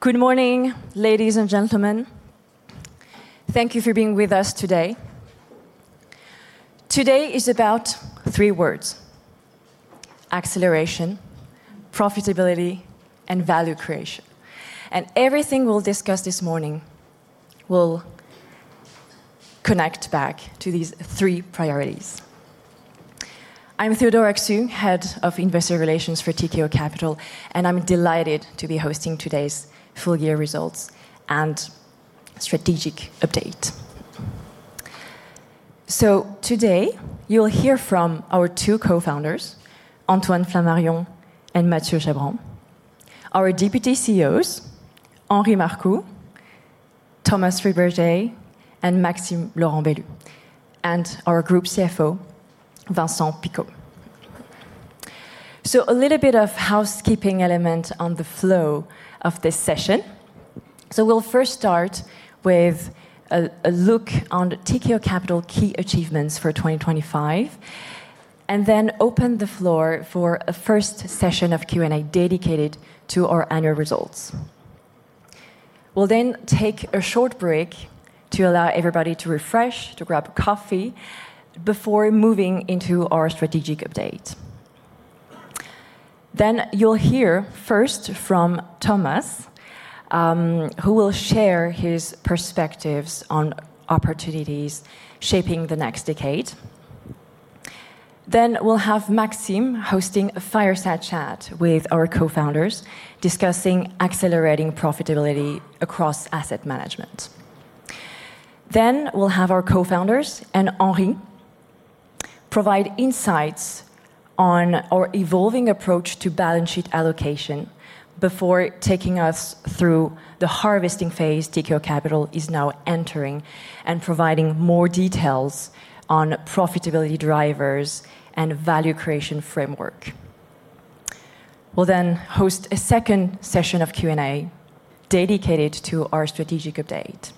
Good morning, ladies and gentlemen. Thank you for being with us today. Today is about three words: acceleration, profitability, and value creation. And everything we'll discuss this morning will connect back to these three priorities. I'm Théodora Xu, Head of Investor Relations for Tikehau Capital, and I'm delighted to be hosting today's full-year results and strategic update. So today, you'll hear from our two co-founders, Antoine Flamarion and Mathieu Chabran; our Deputy CEOs, Henri Marcoux, Thomas Friedberger, and Maxime Laurent-Bellue; and our Group CFO, Vincent Picot. So a little bit of housekeeping element on the flow of this session. So we'll first start with a look on the Tikehau Capital key achievements for 2025, and then open the floor for a first session of Q&A dedicated to our annual results. We'll then take a short break to allow everybody to refresh, to grab coffee, before moving into our strategic update. Then, you'll hear first from Thomas, who will share his perspectives on opportunities shaping the next decade. Then, we'll have Maxime hosting a fireside chat with our co-founders, discussing accelerating profitability across asset management. Then, we'll have our co-founders and Henri provide insights on our evolving approach to balance sheet allocation before taking us through the harvesting phase Tikehau Capital is now entering, and providing more details on profitability drivers and value creation framework. We'll then host a second session of Q&A dedicated to our strategic update.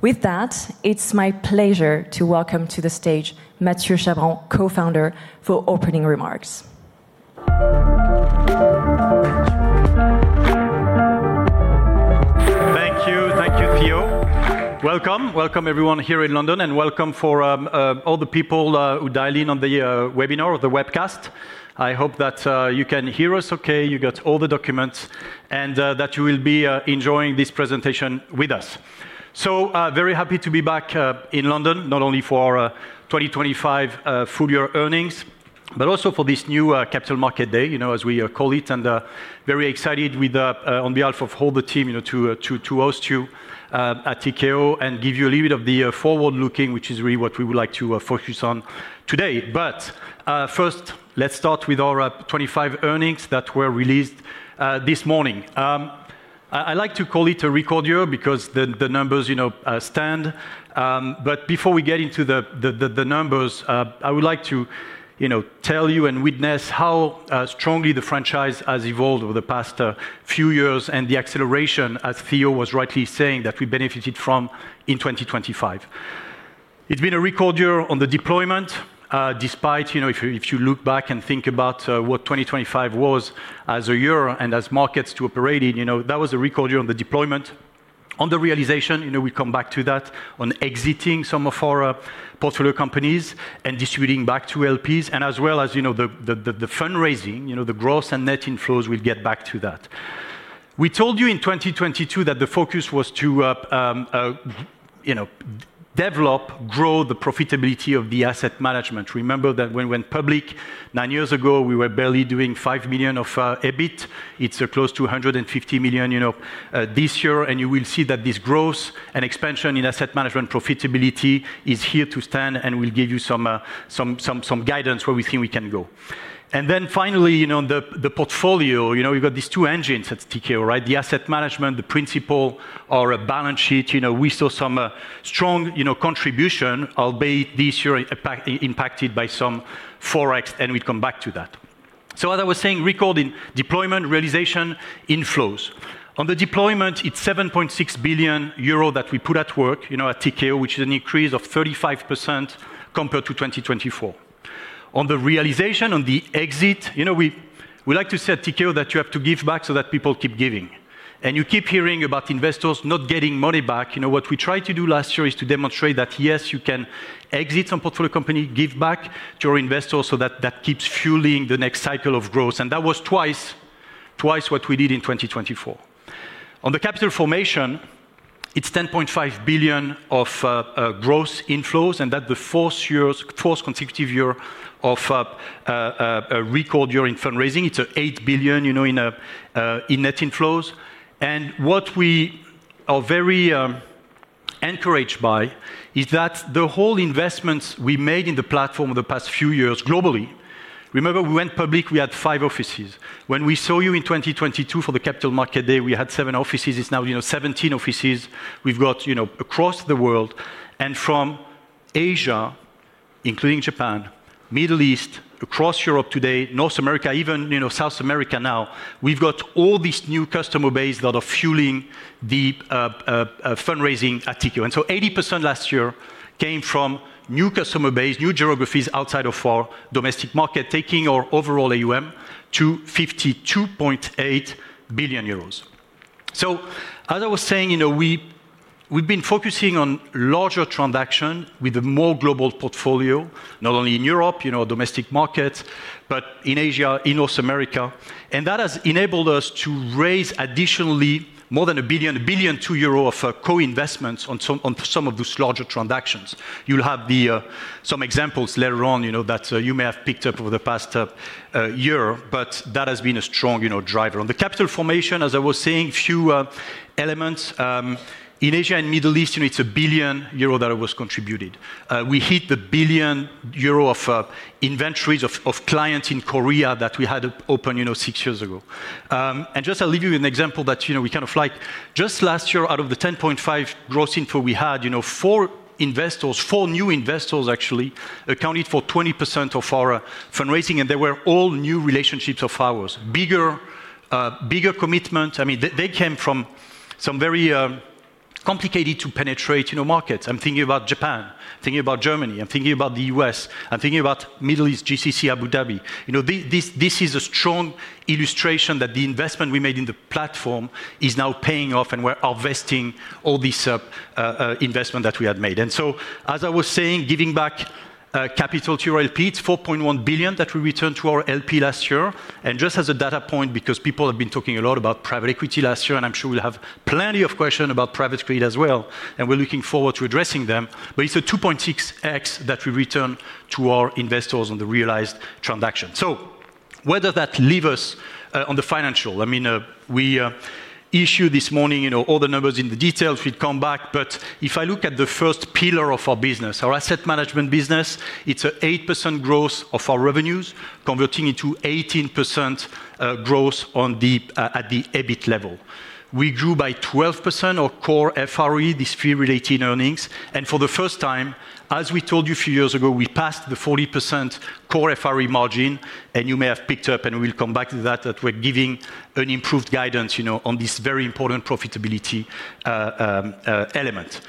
With that, it's my pleasure to welcome to the stage Mathieu Chabran, co-founder, for opening remarks. Thank you. Thank you, Theo. Welcome. Welcome, everyone here in London, and welcome for all the people who dial in on the webinar or the webcast. I hope that you can hear us okay, you got all the documents, and that you will be enjoying this presentation with us. Very happy to be back in London, not only for 2025 full-year earnings, but also for this new Capital Markets Day, you know, as we call it, and very excited with the, on behalf of all the team, you know, to to to host you at Tikehau and give you a little bit of the forward-looking, which is really what we would like to focus on today. But, first, let's start with our 2025 earnings that were released this morning. I like to call it a record year because the numbers, you know, stand. But before we get into the numbers, I would like to tell you and witness how strongly the franchise has evolved over the past few years, and the acceleration, as Theo was rightly saying, that we benefited from in 2025. It's been a record year on the deployment, despite, you know, if you look back and think about what 2025 was as a year and as markets to operate in, you know, that was a record year on the deployment. On the realization, you know, we come back to that, on exiting some of our portfolio companies and distributing back to LPs, and as well as, you know, the fundraising, you know, the gross and net inflows, we'll get back to that. We told you in 2022 that the focus was to, you know, develop, grow the profitability of the asset management. Remember that when we went public nine years ago, we were barely doing 5 million of EBIT. It's close to 150 million, you know, this year, and you will see that this growth and expansion in asset management profitability is here to stay, and we'll give you some guidance where we think we can go. And then finally, you know, the portfolio, you know, we've got these two engines at Tikehau, right? The asset management, the principal, our balance sheet, you know, we saw some strong, you know, contribution, albeit this year, impacted by some Forex, and we'll come back to that. So as I was saying, record in deployment, realization, inflows. On the deployment, it's 7.6 billion euro that we put at work, you know, at Tikehau, which is an increase of 35% compared to 2024. On the realization, on the exit, you know, we like to say at Tikehau that you have to give back so that people keep giving, and you keep hearing about investors not getting money back. You know, what we tried to do last year is to demonstrate that, yes, you can exit some portfolio company, give back to your investors, so that keeps fueling the next cycle of growth, and that was twice what we did in 2024. On the capital formation, it's 10.5 billion of gross inflows, and that's the fourth consecutive year of a record year in fundraising. It's eight billion, you know, in net inflows. And what we are very encouraged by is that the whole investments we made in the platform over the past few years globally... Remember, we went public, we had five offices. When we saw you in 2022 for the Capital Markets Day, we had seven offices. It's now, you know, 17 offices. We've got, you know, across the world and from Asia, including Japan, Middle East, across Europe today, North America, even, you know, South America now. We've got all this new customer base that are fueling the fundraising at Tikehau. And so 80% last year came from new customer base, new geographies outside of our domestic market, taking our overall AUM to 52.8 billion euros. So, as I was saying, you know, we've been focusing on larger transaction with a more global portfolio, not only in Europe, you know, domestic markets, but in Asia, in North America. And that has enabled us to raise additionally more than a billion, 1.2 billion of co-investments on some of those larger transactions. You'll have the, you know, some examples later on, you know, that you may have picked up over the past year, but that has been a strong, you know, driver. On the capital formation, as I was saying, few elements, in Asia and Middle East, you know, it's 1 billion euro that was contributed. We hit the 1 billion euro of inventories of clients in Korea that we had open, you know, six years ago. Just I'll leave you with an example that, you know, we kind of like. Just last year, out of the 10.5 growth info we had, you know, four investors, four new investors actually accounted for 20% of our fundraising, and they were all new relationships of ours. Bigger, bigger commitment. I mean, they, they came from some very complicated to penetrate, you know, markets. I'm thinking about Japan, I'm thinking about Germany, I'm thinking about the U.S., I'm thinking about Middle East, GCC, Abu Dhabi. You know, this, this is a strong illustration that the investment we made in the platform is now paying off, and we're investing all this investment that we had made. And so, as I was saying, giving back capital to our LPs, 4.1 billion that we returned to our LPs last year. And just as a data point, because people have been talking a lot about private equity last year, and I'm sure we'll have plenty of questions about Private Credit as well, and we're looking forward to addressing them, but it's a 2.6x that we return to our investors on the realized transaction. So where does that leave us on the financial? I mean, we issue this morning, you know, all the numbers in the details, we'd come back. But if I look at the first pillar of our business, our asset management business, it's a 8% growth of our revenues, converting into 18% growth on the EBIT level. We grew by 12% our core FRE, Fee-Related Earnings. And for the first time, as we told you a few years ago, we passed the 40% core FRE margin, and you may have picked up, and we'll come back to that, that we're giving an improved guidance, you know, on this very important profitability element.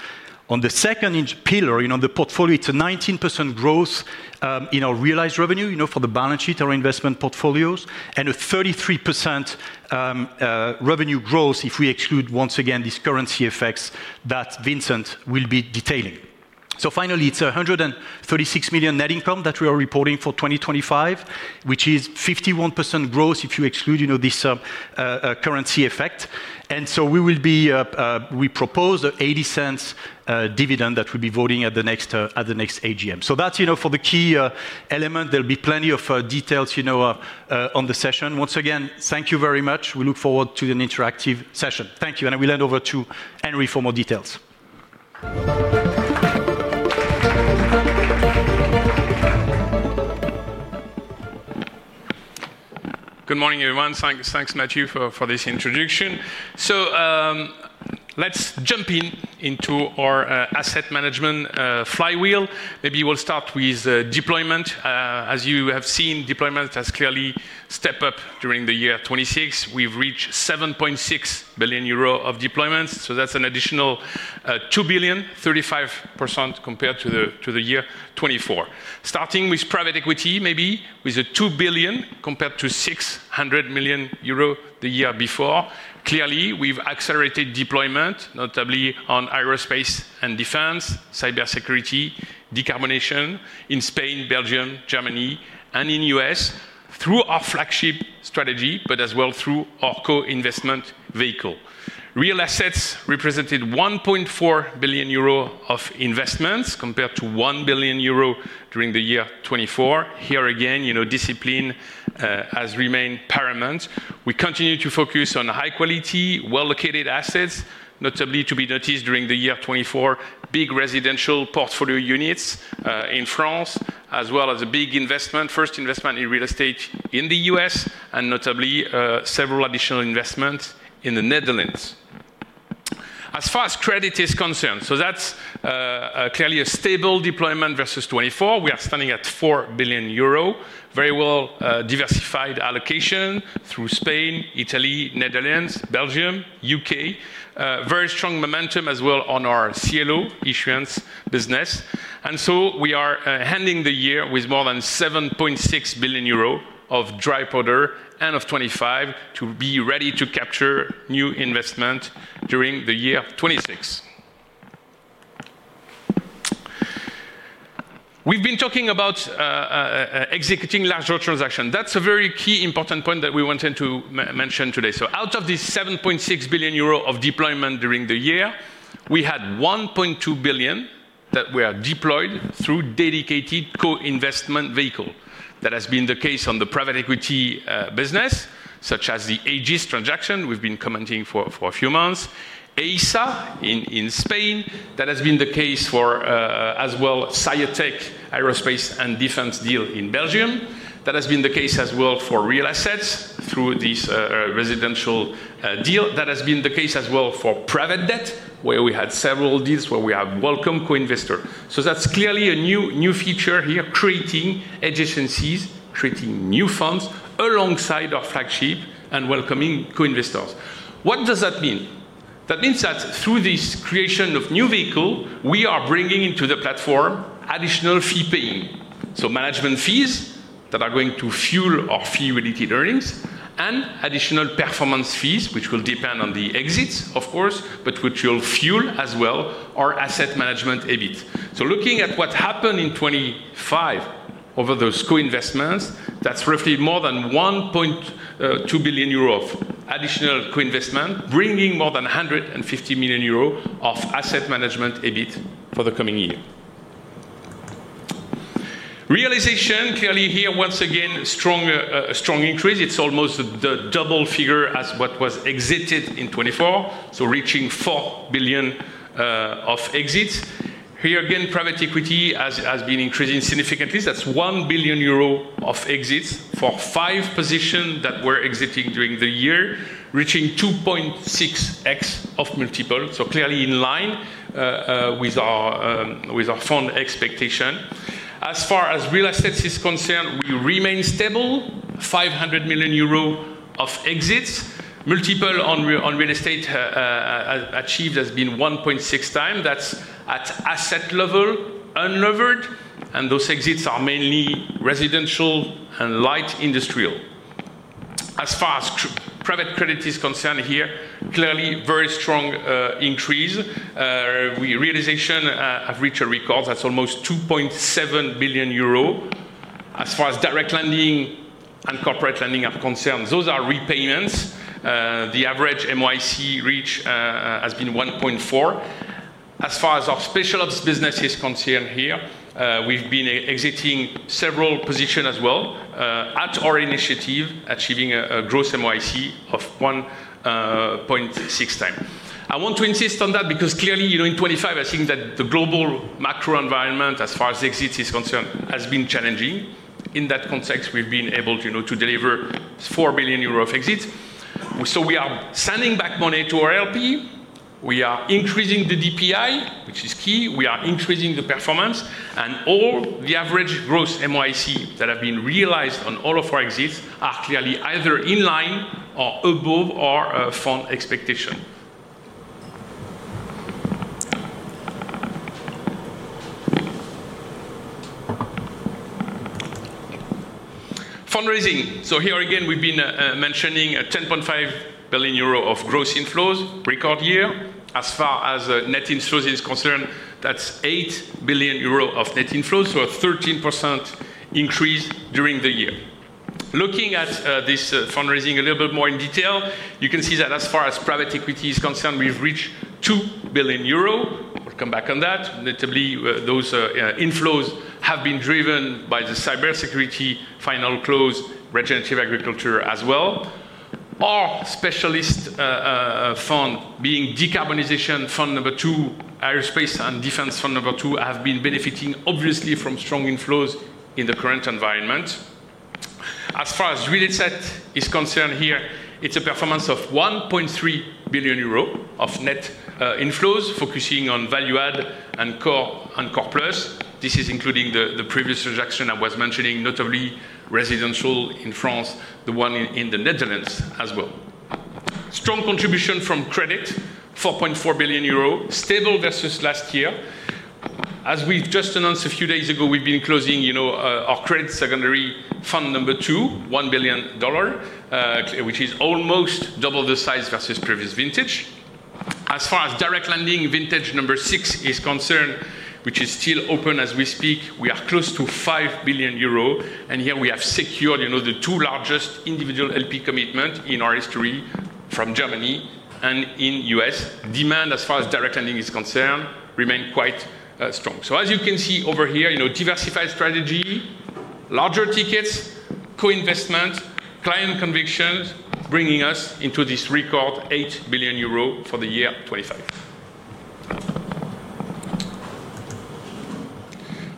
On the second pillar, you know, the portfolio, it's a 19% growth in our realized revenue, you know, for the balance sheet, our investment portfolios, and a 33% revenue growth if we exclude, once again, these currency effects that Vincent will be detailing. So finally, it's 136 million net income that we are reporting for 2025, which is 51% growth if you exclude, you know, this currency effect. And so we will be, we propose an 0.80 dividend that we'll be voting at the next AGM. So that's, you know, for the key element. There'll be plenty of details, you know, on the session. Once again, thank you very much. We look forward to an interactive session. Thank you, and I will hand over to Henri for more details. Good morning, everyone. Thanks, Mathieu, for this introduction. So, let's jump into our asset management flywheel. Maybe we'll start with deployment. As you have seen, deployment has clearly stepped up during the year 2026. We've reached 7.6 billion euro of deployments, so that's an additional 2 billion, 35% compared to the year 2024. Starting with private equity, maybe with a 2 billion compared to 600 million euros the year before. Clearly, we've accelerated deployment, notably on aerospace and defense, cybersecurity, decarbonization in Spain, Belgium, Germany, and in U.S., through our flagship strategy, but as well through our co-investment vehicle. Real assets represented 1.4 billion euro of investments, compared to 1 billion euro during the year 2024. Here again, you know, discipline has remained paramount. We continue to focus on high quality, well-located assets, notably to be noticed during the year 2024, big residential portfolio units in France, as well as a big investment, first investment in real estate in the U.S. and notably, several additional investments in the Netherlands. As far as credit is concerned, so that's clearly a stable deployment versus 2024. We are standing at 4 billion euro. Very well diversified allocation through Spain, Italy, Netherlands, Belgium, U.K. Very strong momentum as well on our CLO issuance business. And so we are ending the year with more than 7.6 billion euro of dry powder end of 2025 to be ready to capture new investment during the year 2026. We've been talking about executing larger transaction. That's a very key important point that we wanted to mention today. So out of this 7.6 billion euro of deployment during the year, we had 1.2 billion that were deployed through dedicated co-investment vehicle. That has been the case on the private equity business, such as the Egis transaction we've been commenting for, for a few months. AESA in Spain, that has been the case for as well, ScioTeq, aerospace and defense deal in Belgium. That has been the case as well for real assets through this residential deal. That has been the case as well for private debt, where we had several deals where we have welcome co-investor. So that's clearly a new, new feature here, creating adjacencies, creating new funds alongside our flagship and welcoming co-investors. What does that mean? That means that through this creation of new vehicle, we are bringing into the platform additional fee paying. So management fees that are going to fuel our fee-related earnings and additional performance fees, which will depend on the exits, of course, but which will fuel as well our asset management EBIT. So looking at what happened in 2025 over those co-investments, that's roughly more than 1.2 billion euro of additional co-investment, bringing more than 150 million euro of asset management EBIT for the coming year. Realization, clearly here, once again, strong, a strong increase. It's almost the double figure as what was exited in 2024, so reaching 4 billion of exits. Here, again, private equity has been increasing significantly. That's 1 billion euro of exits for five positions that we're exiting during the year, reaching 2.6x multiple. So clearly in line with our fund expectation. As far as real estate is concerned, we remain stable, 500 million euro of exits. Multiple on real estate achieved has been 1.6x. That's at asset level, unlevered, and those exits are mainly residential and light industrial. As far as private credit is concerned here, clearly very strong increase. Our realisations have reached a record that's almost 2.7 billion euro. As far as direct lending and corporate lending are concerned, those are repayments. The average MOIC reached has been 1.4. As far as our special opportunities business is concerned here, we've been exiting several positions as well, at our initiative, achieving a gross MOIC of 1.6x. I want to insist on that because clearly, you know, in 25, I think that the global macro environment, as far as exits is concerned, has been challenging. In that context, we've been able, you know, to deliver 4 billion euros of exits. So we are sending back money to our LP. We are increasing the DPI, which is key. We are increasing the performance, and all the average gross MOIC that have been realized on all of our exits are clearly either in line or above our fund expectation. Fundraising. So here again, we've been mentioning a 10.5 billion euro of gross inflows, record year. As far as net inflows is concerned, that's 8 billion euro of net inflows, so a 13% increase during the year. Looking at this fundraising a little bit more in detail, you can see that as far as private equity is concerned, we've reached 2 billion euro. We'll come back on that. Notably, those inflows have been driven by the cybersecurity final close, regenerative agriculture as well. Our specialist fund, being Decarbonization Fund II, Aerospace & Defense Fund II, have been benefiting obviously from strong inflows in the current environment. As far as real estate is concerned here, it's a performance of 1.3 billion euro of net inflows, focusing on value add and core and core plus. This is including the previous transaction I was mentioning, notably residential in France, the one in the Netherlands as well. Strong contribution from credit, 4.4 billion euro, stable versus last year. As we've just announced a few days ago, we've been closing, you know, our Credit Secondaries Fund II, $1 billion, which is almost double the size versus previous vintage. As far as direct lending, vintage number six is concerned, which is still open as we speak, we are close to 5 billion euros, and here we have secured, you know, the two largest individual LP commitment in our history from Germany and in U.S.. Demand, as far as direct lending is concerned, remain quite strong. So as you can see over here, you know, diversified strategy, larger tickets, co-investment, client convictions, bringing us into this record 8 billion euro for the year 2025.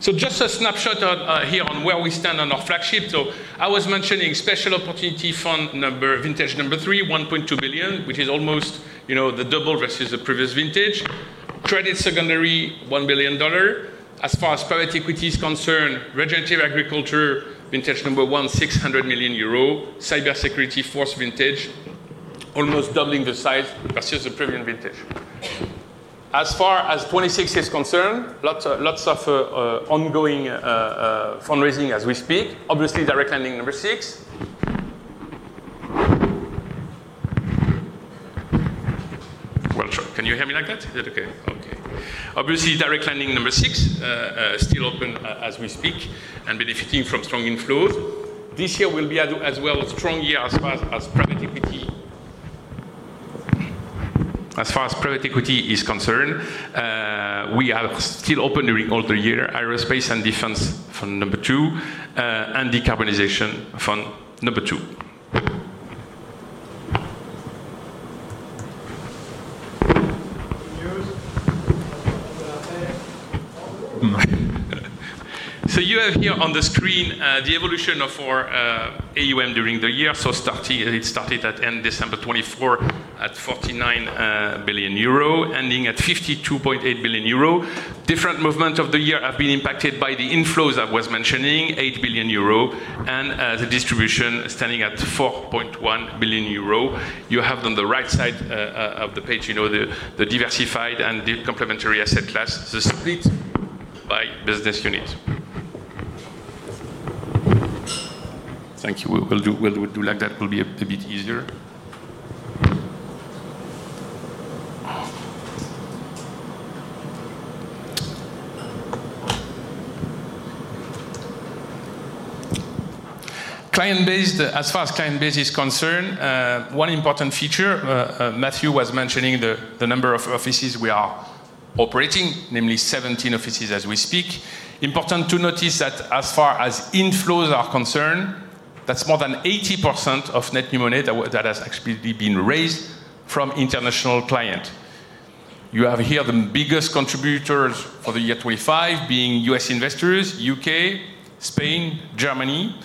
So just a snapshot, here on where we stand on our flagship. So I was mentioning Special Opportunity Fund, vintage three, 1.2 billion, which is almost, you know, the double versus the previous vintage. Credit secondaries, $1 billion. As far as private equity is concerned, regenerative agriculture, vintage 1, 600 million euros. Cybersecurity, 4th vintage, almost doubling the size versus the previous vintage. As far as 2026 is concerned, lots, lots of ongoing fundraising as we speak. Obviously, Direct Lending VI. Well, sure. Can you hear me like that? Is that okay? Okay. Obviously, Direct Lending VI, still open as we speak and benefiting from strong inflows. This year will be, as well, a strong year as far as private equity... As far as private equity is concerned, we are still open during all the year, Aerospace and Defense Fund II, and Decarbonization Fund II. Good news? So you have here on the screen, the evolution of our AUM during the year. So starting, it started at end December 2024 at 49 billion euro, ending at 52.8 billion euro. Different movement of the year have been impacted by the inflows I was mentioning, 8 billion euro, and the distribution standing at 4.1 billion euro. You have on the right side of the page, you know, the diversified and the complementary asset class, the split by business unit. Thank you. We'll do, we'll do like that will be a bit easier. Client base, as far as client base is concerned, one important feature, Matthew was mentioning the number of offices we are operating, namely 17 offices as we speak. Important to notice that as far as inflows are concerned, that's more than 80% of net new money that has actually been raised from international client. You have here the biggest contributors for the year 2025 being U.S. investors, U.K., Spain, Germany.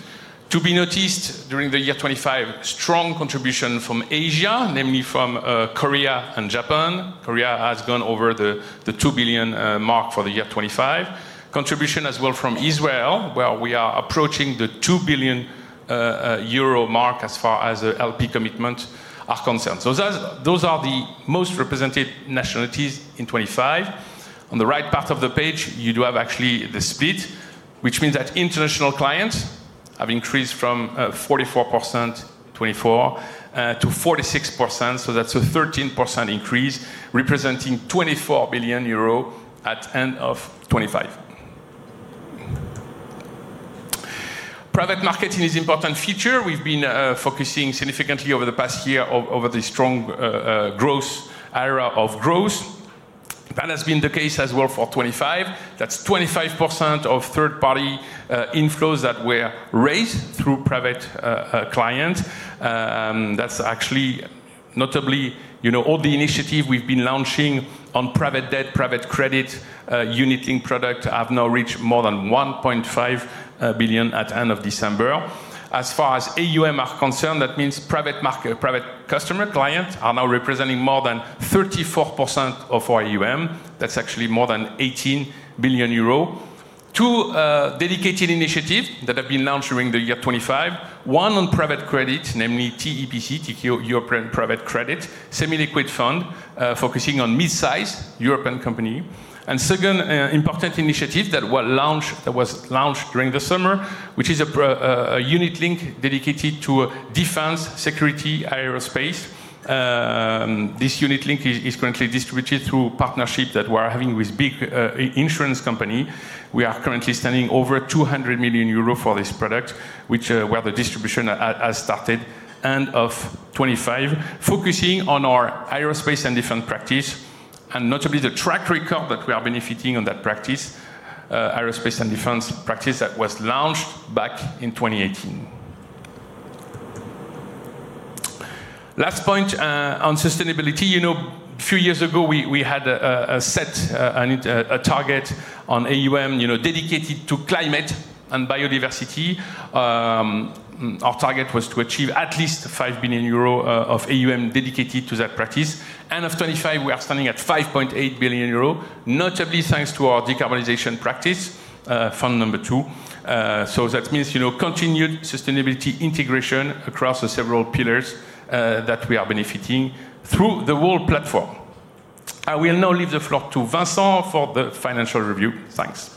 To be noticed during the year 2025, strong contribution from Asia, namely from Korea and Japan. Korea has gone over the 2 billion mark for the year 2025. Contribution as well from Israel, where we are approaching the 2 billion euro mark as far as LP commitments are concerned. So those are the most represented nationalities in 2025. On the right part of the page, you do have actually the split, which means that international clients have increased from 44% in 2024 to 46%, so that's a 13% increase, representing 24 billion euros at end of 2025. Private marketing is important feature. We've been focusing significantly over the past year over the strong growth era of growth. That has been the case as well for 2025. That's 25% of third-party inflows that were raised through private client. That's actually notably, you know, all the initiative we've been launching on private debt, private credit, unit-linked product have now reached more than 1.5 billion at end of December. As far as AUM are concerned, that means private market, private customer clients are now representing more than 34% of our AUM. That's actually more than 18 billion euro. Two dedicated initiative that have been launched during the year 2025, one on private credit, namely TEPC, Tikehau European Private Credit, semi-liquid fund, focusing on mid-size European company. And second, important initiative that was launched during the summer, which is a unit-linked dedicated to defense, security, aerospace. This unit-linked is currently distributed through partnership that we are having with big insurance company. We are currently standing over 200 million euros for this product, which, where the distribution has started end of 2025, focusing on our aerospace and defense practice, and notably the track record that we are benefiting on that practice, aerospace and defense practice that was launched back in 2018. Last point on sustainability. You know, a few years ago, we had a set, a target on AUM, you know, dedicated to climate and biodiversity. Our target was to achieve at least 5 billion euro of AUM dedicated to that practice. End of 2025, we are standing at 5.8 billion euro, notably thanks to our decarbonization practice, fund number two. So that means, you know, continued sustainability integration across the several pillars that we are benefiting through the whole platform. I will now leave the floor to Vincent for the financial review. Thanks.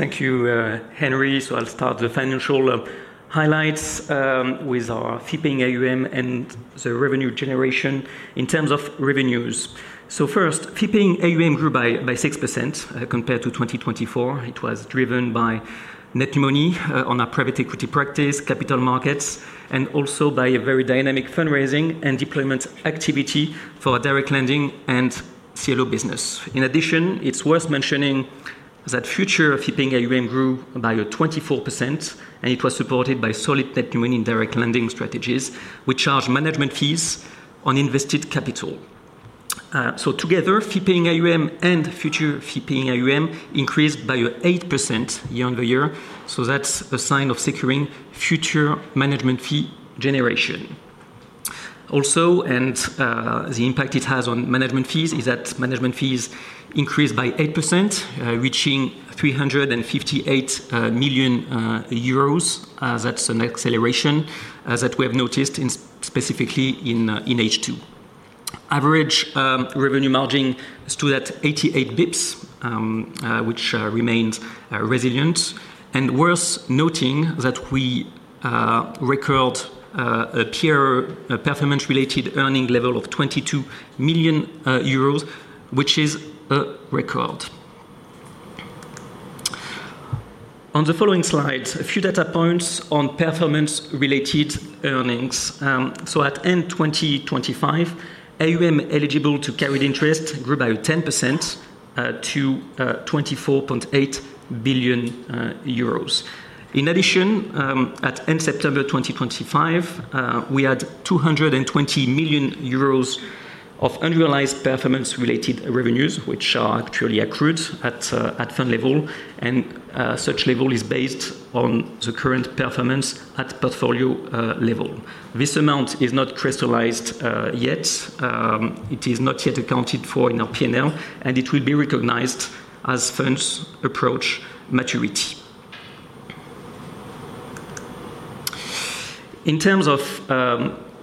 Thank you, Henri. So I'll start the financial highlights with our fee-paying AUM and the revenue generation in terms of revenues. So first, fee-paying AUM grew by 6%, compared to 2024. It was driven by net new money on our private equity practice, capital markets, and also by a very dynamic fundraising and deployment activity for our direct lending and CLO business. In addition, it's worth mentioning that future fee-paying AUM grew by 24%, and it was supported by solid net new money in direct lending strategies, which charge management fees on invested capital. So together, fee-paying AUM and future fee-paying AUM increased by 8% year on year, so that's a sign of securing future management fee generation. Also, the impact it has on management fees is that management fees increased by 8%, reaching 358 million euros. That's an acceleration that we have noticed specifically in H2. Average revenue margin stood at 88 basis points, which remains resilient. And worth noting that we recorded a clear performance-related earning level of 22 million euros, which is a record. On the following slides, a few data points on performance-related earnings. So at end 2025, AUM eligible to carried interest grew by 10% to 24.8 billion euros. In addition, at end September 2025, we had 220 million euros of unrealized performance-related revenues, which are actually accrued at fund level, and such level is based on the current performance at portfolio level. This amount is not crystallized yet. It is not yet accounted for in our P&L, and it will be recognized as funds approach maturity. In terms of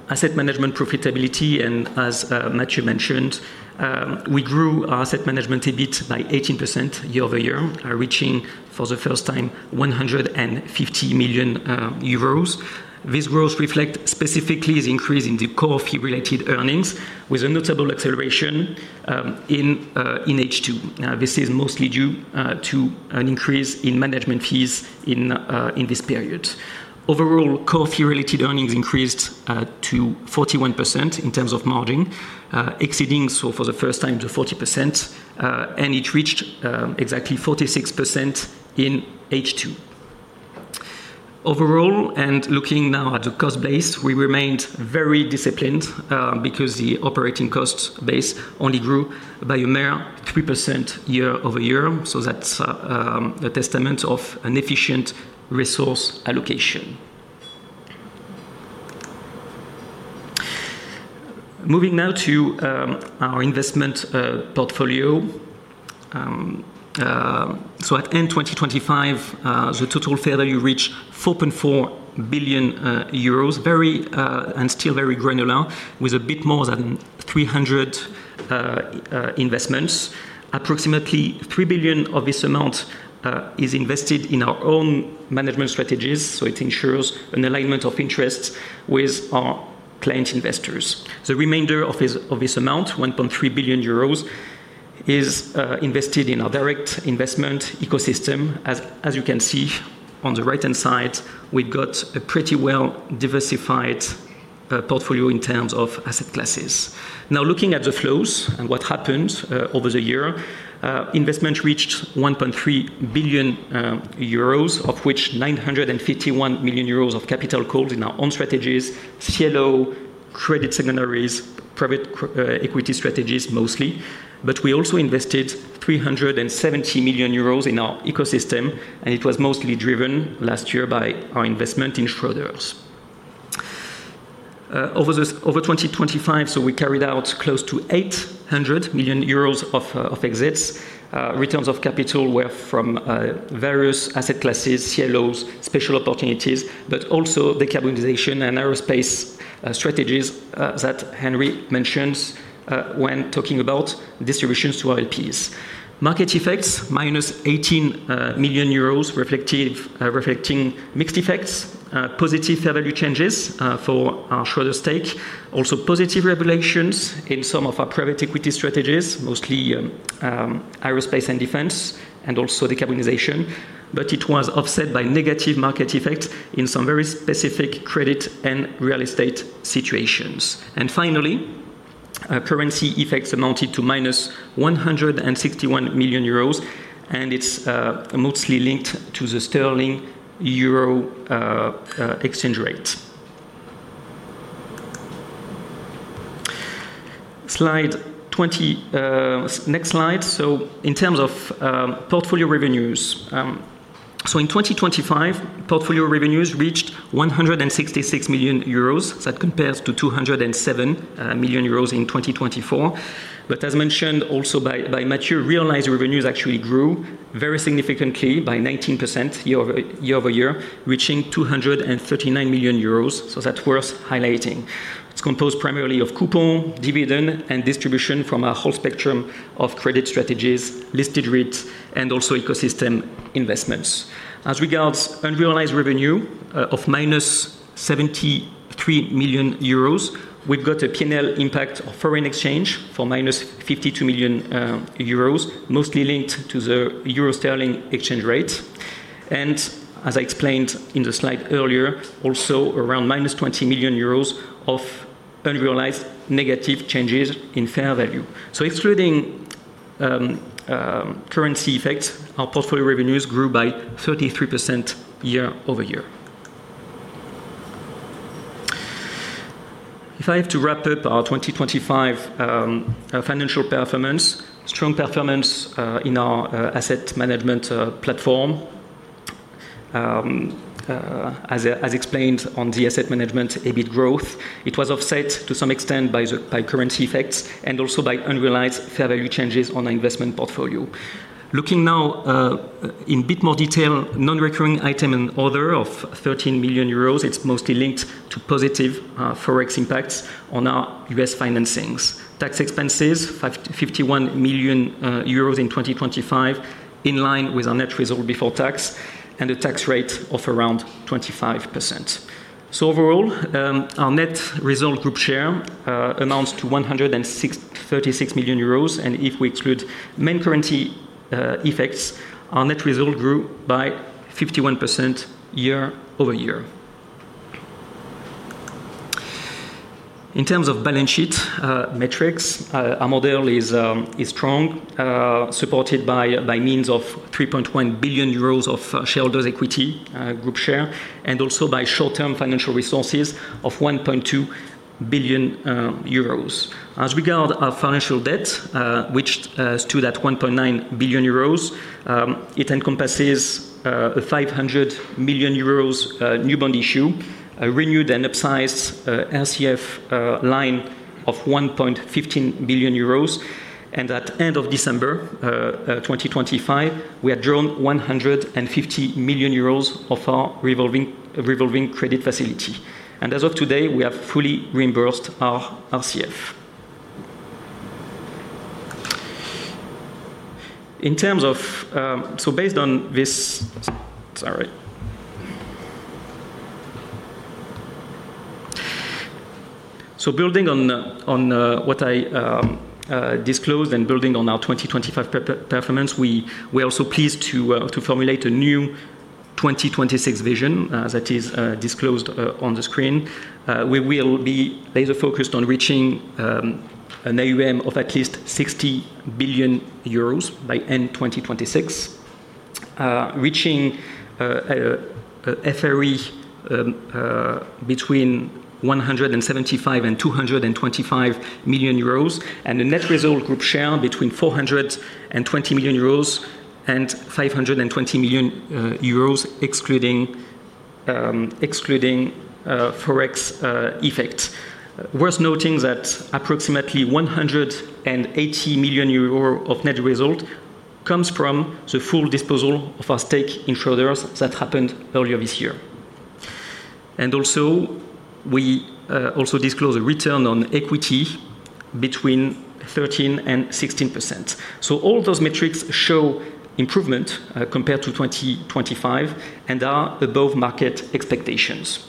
asset management profitability, and as Mathieu mentioned, we grew our asset management EBIT by 18% YoY, reaching for the first time 150 million euros. This growth reflect specifically the increase in the core fee-related earnings, with a notable acceleration in H2. Now, this is mostly due to an increase in management fees in this period. Overall, core fee-related earnings increased to 41% in terms of margin, exceeding, so for the first time, 40%, and it reached exactly 46% in H2. Overall, and looking now at the cost base, we remained very disciplined, because the operating cost base only grew by a mere 3% YoY. So that's a testament of an efficient resource allocation. Moving now to our investment portfolio. So at end 2025, the total fair value reached 4.4 billion euros, very and still very granular, with a bit more than 300 investments. Approximately 3 billion of this amount is invested in our own management strategies, so it ensures an alignment of interests with our client investors. The remainder of this, of this amount, 1.3 billion euros, is invested in our direct investment ecosystem. As, as you can see on the right-hand side, we've got a pretty well-diversified portfolio in terms of asset classes. Now, looking at the flows and what happened over the year, investment reached 1.3 billion euros, of which 951 million euros of capital called in our own strategies, CLO, credit strategies, private equity strategies, mostly. But we also invested 370 million euros in our ecosystem, and it was mostly driven last year by our investment in Schroders. Over this, over 2025, so we carried out close to 800 million euros of exits. Returns of capital were from various asset classes, CLOs, special opportunities, but also decarbonization and aerospace strategies that Henri mentions when talking about distributions to our LPs. Market effects, -18 million euros, reflecting mixed effects, positive fair value changes for our Schroders stake. Also, positive reevaluations in some of our private equity strategies, mostly aerospace and defense, and also decarbonization, but it was offset by negative market effects in some very specific credit and real estate situations. And finally, currency effects amounted to -161 million euros, and it's mostly linked to the sterling-euro exchange rate. Slide 20, next slide. So in terms of portfolio revenues, so in 2025, portfolio revenues reached 166 million euros. That compares to 207 million euros in 2024. But as mentioned also by, by Mathieu, realized revenues actually grew very significantly by 19% YoY, reaching 239 million euros, so that's worth highlighting. It's composed primarily of coupon, dividend, and distribution from a whole spectrum of credit strategies, listed REITs, and also ecosystem investments. As regards unrealized revenue of -73 million euros, we've got a P&L impact of foreign exchange for -52 million euros, mostly linked to the euro-sterling exchange rate. And as I explained in the slide earlier, also around -20 million euros of unrealized negative changes in fair value. So excluding currency effects, our portfolio revenues grew by 33% YoY. If I have to wrap up our 2025 financial performance, strong performance in our asset management platform. As explained on the asset management, EBIT growth, it was offset to some extent by the currency effects and also by unrealized fair value changes on our investment portfolio. Looking now in a bit more detail, non-recurring item and other of 13 million euros, it's mostly linked to positive Forex impacts on our U.S. financings. Tax expenses, 551 million euros in 2025, in line with our net result before tax and a tax rate of around 25%. So overall, our net result group share amounts to 163.6 million euros, and if we exclude main currency effects, our net result grew by 51% YoY In terms of balance sheet metrics, our model is strong, supported by means of 3.1 billion euros of shareholders' equity group share, and also by short-term financial resources of 1.2 billion euros. As regard our financial debt, which stood at 1.9 billion euros, it encompasses a 500 million euros new bond issue, a renewed and upsized RCF line of 1.15 billion euros. And at end of December 2025, we had drawn 150 million euros of our revolving credit facility. And as of today, we have fully reimbursed our RCF. ...In terms of, so based on this. So building on what I disclosed and building on our 2025 performance, we are also pleased to formulate a new 2026 vision that is disclosed on the screen. We will be laser-focused on reaching an AUM of at least 60 billion euros by end 2026, reaching a FRE between 175 million-225 million euros, and a net result group share between 420 million-520 million euros, excluding Forex effect. Worth noting that approximately 180 million euro of net result comes from the full disposal of our stake in Schroders that happened earlier this year. Also, we also disclose a return on equity between 13%-16%. So all those metrics show improvement compared to 2025 and are above market expectations.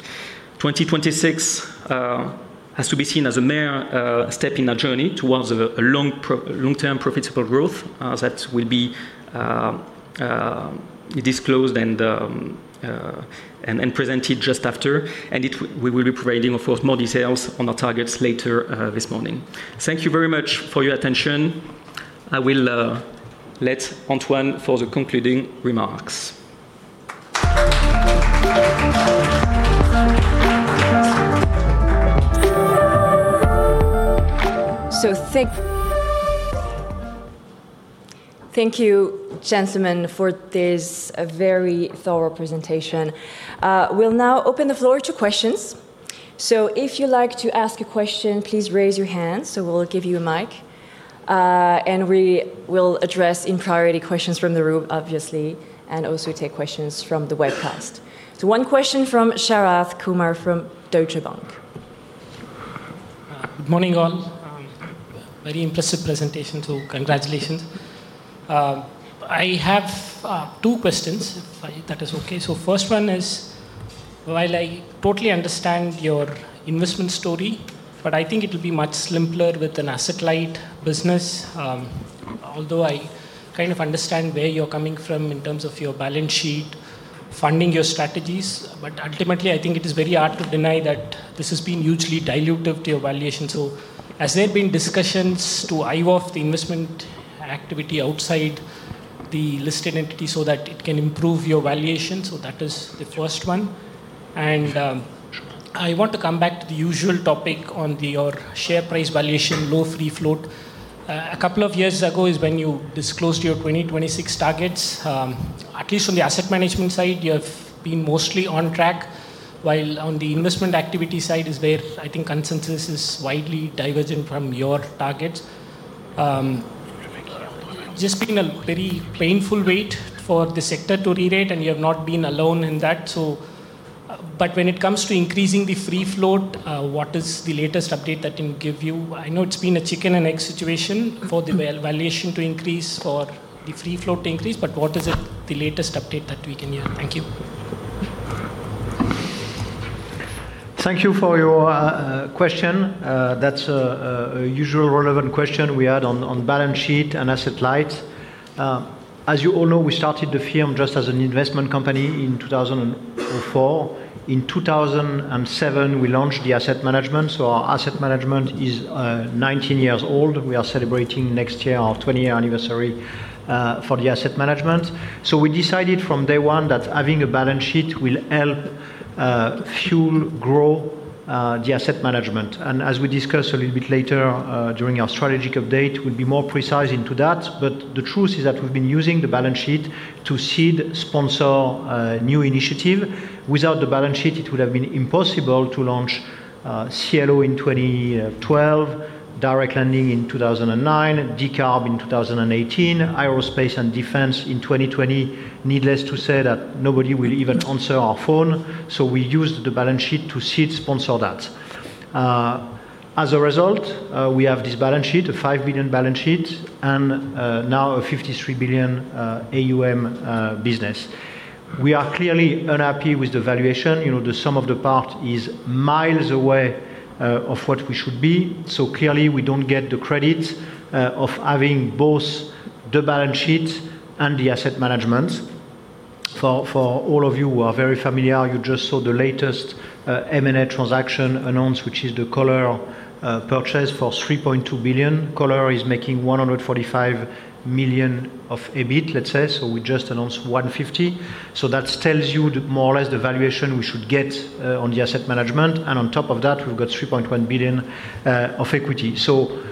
2026 has to be seen as a mere step in our journey towards a long-term profitable growth that will be disclosed and presented just after. We will be providing, of course, more details on our targets later this morning. Thank you very much for your attention. I will let Antoine for the concluding remarks. Thank you, gentlemen, for this very thorough presentation. We'll now open the floor to questions. If you'd like to ask a question, please raise your hand so we'll give you a mic. And we will address, in priority, questions from the room, obviously, and also take questions from the webcast. One question from Sharath Kumar from Deutsche Bank. Good morning, all. Very impressive presentation, so congratulations. I have two questions, if that is okay. So first one is, while I totally understand your investment story, but I think it will be much simpler with an asset-light business. Although I kind of understand where you're coming from in terms of your balance sheet, funding your strategies, but ultimately, I think it is very hard to deny that this has been hugely dilutive to your valuation. So has there been discussions to spin off the investment activity outside the listed entity so that it can improve your valuation? So that is the first one. And, I want to come back to the usual topic on the, your share price valuation, low free float. A couple of years ago is when you disclosed your 2026 targets. At least on the asset management side, you have been mostly on track, while on the investment activity side is where I think consensus is widely divergent from your targets. Just been a very painful wait for the sector to rerate, and you have not been alone in that, so. But when it comes to increasing the free float, what is the latest update that can give you? I know it's been a chicken and egg situation for the valuation to increase or the free float to increase, but what is the latest update that we can hear? Thank you. Thank you for your question. That's a usual relevant question we had on balance sheet and asset light. As you all know, we started the firm just as an investment company in 2004. In 2007, we launched the asset management. So our asset management is 19 years old. We are celebrating next year, our 20-year anniversary for the asset management. So we decided from day one that having a balance sheet will help fuel, grow the asset management. And as we discuss a little bit later during our strategic update, we'll be more precise into that. But the truth is that we've been using the balance sheet to seed, sponsor new initiative. Without the balance sheet, it would have been impossible to launch CLO in 2012, direct lending in 2009, Decarb in 2018, aerospace and defense in 2020. Needless to say that nobody will even answer our phone, so we used the balance sheet to seed sponsor that. As a result, we have this balance sheet, a 5 billion balance sheet, and now a 53 billion AUM business. We are clearly unhappy with the valuation. You know, the sum of the part is miles away of what we should be. So clearly, we don't get the credit of having both the balance sheet and the asset management. For all of you who are very familiar, you just saw the latest M&A transaction announced, which is the Coller purchase for 3.2 billion. Coller is making 145 million of EBIT, let's say, so we just announced 150. So that tells you the, more or less the valuation we should get on the asset management, and on top of that, we've got 3.1 billion of equity. So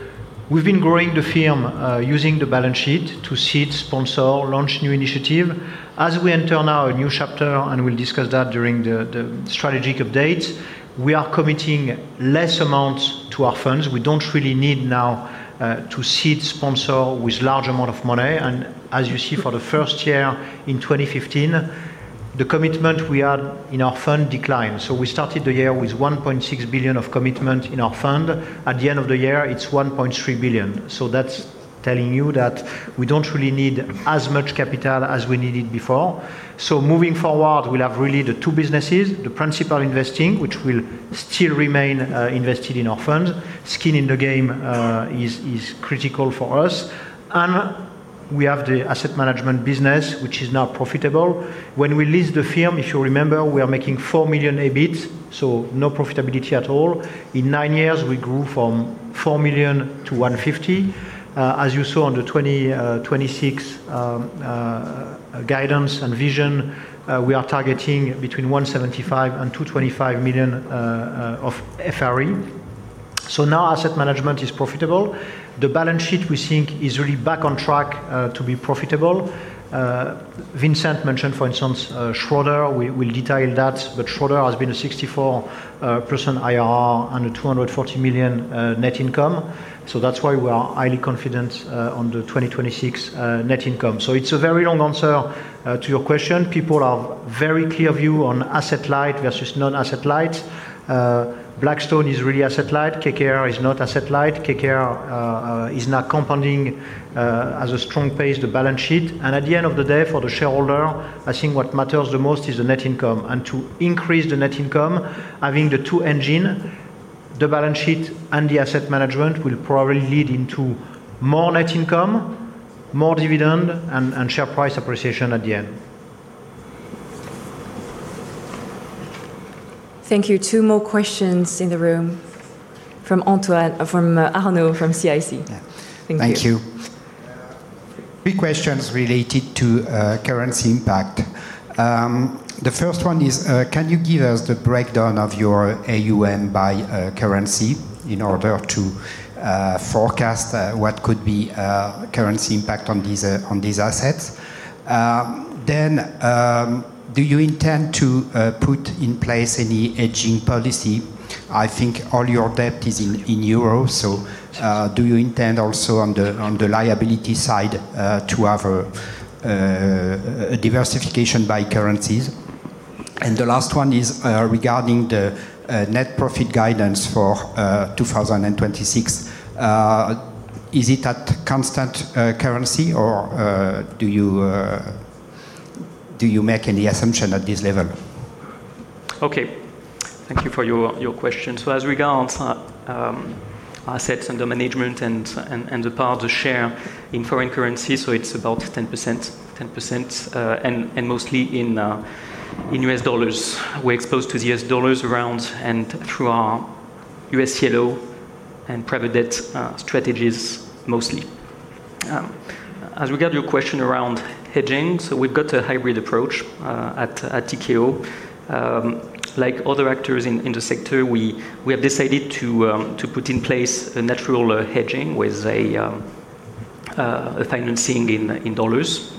we've been growing the firm using the balance sheet to seed, sponsor, launch new initiative. As we enter now a new chapter, and we'll discuss that during the, the strategic update, we are committing less amounts to our funds. We don't really need now to seed sponsor with large amount of money. And as you see, for the first year in 2015-... the commitment we had in our fund declined. So we started the year with 1.6 billion of commitment in our fund. At the end of the year, it's 1.3 billion. So that's telling you that we don't really need as much capital as we needed before. So moving forward, we'll have really the two businesses, the principal investing, which will still remain invested in our funds. Skin in the game is critical for us. And we have the asset management business, which is now profitable. When we list the firm, if you remember, we are making 4 million EBIT, so no profitability at all. In nine years, we grew from 4 million to 150 million. As you saw on the 2026 guidance and vision, we are targeting between 175 million and 225 million of FRE. So now asset management is profitable. The balance sheet, we think, is really back on track to be profitable. Vincent mentioned, for instance, Schroders. We, we'll detail that, but Schroders has been a 64% IRR on a 240 million net income. So that's why we are highly confident on the 2026 net income. So it's a very long answer to your question. People have very clear view on asset-light versus non-asset-light. Blackstone is really asset-light. KKR is not asset-light. KKR is now compounding as a strong pace, the balance sheet. At the end of the day, for the shareholder, I think what matters the most is the net income. To increase the net income, having the two engine, the balance sheet and the asset management, will probably lead into more net income, more dividend, and share price appreciation at the end. Thank you. Two more questions in the room. From Antoine—from Arnaud, from CIC. Yeah. Thank you. Thank you. Three questions related to currency impact. The first one is, can you give us the breakdown of your AUM by currency in order to forecast what could be currency impact on these assets? Then, do you intend to put in place any hedging policy? I think all your debt is in euro, so, do you intend also on the liability side to have a diversification by currencies? And the last one is, regarding the net profit guidance for 2026. Is it at constant currency, or do you make any assumption at this level? Okay. Thank you for your question. So as regards assets under management and the part of the share in foreign currency, so it's about 10%. 10%, and mostly in U.S. dollars. We're exposed to the U.S. dollars around and through our U.S. CLO and private debt strategies, mostly. As regards your question around hedging, so we've got a hybrid approach at TKO. Like other actors in the sector, we have decided to put in place a natural hedging with a financing in dollars.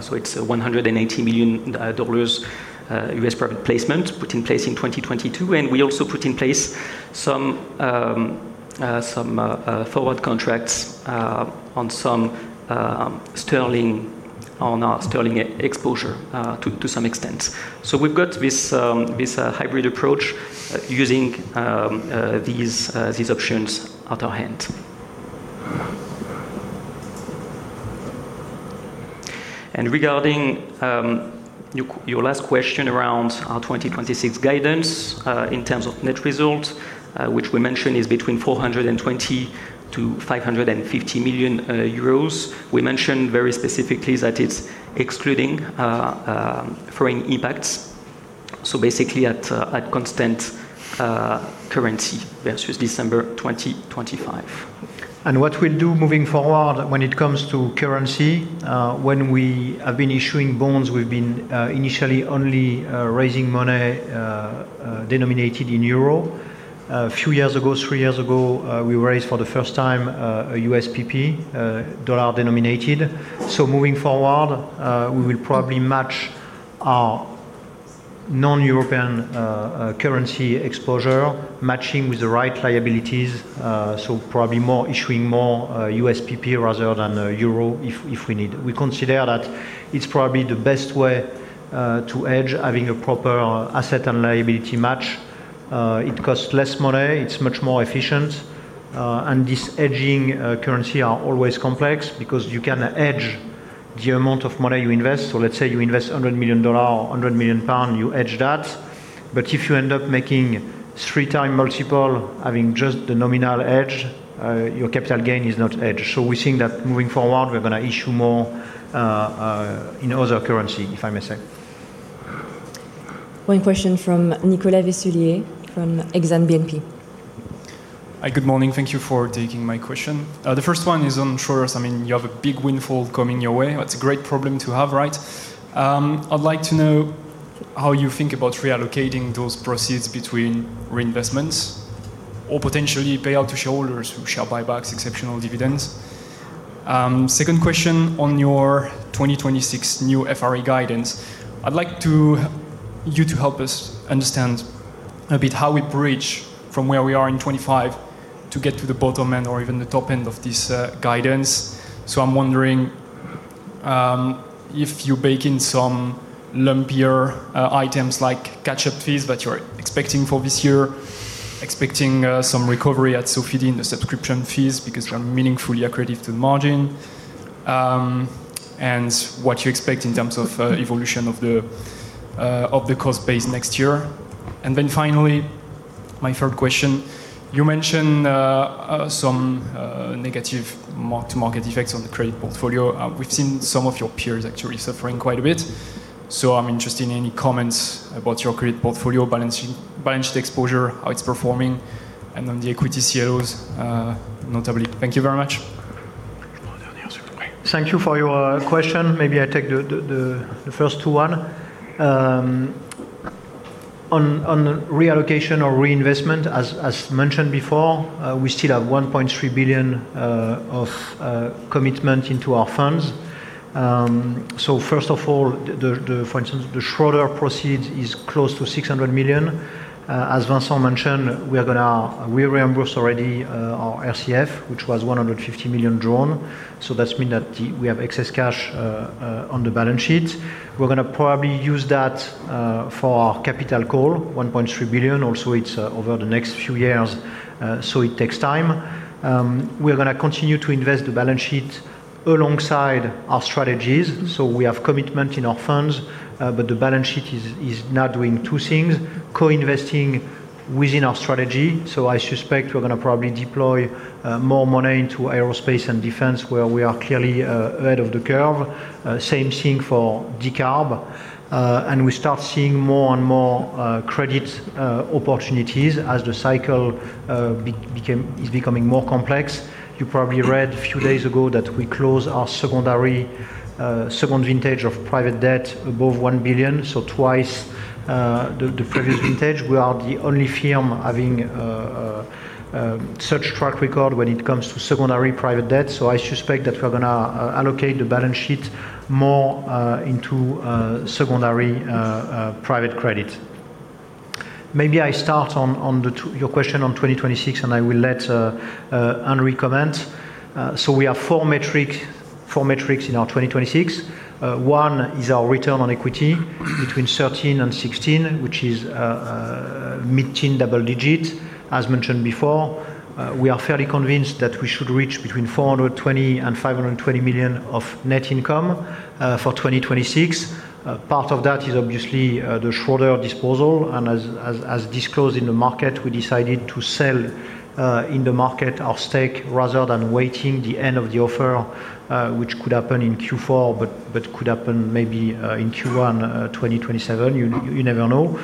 So it's a $180 million U.S. private placement put in place in 2022, and we also put in place some forward contracts on some sterling on our sterling exposure to some extent. So we've got this hybrid approach using these options at our hand. And regarding your last question around our 2026 guidance in terms of net result, which we mentioned is between 420 million-550 million euros. We mentioned very specifically that it's excluding foreign impacts, so basically at constant currency versus December 2025. What we'll do moving forward when it comes to currency, when we have been issuing bonds, we've been initially only raising money denominated in euro. A few years ago, three years ago, we raised for the first time a USPP, dollar-denominated. Moving forward, we will probably match our non-European currency exposure, matching with the right liabilities. Probably issuing more USPP rather than euro if we need. We consider that it's probably the best way to hedge, having a proper asset and liability match. It costs less money, it's much more efficient, and this hedging, currency, is always complex because you can hedge the amount of money you invest. Let's say you invest $100 million or 100 million pounds, you hedge that. But if you end up making 3x multiple, having just the nominal hedge, your capital gain is not hedged. So we think that moving forward, we're going to issue more in other currency, if I may say. One question from Nicolas Vaysse from Exane BNP. Hi, good morning. Thank you for taking my question. The first one is on shares. I mean, you have a big windfall coming your way. That's a great problem to have, right? I'd like to know how you think about reallocating those proceeds between reinvestments or potentially payouts to shareholders via share buybacks, exceptional dividends. Second question on your 2026 new FRE guidance. I'd like you to help us understand a bit how we bridge from where we are in 2025 to get to the bottom end or even the top end of this guidance. So I'm wondering if you bake in some lumpier items like catch-up fees that you're expecting for this year, expecting some recovery at Sofidy in the subscription fees, because they are meaningfully accretive to the margin. And what you expect in terms of evolution of the cost base next year. And then finally, my third question, you mentioned some negative mark-to-market effects on the credit portfolio. We've seen some of your peers actually suffering quite a bit, so I'm interested in any comments about your credit portfolio balancing, balanced exposure, how it's performing, and then the equity CLOs, notably. Thank you very much. Thank you for your question. Maybe I take the first two one. On the reallocation or reinvestment, as mentioned before, we still have 1.3 billion of commitment into our funds. So first of all, for instance, the shareholder proceeds is close to 600 million. As Vincent mentioned, we are gonna we reimbursed already our RCF, which was 150 million drawn. So that means that we have excess cash on the balance sheet. We're gonna probably use that for our capital call, 1.3 billion. Also, it's over the next few years, so it takes time. We are gonna continue to invest the balance sheet alongside our strategies. So we have commitment in our funds, but the balance sheet is, is now doing two things: co-investing within our strategy. So I suspect we're gonna probably deploy more money into Aerospace and Defense, where we are clearly ahead of the curve. Same thing for decarb. And we start seeing more and more credit opportunities as the cycle became, is becoming more complex. You probably read a few days ago that we closed our secondary second vintage of private debt above 1 billion, so twice the previous vintage. We are the only firm having such track record when it comes to secondary private debt, so I suspect that we're gonna allocate the balance sheet more into secondary private credit. Maybe I start on your question on 2026, and I will let Henri comment. So we have four metrics in our 2026. One is our return on equity between 13%-16%, which is mid-teen double digit. As mentioned before, we are fairly convinced that we should reach between 420 million and 520 million of net income for 2026. Part of that is obviously the Schroders disposal, and as disclosed in the market, we decided to sell in the market our stake rather than waiting the end of the offer, which could happen in Q4, but could happen maybe in Q1 2027, you never know.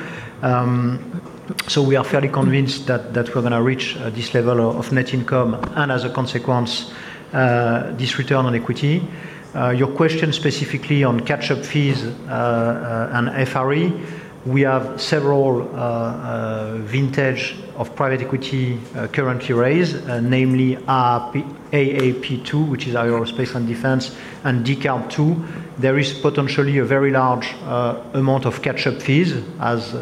So we are fairly convinced that, that we're gonna reach this level of net income, and as a consequence, this return on equity. Your question specifically on catch-up fees, and FRE. We have several vintage of private equity currently raised, namely, AAP 2, which is Aerospace and Defense, and Decarb II. There is potentially a very large amount of catch-up fees, as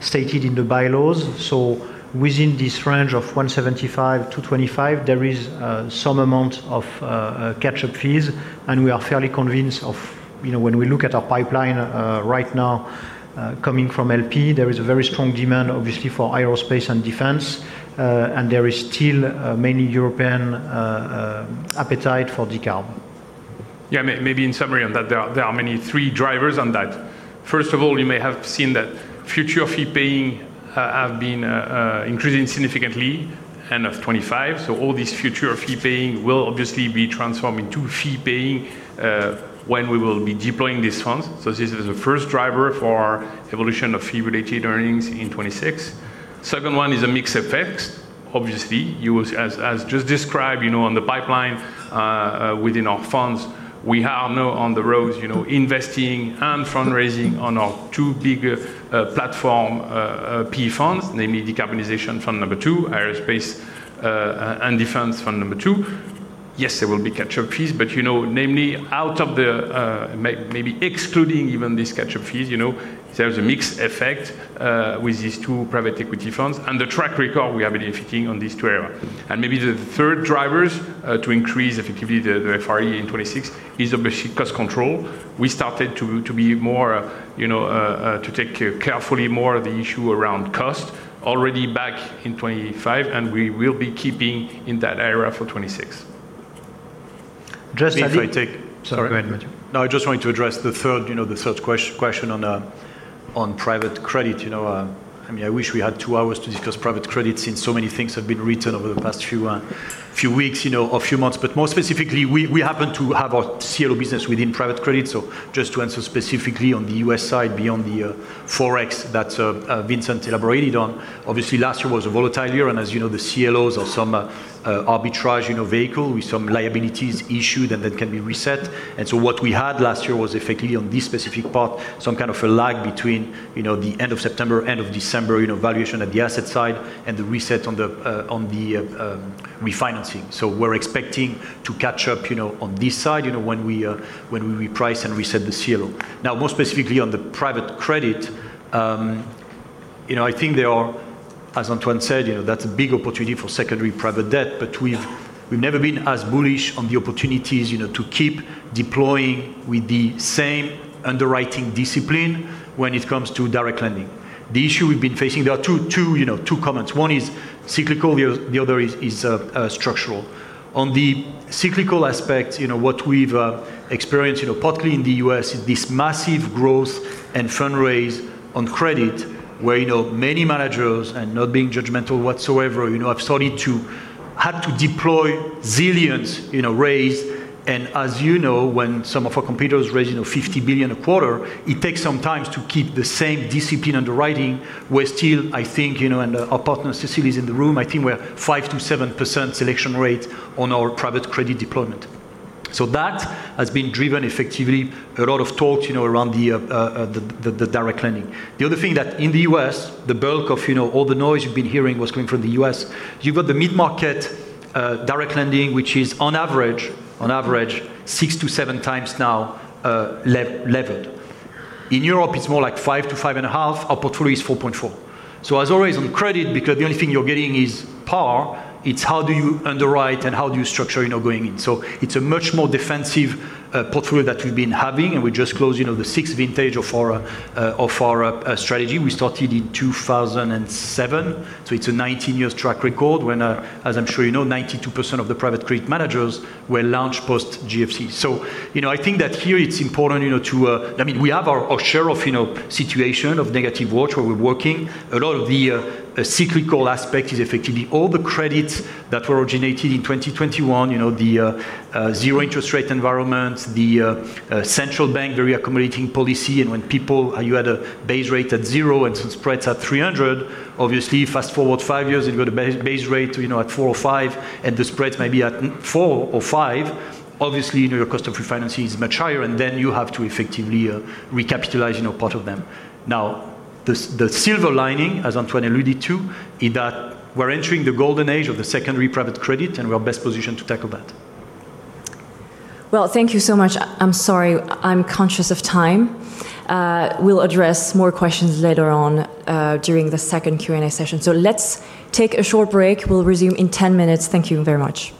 stated in the bylaws. So within this range of 175-225, there is some amount of catch-up fees, and we are fairly convinced of... You know, when we look at our pipeline right now, coming from LP, there is a very strong demand, obviously, for Aerospace and Defense, and there is still many European appetite for Decarb. Yeah, maybe in summary on that, there are mainly three drivers on that. First of all, you may have seen that future fee-paying have been increasing significantly end of 2025. So all this future fee-paying will obviously be transformed into fee-paying when we will be deploying these funds. So this is the first driver for evolution of fee-related earnings in 2026. Second one is a mix effect. Obviously, you will, as just described, you know, on the pipeline within our funds, we are now on the road, you know, investing and fundraising on our two big platform PE funds, namely Decarbonization Fund number II, Aerospace and Defense Fund number II. Yes, there will be catch-up fees, but, you know, namely, out of the, maybe excluding even these catch-up fees, you know, there is a mixed effect with these two private equity funds and the track record we have been affecting on these two area. And maybe the third drivers to increase effectively the FRE in 2026 is obviously cost control. We started to be more, you know, to take care carefully more of the issue around cost already back in 2025, and we will be keeping in that area for 2026. Just if I take- Sorry, go ahead, Mathieu. No, I just wanted to address the third question on private credit. You know, I mean, I wish we had two hours to discuss private credit, since so many things have been written over the past few weeks, you know, or few months. But more specifically, we happen to have our CLO business within private credit. So just to answer specifically on the U.S. side, beyond the Forex that Vincent elaborated on, obviously last year was a volatile year, and as you know, the CLOs are some arbitrage, you know, vehicle with some liabilities issued, and that can be reset. And so what we had last year was effectively, on this specific part, some kind of a lag between, you know, the end of September, end of December, you know, valuation at the asset side and the reset on the refinancing. So we're expecting to catch up, you know, on this side, you know, when we reprice and reset the CLO. Now, more specifically on the private credit,... you know, I think there are, as Antoine said, you know, that's a big opportunity for secondary private debt, but we've, we've never been as bullish on the opportunities, you know, to keep deploying with the same underwriting discipline when it comes to direct lending. The issue we've been facing, there are two comments. One is cyclical, the other is structural. On the cyclical aspect, you know, what we've experienced, you know, partly in the U.S., is this massive growth and fundraise on credit, where, you know, many managers, and not being judgmental whatsoever, you know, have started to have to deploy zillions, you know, raised. And as you know, when some of our competitors raise, you know, 50 billion a quarter, it takes some time to keep the same discipline underwriting. We're still, I think, you know, and our partner, Cécile, is in the room. I think we're 5%-7% selection rate on our private credit deployment. So that has been driven effectively. A lot of talk, you know, around the direct lending. The other thing that in the US, the bulk of, you know, all the noise you've been hearing was coming from the US. You've got the mid-market direct lending, which is on average 6-7x now levered. In Europe, it's more like 5-5.5. Our portfolio is 4.4. So as always, on credit, because the only thing you're getting is par, it's how do you underwrite and how do you structure, you know, going in? So it's a much more defensive portfolio that we've been having, and we just closed, you know, the sixth vintage of our strategy. We started in 2007, so it's a 19 years track record, when, as I'm sure you know, 92% of the private credit managers were launched post GFC. So, you know, I think that here it's important, you know, to... I mean, we have our, our share of, you know, situation of negative watch where we're working. A lot of the cyclical aspect is effectively all the credits that were originated in 2021, you know, the zero interest rate environment, the central bank very accommodating policy, and when people—you had a base rate at zero and spreads at 300, obviously, fast-forward five years, and you've got a base rate, you know, at four or five, and the spreads may be at four or five. Obviously, you know, your cost of refinancing is much higher, and then you have to effectively recapitalize, you know, part of them. Now, the silver lining, as Antoine alluded to, is that we're entering the golden age of the secondary private credit, and we are best positioned to tackle that. Well, thank you so much. I'm sorry, I'm conscious of time. We'll address more questions later on, during the second Q&A session. So let's take a short break. We'll resume in 10 minutes. Thank you very much.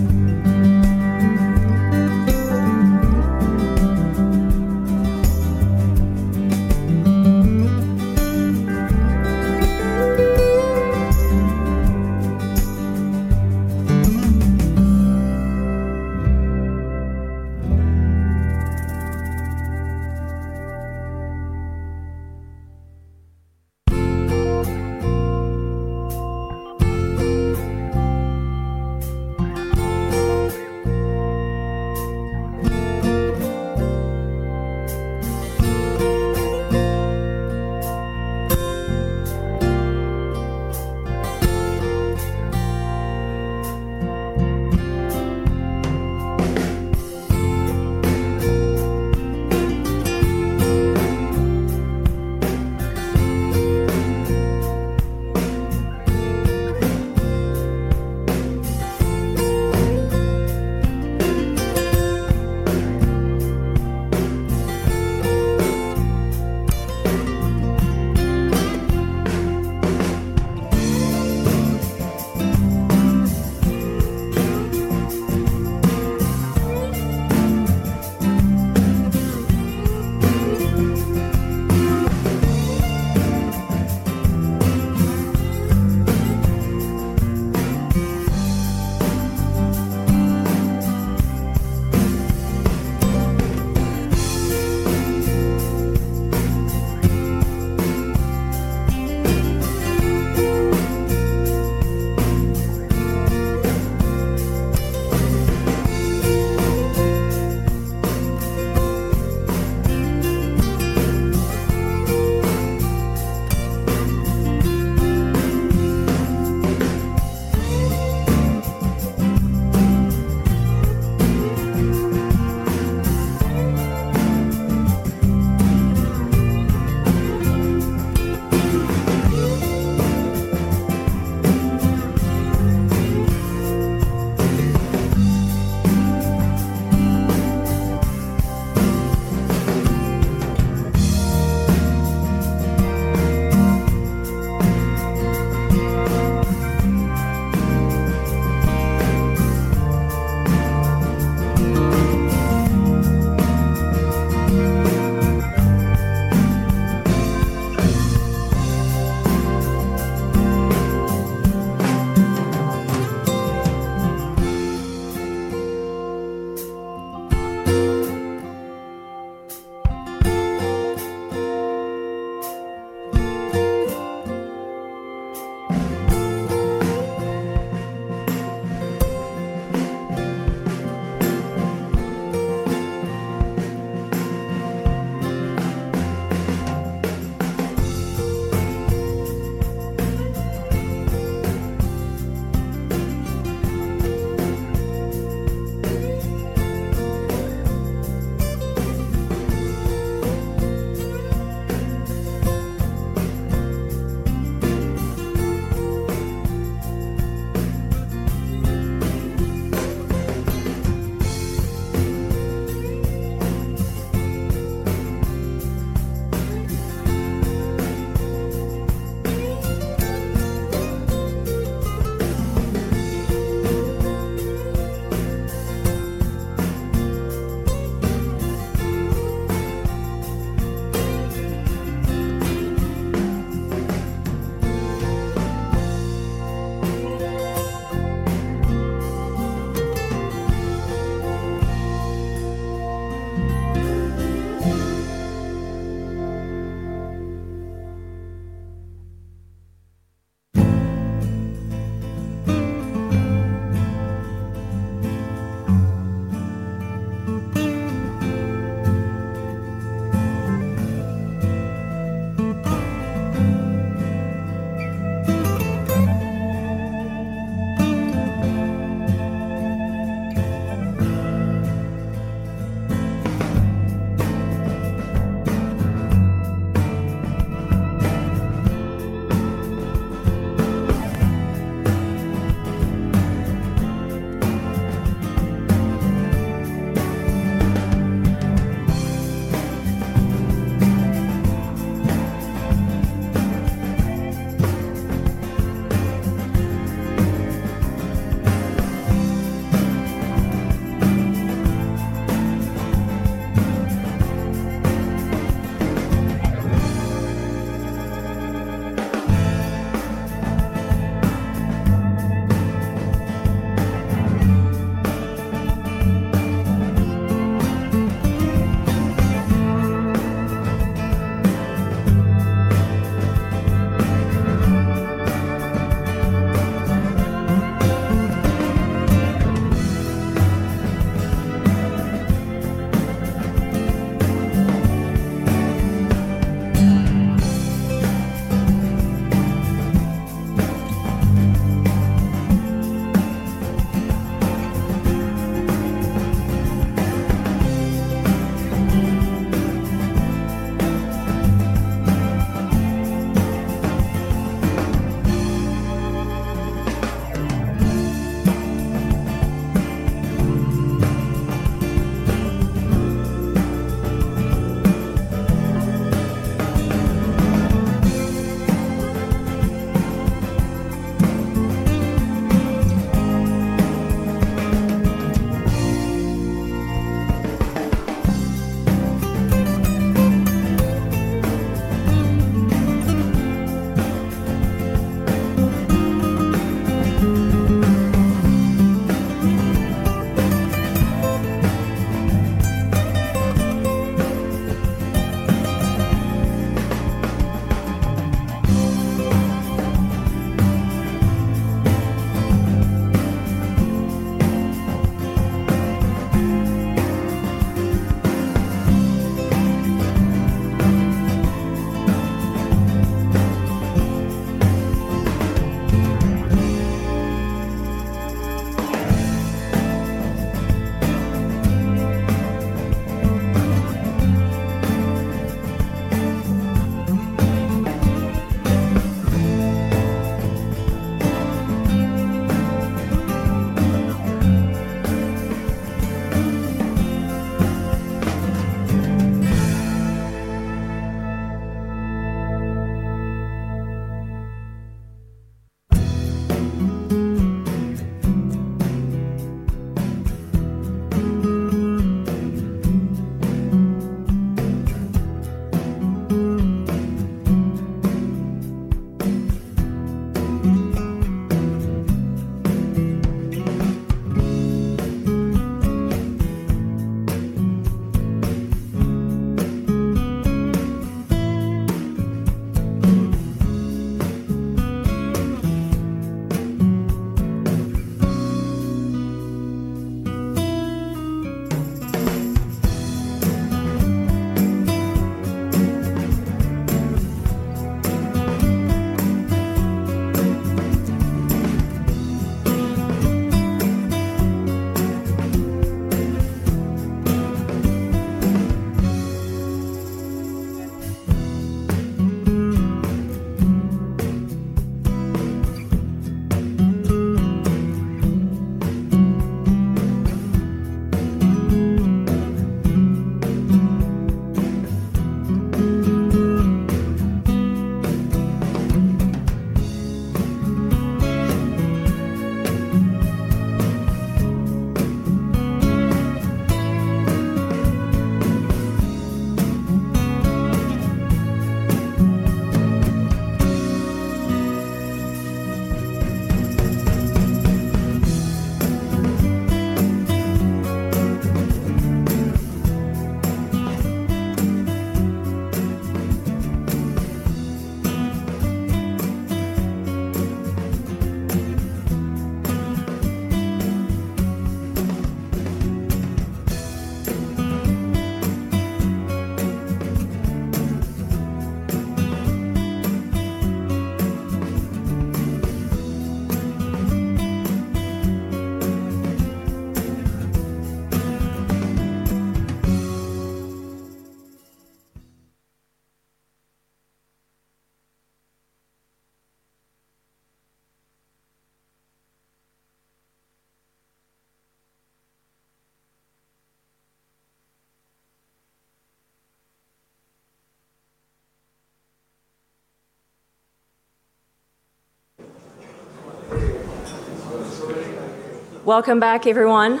Welcome back, everyone.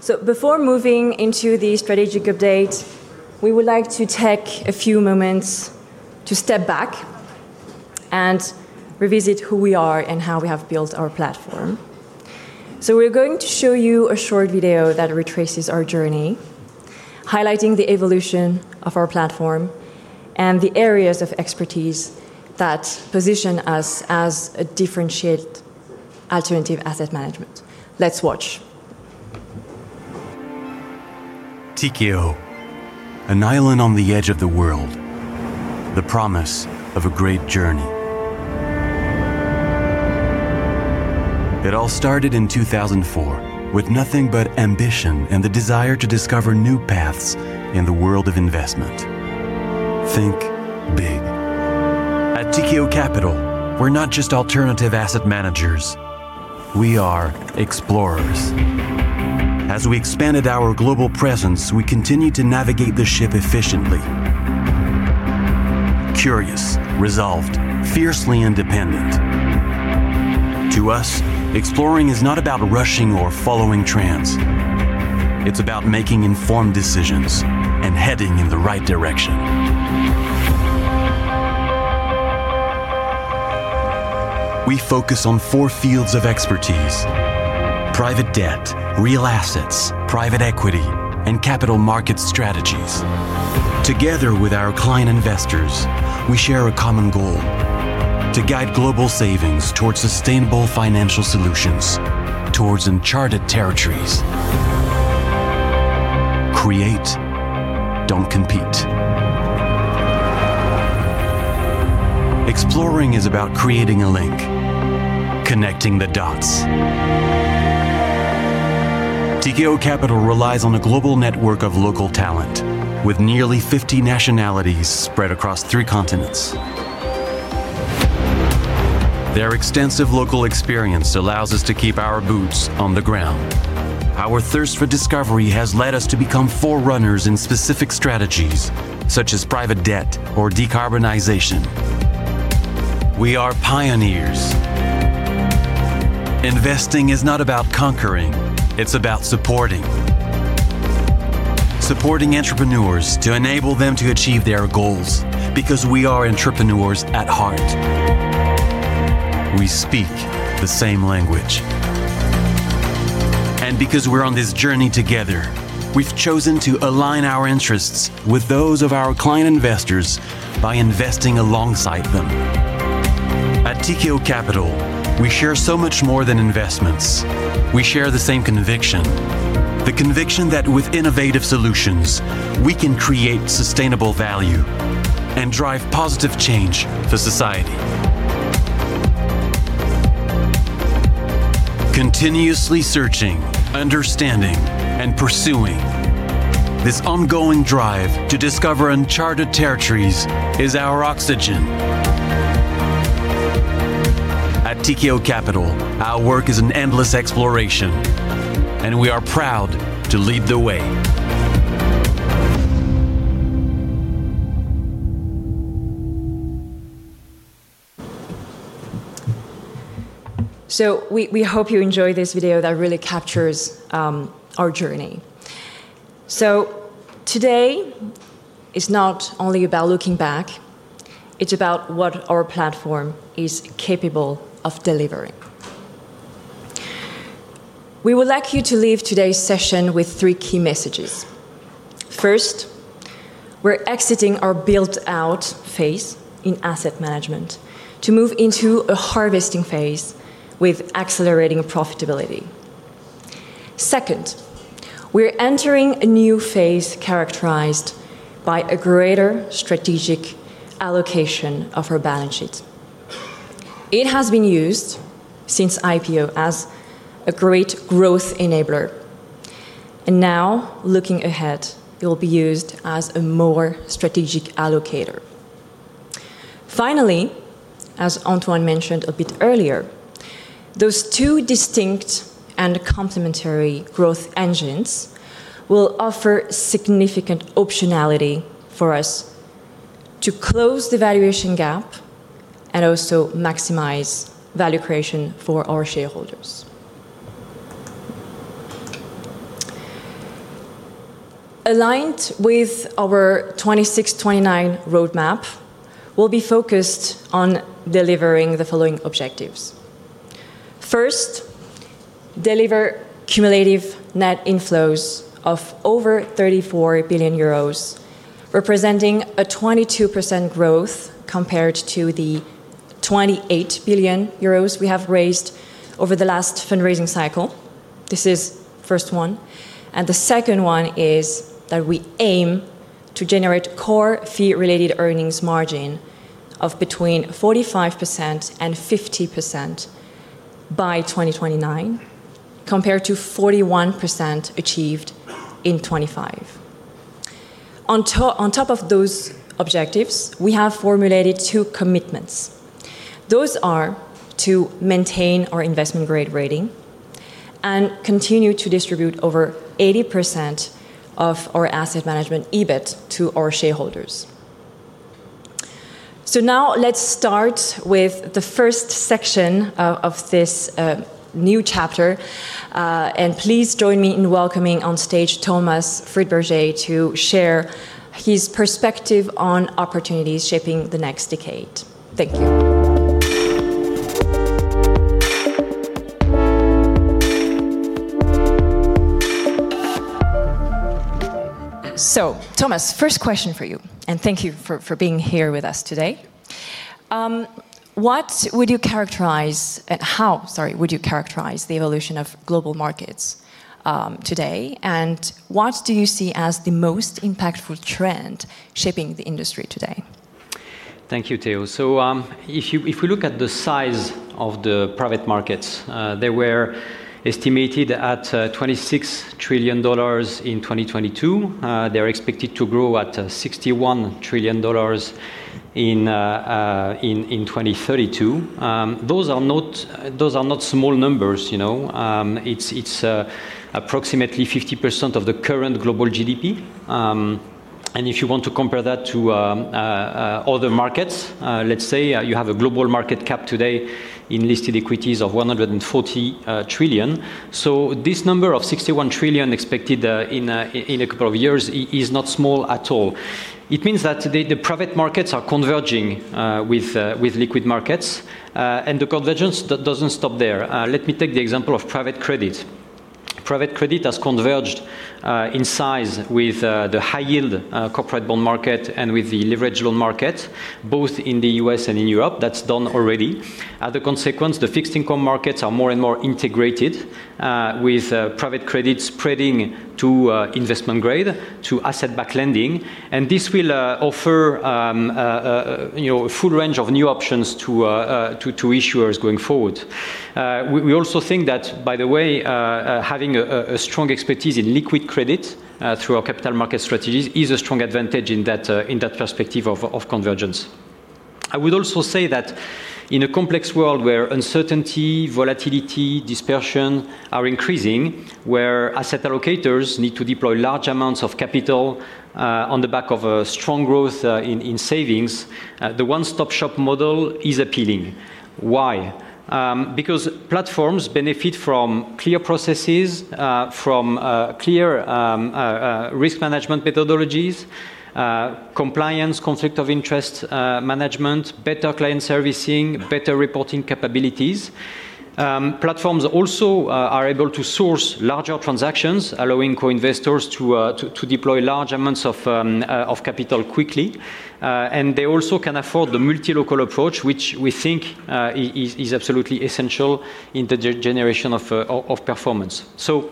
So before moving into the strategic update, we would like to take a few moments to step back and revisit who we are and how we have built our platform. So we're going to show you a short video that retraces our journey, highlighting the evolution of our platform and the areas of expertise that position us as a differentiated alternative asset management. Let's watch. Tikehau, an island on the edge of the world, the promise of a great journey. It all started in 2004 with nothing but ambition and the desire to discover new paths in the world of investment. Think big. At Tikehau Capital, we're not just alternative asset managers, we are explorers. As we expanded our global presence, we continued to navigate the ship efficiently. Curious, resolved, fiercely independent. To us, exploring is not about rushing or following trends, it's about making informed decisions and heading in the right direction. We focus on four fields of expertise: Private Debt, Real Assets, Private Equity, and Capital Markets strategies. Together with our client investors, we share a common goal: to guide global savings towards sustainable financial solutions, towards uncharted territories. Create, don't compete. Exploring is about creating a link, connecting the dots. Tikehau Capital relies on a global network of local talent with nearly 50 nationalities spread across three continents. Their extensive local experience allows us to keep our boots on the ground. Our thirst for discovery has led us to become forerunners in specific strategies, such as private debt or decarbonization. We are pioneers. Investing is not about conquering, it's about supporting. Supporting entrepreneurs to enable them to achieve their goals, because we are entrepreneurs at heart.... We speak the same language. And because we're on this journey together, we've chosen to align our interests with those of our client investors by investing alongside them. At Tikehau Capital, we share so much more than investments. We share the same conviction, the conviction that with innovative solutions, we can create sustainable value and drive positive change for society. Continuously searching, understanding, and pursuing, this ongoing drive to discover uncharted territories is our oxygen. At Tikehau Capital, our work is an endless exploration, and we are proud to lead the way. So we hope you enjoyed this video that really captures our journey. So today is not only about looking back, it's about what our platform is capable of delivering. We would like you to leave today's session with three key messages. First, we're exiting our built-out phase in asset management to move into a harvesting phase with accelerating profitability. Second, we're entering a new phase characterized by a greater strategic allocation of our balance sheet. It has been used since IPO as a great growth enabler, and now, looking ahead, it will be used as a more strategic allocator. Finally, as Antoine mentioned a bit earlier, those two distinct and complementary growth engines will offer significant optionality for us to close the valuation gap and also maximize value creation for our shareholders. Aligned with our 2026-2029 roadmap, we'll be focused on delivering the following objectives. First, deliver cumulative net inflows of over 34 billion euros, representing a 22% growth compared to the 28 billion euros we have raised over the last fundraising cycle. This is first one, and the second one is that we aim to generate core fee-related earnings margin of between 45% and 50% by 2029, compared to 41% achieved in 2025. On top of those objectives, we have formulated two commitments. Those are to maintain our investment-grade rating and continue to distribute over 80% of our asset management EBIT to our shareholders. So now let's start with the first section of this new chapter and please join me in welcoming on stage Thomas Friedberger to share his perspective on opportunities shaping the next decade. Thank you. So, Thomas, first question for you, and thank you for being here with us today. What would you characterize the evolution of global markets today, and what do you see as the most impactful trend shaping the industry today? Thank you, Théo. So, if you, if we look at the size of the private markets, they were estimated at $26 trillion in 2022. They are expected to grow at $61 trillion in 2032. Those are not, those are not small numbers, you know. It's, it's approximately 50% of the current global GDP. And if you want to compare that to other markets, let's say, you have a global market cap today in listed equities of $140 trillion. So this number of $61 trillion expected in a couple of years is not small at all. It means that the, the private markets are converging with liquid markets, and the convergence, that doesn't stop there. Let me take the example of private credit. Private credit has converged in size with the high-yield corporate bond market and with the leveraged loan market, both in the U.S. and in Europe. That's done already. The consequence, the fixed income markets are more and more integrated with private credit spreading to investment grade, to asset-backed lending, and this will offer, you know, a full range of new options to, to issuers going forward. We also think that, by the way, having a strong expertise in liquid credit through our capital market strategies is a strong advantage in that perspective of convergence. I would also say that in a complex world where uncertainty, volatility, dispersion are increasing, where asset allocators need to deploy large amounts of capital, on the back of a strong growth in savings, the one-stop-shop model is appealing. Why? Because platforms benefit from clear processes, from clear risk management methodologies, compliance, conflict of interest management, better client servicing, better reporting capabilities. Platforms also are able to source larger transactions, allowing co-investors to deploy large amounts of capital quickly. And they also can afford the multi-local approach, which we think is absolutely essential in the generation of performance. So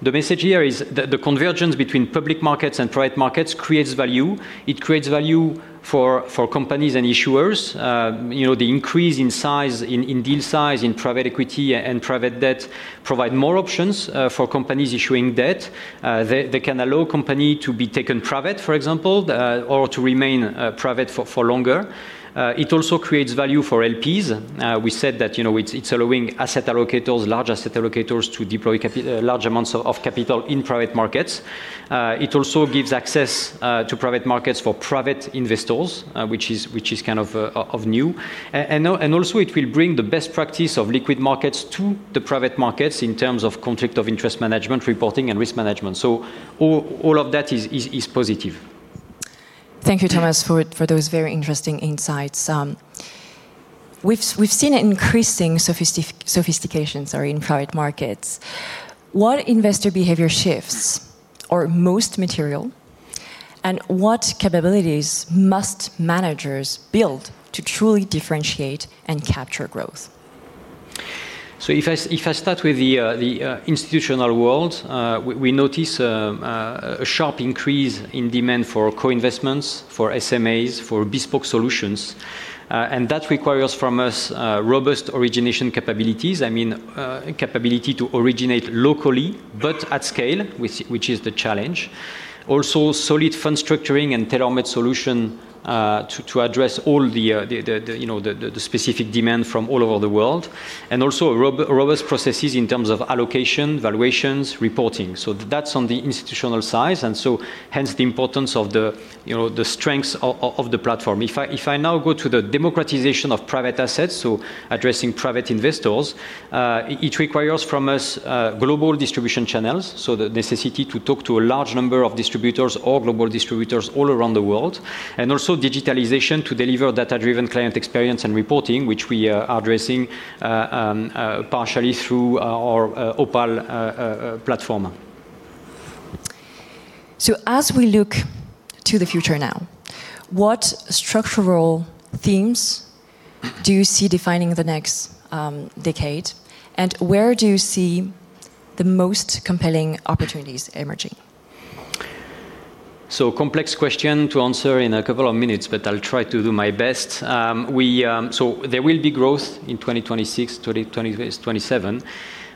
the message here is that the convergence between public markets and private markets creates value. It creates value for companies and issuers. You know, the increase in size, in deal size, in private equity and private debt provide more options for companies issuing debt. They can allow company to be taken private, for example, or to remain private for longer. It also creates value for LPs. We said that, you know, it's allowing asset allocators, large asset allocators, to deploy large amounts of capital in private markets. It also gives access to private markets for private investors, which is kind of new. Also it will bring the best practice of liquid markets to the private markets in terms of conflict of interest management, reporting, and risk management. So all of that is positive. Thank you, Thomas, for those very interesting insights. We've seen an increasing sophistication in private markets. What investor behavior shifts are most material, and what capabilities must managers build to truly differentiate and capture growth? So if I start with the institutional world, we notice a sharp increase in demand for co-investments, for SMAs, for bespoke solutions, and that requires from us robust origination capabilities. I mean, capability to originate locally but at scale, which is the challenge. Also, solid fund structuring and tailor-made solution to address all the, you know, the specific demand from all over the world, and also robust processes in terms of allocation, valuations, reporting. So that's on the institutional side, and so hence the importance of the, you know, the strengths of the platform. If I, if I now go to the democratization of private assets, so addressing private investors, it, it requires from us global distribution channels, so the necessity to talk to a large number of distributors or global distributors all around the world, and also digitalization to deliver data-driven client experience and reporting, which we are addressing partially through our Opale platform. As we look to the future now, what structural themes do you see defining the next decade, and where do you see the most compelling opportunities emerging? So complex question to answer in a couple of minutes, but I'll try to do my best. So there will be growth in 2026, 2027,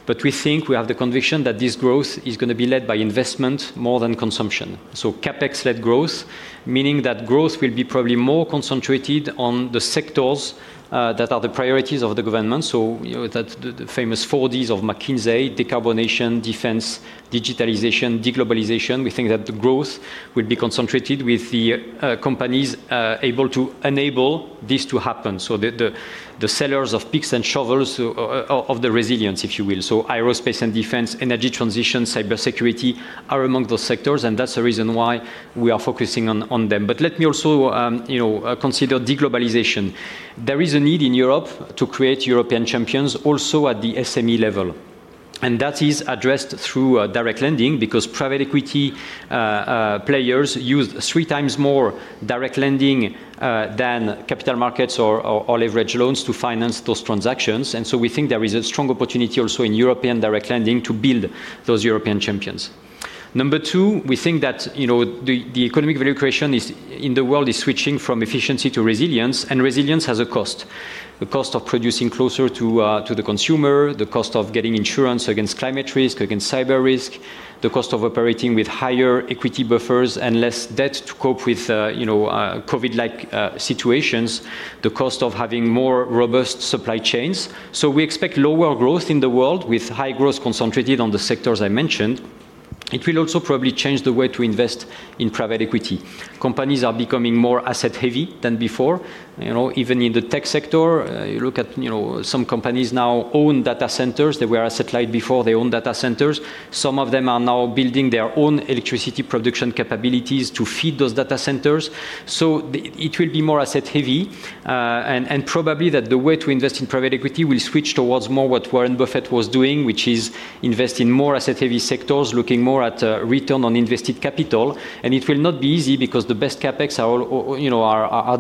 but we think, we have the conviction that this growth is gonna be led by investment more than consumption. So CapEx-led growth, meaning that growth will be probably more concentrated on the sectors that are the priorities of the government. So, you know, that the famous four Ds of McKinsey: decarbonization, defense, digitalization, deglobalization. We think that the growth will be concentrated with the companies able to enable this to happen. So the sellers of picks and shovels of the resilience, if you will. So aerospace and defense, energy transition, cybersecurity are among those sectors, and that's the reason why we are focusing on them. But let me also, you know, consider deglobalization. There is a need in Europe to create European champions also at the SME level, and that is addressed through direct lending because private equity players use three times more direct lending than capital markets or leverage loans to finance those transactions. And so we think there is a strong opportunity also in European direct lending to build those European champions. Number two, we think that, you know, the economic value creation in the world is switching from efficiency to resilience, and resilience has a cost. The cost of producing closer to, to the consumer, the cost of getting insurance against climate risk, against cyber risk, the cost of operating with higher equity buffers and less debt to cope with, you know, COVID-like, situations, the cost of having more robust supply chains. So we expect lower growth in the world, with high growth concentrated on the sectors I mentioned. It will also probably change the way to invest in private equity. Companies are becoming more asset-heavy than before. You know, even in the tech sector, you look at, you know, some companies now own data centers. They were asset-light before, they own data centers. Some of them are now building their own electricity production capabilities to feed those data centers. So the... It will be more asset-heavy, and probably that the way to invest in private equity will switch towards more what Warren Buffett was doing, which is invest in more asset-heavy sectors, looking more at return on invested capital. And it will not be easy because the best CapEx are all, you know,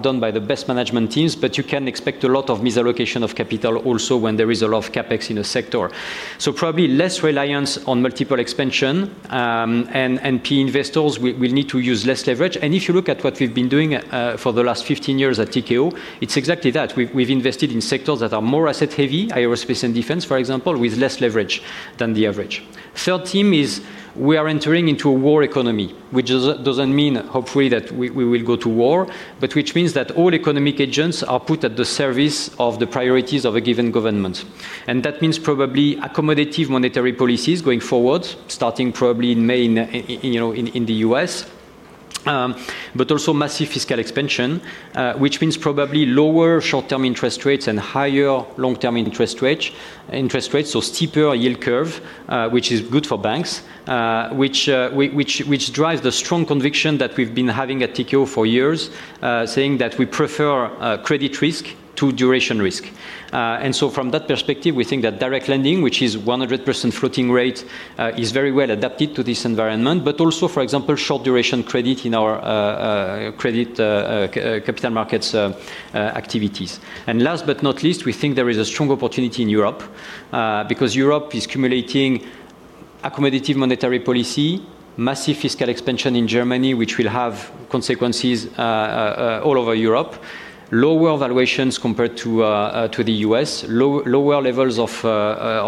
done by the best management teams, but you can expect a lot of misallocation of capital also when there is a lot of CapEx in a sector. So probably less reliance on multiple expansion, and key investors will need to use less leverage. And if you look at what we've been doing for the last 15 years at Tikehau, it's exactly that. We've invested in sectors that are more asset-heavy, aerospace and defense, for example, with less leverage than the average. Third theme is we are entering into a war economy, which does, doesn't mean hopefully that we, we will go to war, but which means that all economic agents are put at the service of the priorities of a given government. That means probably accommodative monetary policies going forward, starting probably in May, you know, in the U.S., but also massive fiscal expansion, which means probably lower short-term interest rates and higher long-term interest rates, so steeper yield curve, which is good for banks. Which drives the strong conviction that we've been having at Tikehau for years, saying that we prefer credit risk to duration risk. And so from that perspective, we think that direct lending, which is 100% floating rate, is very well adapted to this environment, but also, for example, short-duration credit in our credit capital markets activities. And last but not least, we think there is a strong opportunity in Europe, because Europe is cumulating accommodative monetary policy, massive fiscal expansion in Germany, which will have consequences all over Europe, lower valuations compared to the U.S., lower levels of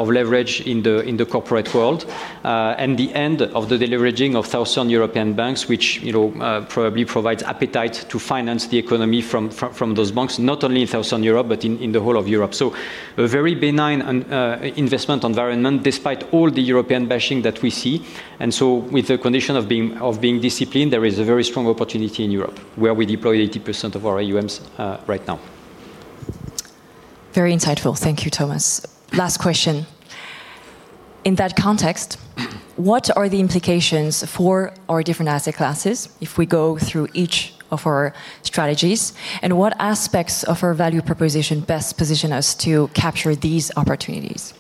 leverage in the corporate world, and the end of the deleveraging of Southern European banks, which, you know, probably provides appetite to finance the economy from those banks, not only in Southern Europe, but in the whole of Europe. A very benign investment environment, despite all the European bashing that we see. With the condition of being disciplined, there is a very strong opportunity in Europe, where we deploy 80% of our AUM right now. Very insightful. Thank you, Thomas. Last question. In that context, what are the implications for our different asset classes if we go through each of our strategies, and what aspects of our value proposition best position us to capture these opportunities?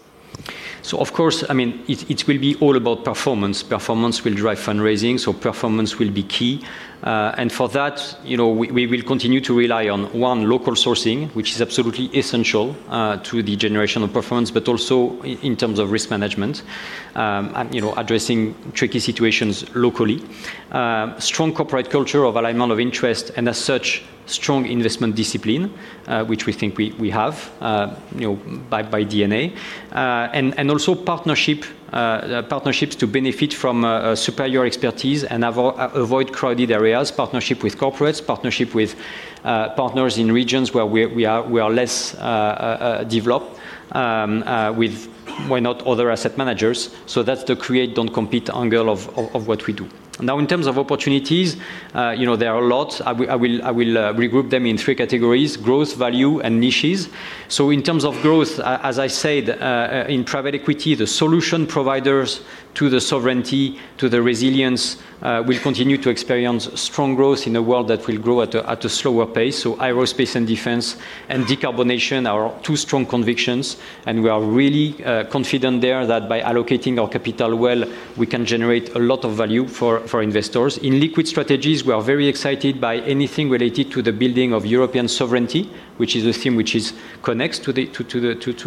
So of course, I mean, it will be all about performance. Performance will drive fundraising, so performance will be key. And for that, you know, we will continue to rely on one, local sourcing, which is absolutely essential to the generation of performance, but also in terms of risk management, and, you know, addressing tricky situations locally. Strong corporate culture of alignment of interest, and as such, strong investment discipline, which we think we have, you know, by DNA. And also partnerships to benefit from superior expertise and avoid crowded areas, partnership with corporates, partnership with partners in regions where we are less developed, with, why not other asset managers? So that's the create, don't compete angle of what we do. Now, in terms of opportunities, you know, there are a lot. I will regroup them in three categories: growth, value, and niches. So in terms of growth, as I said, in private equity, the solution providers to the sovereignty, to the resilience, will continue to experience strong growth in a world that will grow at a slower pace. So aerospace and defense and decarbonization are our two strong convictions, and we are really confident there that by allocating our capital well, we can generate a lot of value for investors. In liquid strategies, we are very excited by anything related to the building of European sovereignty, which is a theme which connects to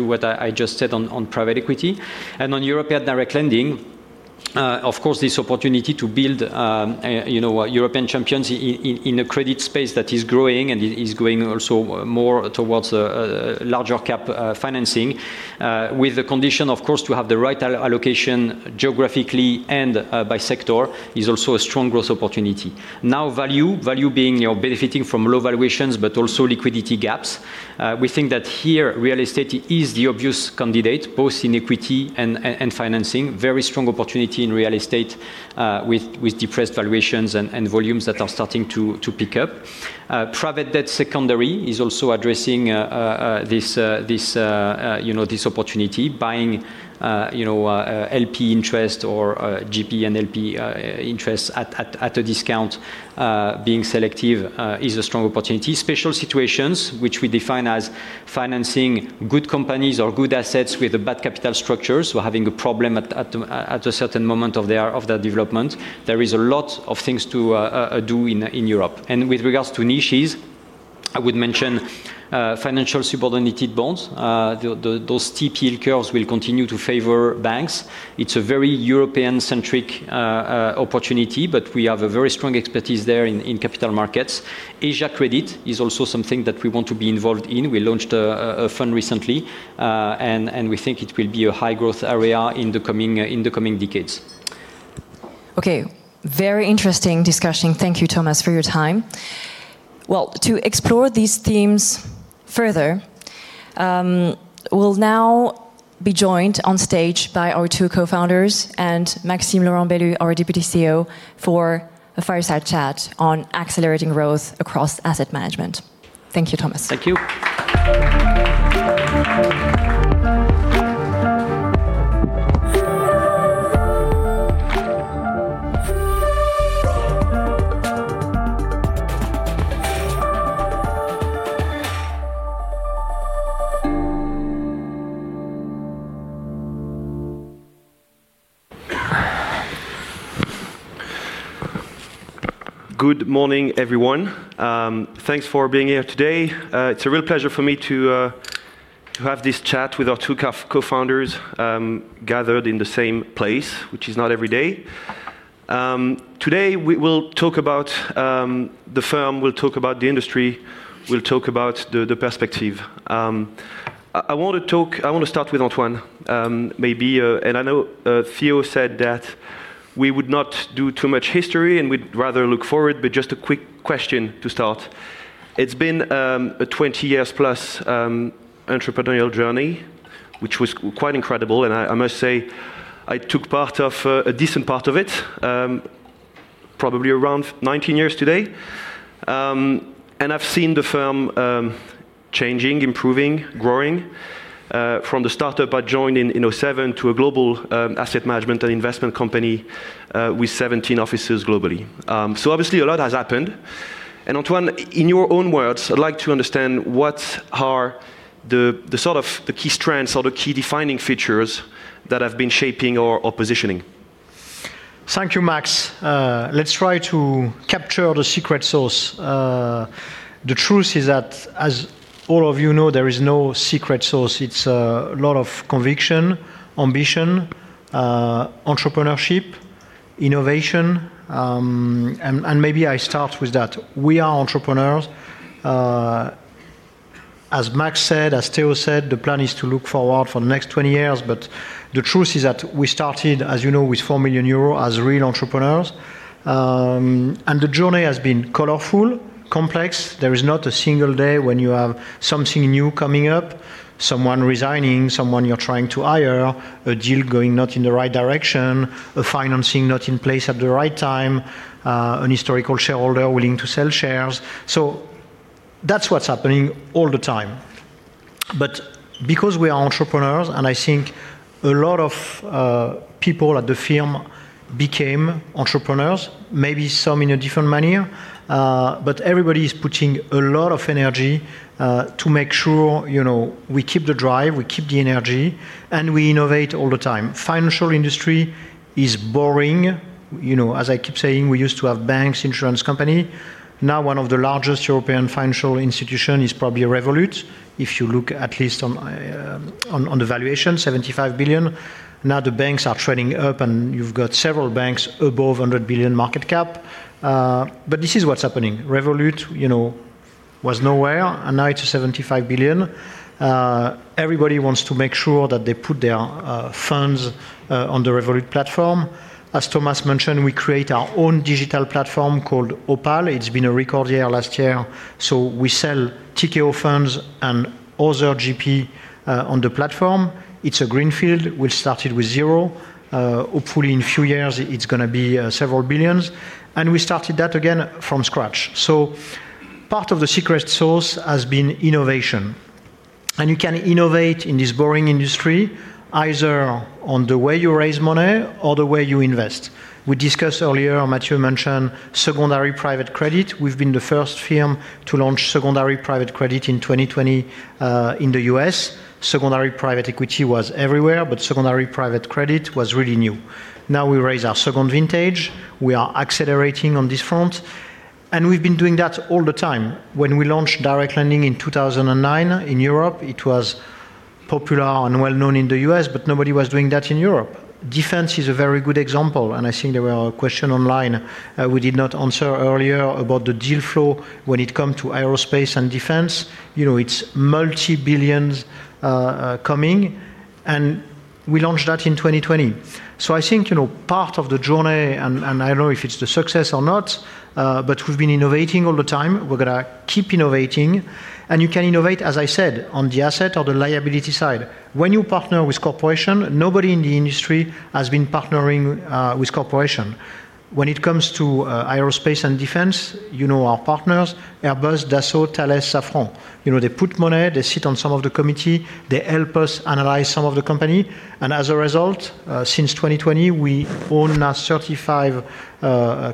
what I just said on private equity. On European direct lending, of course, this opportunity to build, you know, European champions in a credit space that is growing and is growing also more towards larger cap financing, with the condition, of course, to have the right allocation geographically and by sector, is also a strong growth opportunity. Now, value, value being, you know, benefiting from low valuations, but also liquidity gaps. We think that here, real estate is the obvious candidate, both in equity and financing. Very strong opportunity in real estate, with depressed valuations and volumes that are starting to pick up. Private debt secondary is also addressing this, you know, this opportunity, buying, you know, LP interest or GP and LP interests at a discount. Being selective is a strong opportunity. Special situations, which we define as financing good companies or good assets with a bad capital structure, so having a problem at a certain moment of their development. There is a lot of things to do in Europe. And with regards to niches, I would mention financial subordinated bonds. Those steep yield curves will continue to favor banks. It's a very European-centric opportunity, but we have a very strong expertise there in capital markets. Asia credit is also something that we want to be involved in. We launched a fund recently, and we think it will be a high-growth area in the coming decades. Okay, very interesting discussion. Thank you, Thomas, for your time. Well, to explore these themes further, we'll now be joined on stage by our two co-founders and Maxime Laurent-Bellue, our Deputy CEO, for a fireside chat on accelerating growth across asset management. Thank you, Thomas. Thank you. Good morning, everyone. Thanks for being here today. It's a real pleasure for me to have this chat with our two co-founders, gathered in the same place, which is not every day. Today, we will talk about the firm, we'll talk about the industry, we'll talk about the perspective. I want to start with Antoine, maybe, and I know Theo said that we would not do too much history, and we'd rather look forward, but just a quick question to start. It's been a 20 years plus entrepreneurial journey, which was quite incredible. And I must say, I took part of a decent part of it, probably around 19 years today. I've seen the firm changing, improving, growing, from the startup I joined in 2007 to a global asset management and investment company with 17 offices globally. Obviously, a lot has happened. Antoine, in your own words, I'd like to understand what are the, the sort of the key strengths or the key defining features that have been shaping or, or positioning? Thank you, Max. Let's try to capture the secret sauce. The truth is that, as all of you know, there is no secret sauce. It's a lot of conviction, ambition, entrepreneurship, innovation, and maybe I start with that. We are entrepreneurs. As Max said, as Theo said, the plan is to look forward for the next 20 years, but the truth is that we started, as you know, with 4 million euros as real entrepreneurs. And the journey has been colorful, complex. There is not a single day when you have something new coming up, someone resigning, someone you're trying to hire, a deal going not in the right direction, a financing not in place at the right time, an historical shareholder willing to sell shares. So that's what's happening all the time. Because we are entrepreneurs, and I think a lot of people at the firm became entrepreneurs, maybe some in a different manner, but everybody is putting a lot of energy to make sure, you know, we keep the drive, we keep the energy, and we innovate all the time. Financial industry is boring. You know, as I keep saying, we used to have banks, insurance company. Now, one of the largest European financial institution is probably Revolut. If you look at least on the valuation, 75 billion. Now, the banks are trending up, and you've got several banks above 100 billion market cap, but this is what's happening. Revolut, you know, was nowhere, and now it's 75 billion. Everybody wants to make sure that they put their funds on the Revolut platform. As Thomas mentioned, we create our own digital platform called Opale. It's been a record year last year, so we sell Tikehau funds and other GP on the platform. It's a greenfield. We started with zero. Hopefully, in a few years, it's gonna be several billion EUR, and we started that again from scratch. So part of the secret sauce has been innovation, and you can innovate in this boring industry either on the way you raise money or the way you invest. We discussed earlier, Mathieu mentioned secondary private credit. We've been the first firm to launch secondary private credit in 2020 in the U.S. Secondary private equity was everywhere, but secondary private credit was really new. Now, we raise our second vintage. We are accelerating on this front, and we've been doing that all the time. When we launched direct lending in 2009 in Europe, it was popular and well known in the U.S., but nobody was doing that in Europe. Defense is a very good example, and I think there were a question online, we did not answer earlier about the deal flow when it come to aerospace and defense. You know, it's multi-billions coming, and we launched that in 2020. So I think, you know, part of the journey, and, and I don't know if it's the success or not, but we've been innovating all the time. We're gonna keep innovating, and you can innovate, as I said, on the asset or the liability side. When you partner with corporation, nobody in the industry has been partnering with corporation. When it comes to aerospace and defense, you know our partners, Airbus, Dassault, Thales, Safran. You know, they put money. They sit on some of the committee. They help us analyze some of the company, and as a result, since 2020, we own now 35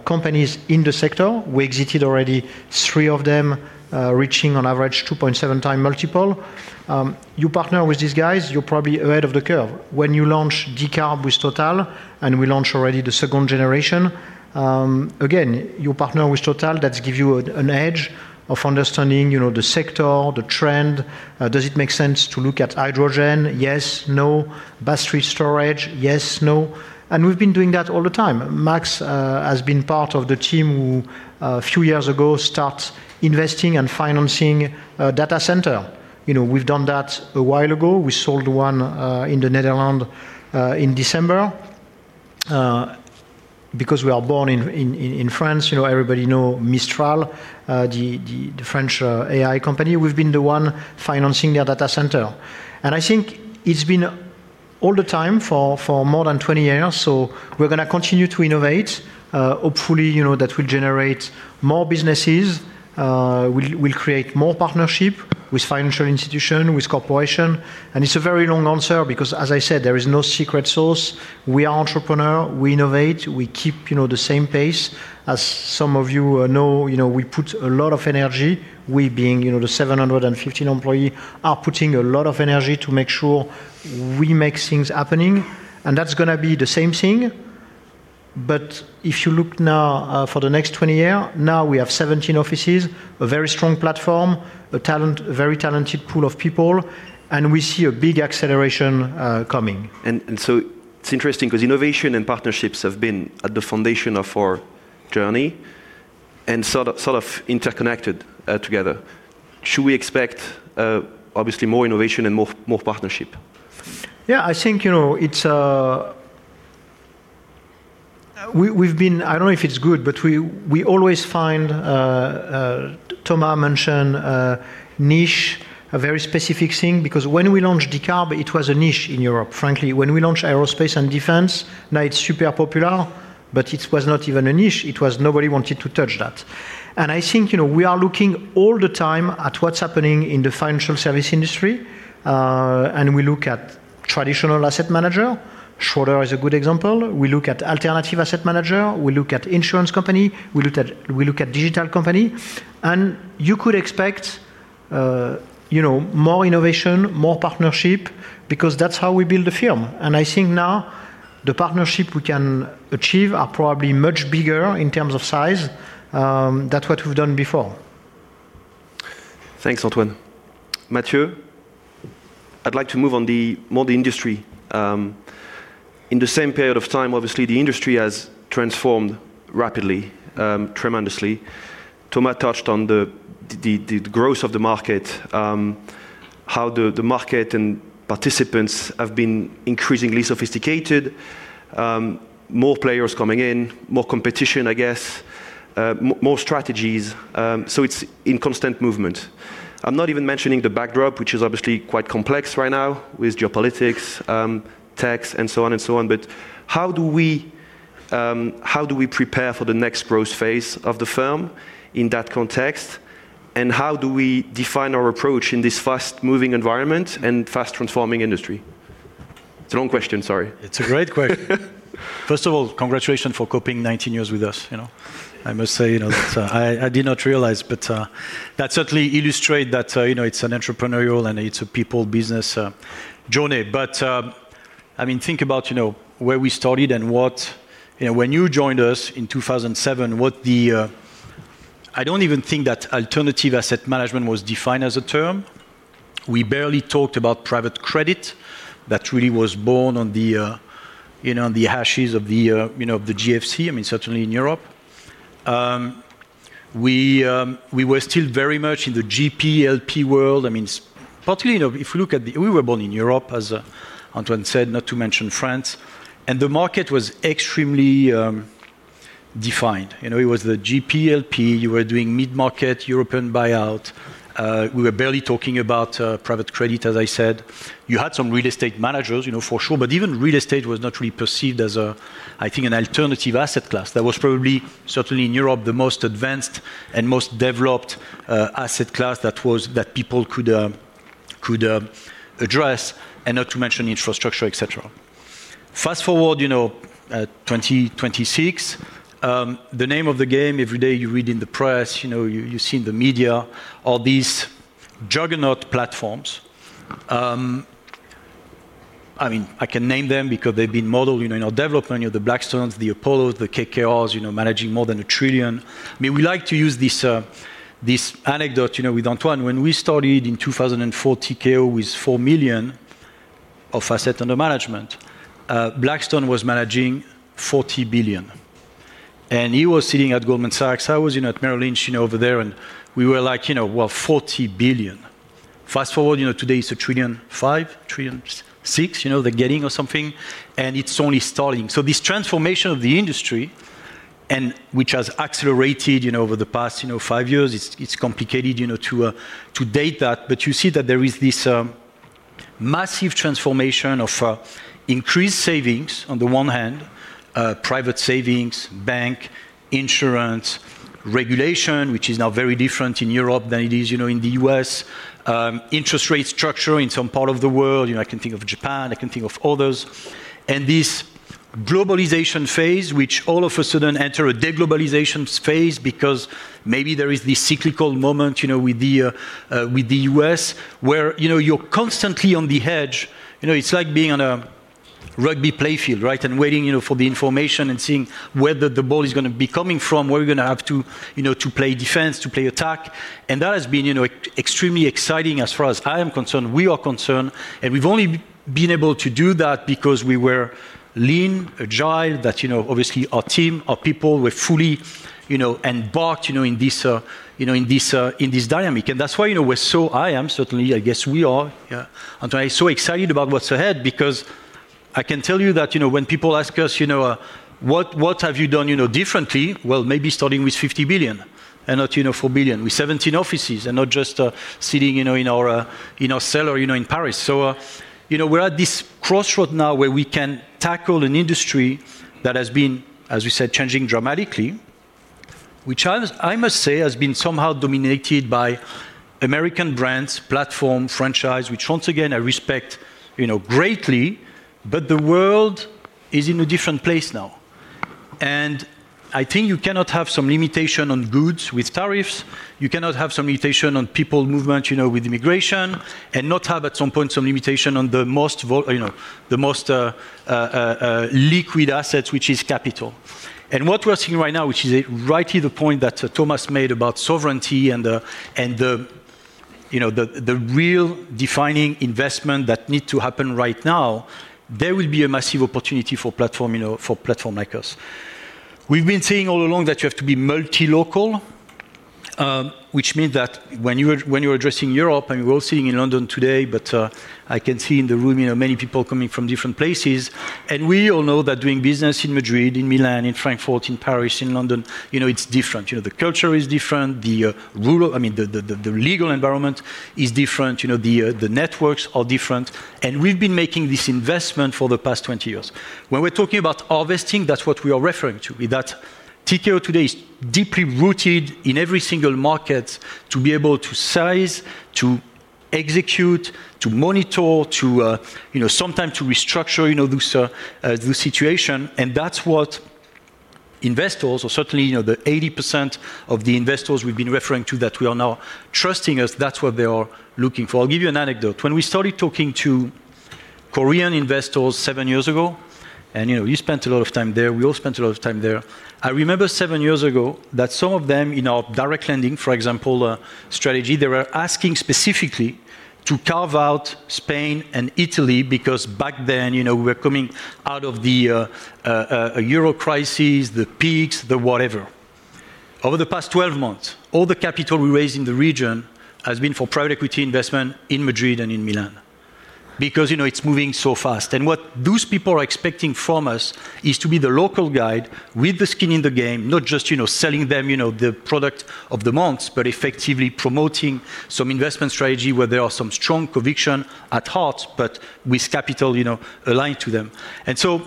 companies in the sector. We exited already three of them, reaching on average 2.7x multiple. You partner with these guys, you're probably ahead of the curve. When you launch Decarb with Total, and we launch already the second generation, again, you partner with Total, that give you an edge of understanding, you know, the sector, the trend. Does it make sense to look at hydrogen? Yes, no. Battery storage? Yes, no. And we've been doing that all the time. Max has been part of the team who, a few years ago, start investing and financing a data center. You know, we've done that a while ago. We sold one in the Netherlands in December. Because we are born in France, you know, everybody know Mistral, the French AI company. We've been the one financing their data center, and I think it's been all the time for more than 20 years, so we're gonna continue to innovate. Hopefully, you know, that will generate more businesses. We'll create more partnership with financial institution, with corporation. And it's a very long answer because, as I said, there is no secret sauce. We are entrepreneur, we innovate, we keep, you know, the same pace. As some of you know, you know, we put a lot of energy. We, being, you know, the 715 employees, are putting a lot of energy to make sure we make things happening, and that's gonna be the same thing. But if you look now for the next 20 years, we have 17 offices, a very strong platform, a very talented pool of people, and we see a big acceleration coming. So it's interesting 'cause innovation and partnerships have been at the foundation of our journey and sort of interconnected together. Should we expect, obviously, more innovation and more partnership? Yeah, I think, you know, it's, we, we've been-- I don't know if it's good, but we, we always find, Thomas mentioned niche, a very specific thing, because when we launched Decarb, it was a niche in Europe. Frankly, when we launched Aerospace and Defense, now it's super popular, but it was not even a niche. It was nobody wanted to touch that. And I think, you know, we are looking all the time at what's happening in the financial services industry, and we look at traditional asset manager. Schroders is a good example. We look at alternative asset manager, we look at insurance company, we look at, we look at digital company. And you could expect, you know, more innovation, more partnership, because that's how we build a firm. I think now the partnership we can achieve are probably much bigger in terms of size than what we've done before. Thanks, Antoine. Mathieu, I'd like to move on to more the industry. In the same period of time, obviously, the industry has transformed rapidly, tremendously. Thomas touched on the growth of the market, how the market and participants have been increasingly sophisticated. More players coming in, more competition, I guess, more strategies, so it's in constant movement. I'm not even mentioning the backdrop, which is obviously quite complex right now with geopolitics, tax, and so on and so on. But how do we prepare for the next growth phase of the firm in that context, and how do we define our approach in this fast-moving environment and fast-transforming industry? It's a long question. Sorry. It's a great question. First of all, congratulations for coping 19 years with us, you know. I must say, you know, that, I, I did not realize, but, that certainly illustrate that, you know, it's an entrepreneurial and it's a people business, journey. But, I mean, think about, you know, where we started and what-- you know, when you joined us in 2007, what the... I don't even think that alternative asset management was defined as a term. We barely talked about private credit. That really was born on the, you know, on the ashes of the, you know, of the GFC, I mean, certainly in Europe. We, we were still very much in the GP, LP world. I mean, particularly, you know, if you look at the—we were born in Europe, as Antoine said, not to mention France, and the market was extremely defined. You know, it was the GP, LP, you were doing mid-market European buyout. We were barely talking about private credit, as I said. You had some real estate managers, you know, for sure, but even real estate was not really perceived as a, I think, an alternative asset class. That was probably, certainly in Europe, the most advanced and most developed asset class that people could address, and not to mention infrastructure, et cetera. Fast-forward, you know, 2026, the name of the game, every day you read in the press, you know, you see in the media, all these juggernaut platforms. I mean, I can name them because they've been modeled, you know, and developed, you know, the Blackstones, the Apollos, the KKRs, you know, managing more than a trillion. I mean, we like to use this, this anecdote, you know, with Antoine. When we started in 2004, Tikehau was 4 million of asset under management. Blackstone was managing $40 billion, and he was sitting at Goldman Sachs. I was in at Merrill Lynch, you know, over there, and we were like, you know, "Well, $40 billion." Fast-forward, you know, today, it's $1.5 trillion, $1.6 trillion, you know, they're getting or something, and it's only starting. So this transformation of the industry and which has accelerated, you know, over the past, you know, five years, it's, it's complicated, you know, to, to date that. But you see that there is this massive transformation of increased savings on the one hand private savings bank insurance regulation which is now very different in Europe than it is, you know, in the U.S., interest rate structure in some part of the world. You know, I can think of Japan, I can think of others. And this globalization phase, which all of a sudden enter a de-globalization phase, because maybe there is this cyclical moment, you know, with the with the U.S., where, you know, you're constantly on the edge. You know, it's like being on a rugby play field, right? And waiting, you know, for the information and seeing whether the ball is gonna be coming from, where you're gonna have to, you know, to play defense, to play attack. That has been, you know, extremely exciting as far as I am concerned, we are concerned, and we've only been able to do that because we were lean, agile, that, you know, obviously our team, our people, were fully, you know, embarked, you know, in this, you know, in this, in this dynamic. And that's why, you know, we're so—I am certainly, I guess we are, yeah, Antoine, so excited about what's ahead, because I can tell you that, you know, when people ask us, you know, "What have you done, you know, differently?" Well, maybe starting with 50 billion and not, you know, 4 billion, with 17 offices and not just, you know, sitting, you know, in our, in our cellar, you know, in Paris. So, you know, we're at this crossroad now where we can tackle an industry that has been, as we said, changing dramatically, which I must say, has been somehow dominated by American brands, platform, franchise, which once again, I respect, you know, greatly, but the world is in a different place now. And I think you cannot have some limitation on goods with tariffs. You cannot have some limitation on people movement, you know, with immigration, and not have, at some point, some limitation on the most liquid assets, which is capital. And what we're seeing right now, which is rightly the point that Thomas made about sovereignty and the real defining investment that need to happen right now, there will be a massive opportunity for platform, you know, for platform like us. We've been saying all along that you have to be multi-local, which means that when you are, when you're addressing Europe, and we're all sitting in London today, but I can see in the room, you know, many people coming from different places. And we all know that doing business in Madrid, in Milan, in Frankfurt, in Paris, in London, you know, it's different. You know, the culture is different, the rural—I mean, the legal environment is different. You know, the networks are different, and we've been making this investment for the past 20 years. When we're talking about harvesting, that's what we are referring to, is that Tikehau today is deeply rooted in every single market to be able to size, to execute, to monitor, to, you know, sometime to restructure, you know, those situations. That's what investors or certainly, you know, the 80% of the investors we've been referring to, that we are now trusting us, that's what they are looking for. I'll give you an anecdote. When we started talking to Korean investors seven years ago, and, you know, you spent a lot of time there, we all spent a lot of time there. I remember seven years ago that some of them, in our direct lending, for example, strategy, they were asking specifically to carve out Spain and Italy, because back then, you know, we were coming out of the, a euro crisis, the peaks, the whatever. Over the past 12 months, all the capital we raised in the region has been for private equity investment in Madrid and in Milan, because, you know, it's moving so fast. What those people are expecting from us is to be the local guide with the skin in the game, not just, you know, selling them, you know, the product of the month, but effectively promoting some investment strategy where there are some strong conviction at heart, but with capital, you know, aligned to them. So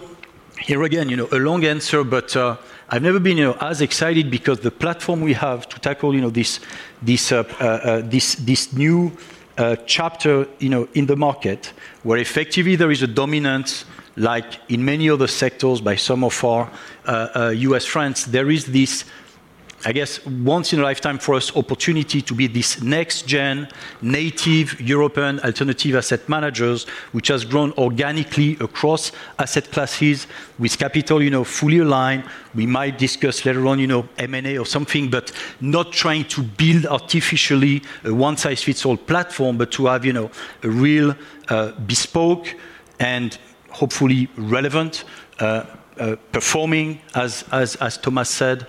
here again, you know, a long answer, but, I've never been, you know, as excited because the platform we have to tackle, you know, this new chapter, you know, in the market, where effectively there is a dominance, like in many other sectors, by some of our U.S. friends. There is this, I guess, once in a lifetime for us, opportunity to be this next gen native European alternative asset managers, which has grown organically across asset classes with capital, you know, fully aligned. We might discuss later on, you know, M&A or something, but not trying to build artificially a one-size-fits-all platform, but to have, you know, a real, bespoke and hopefully relevant, performing, as Thomas said,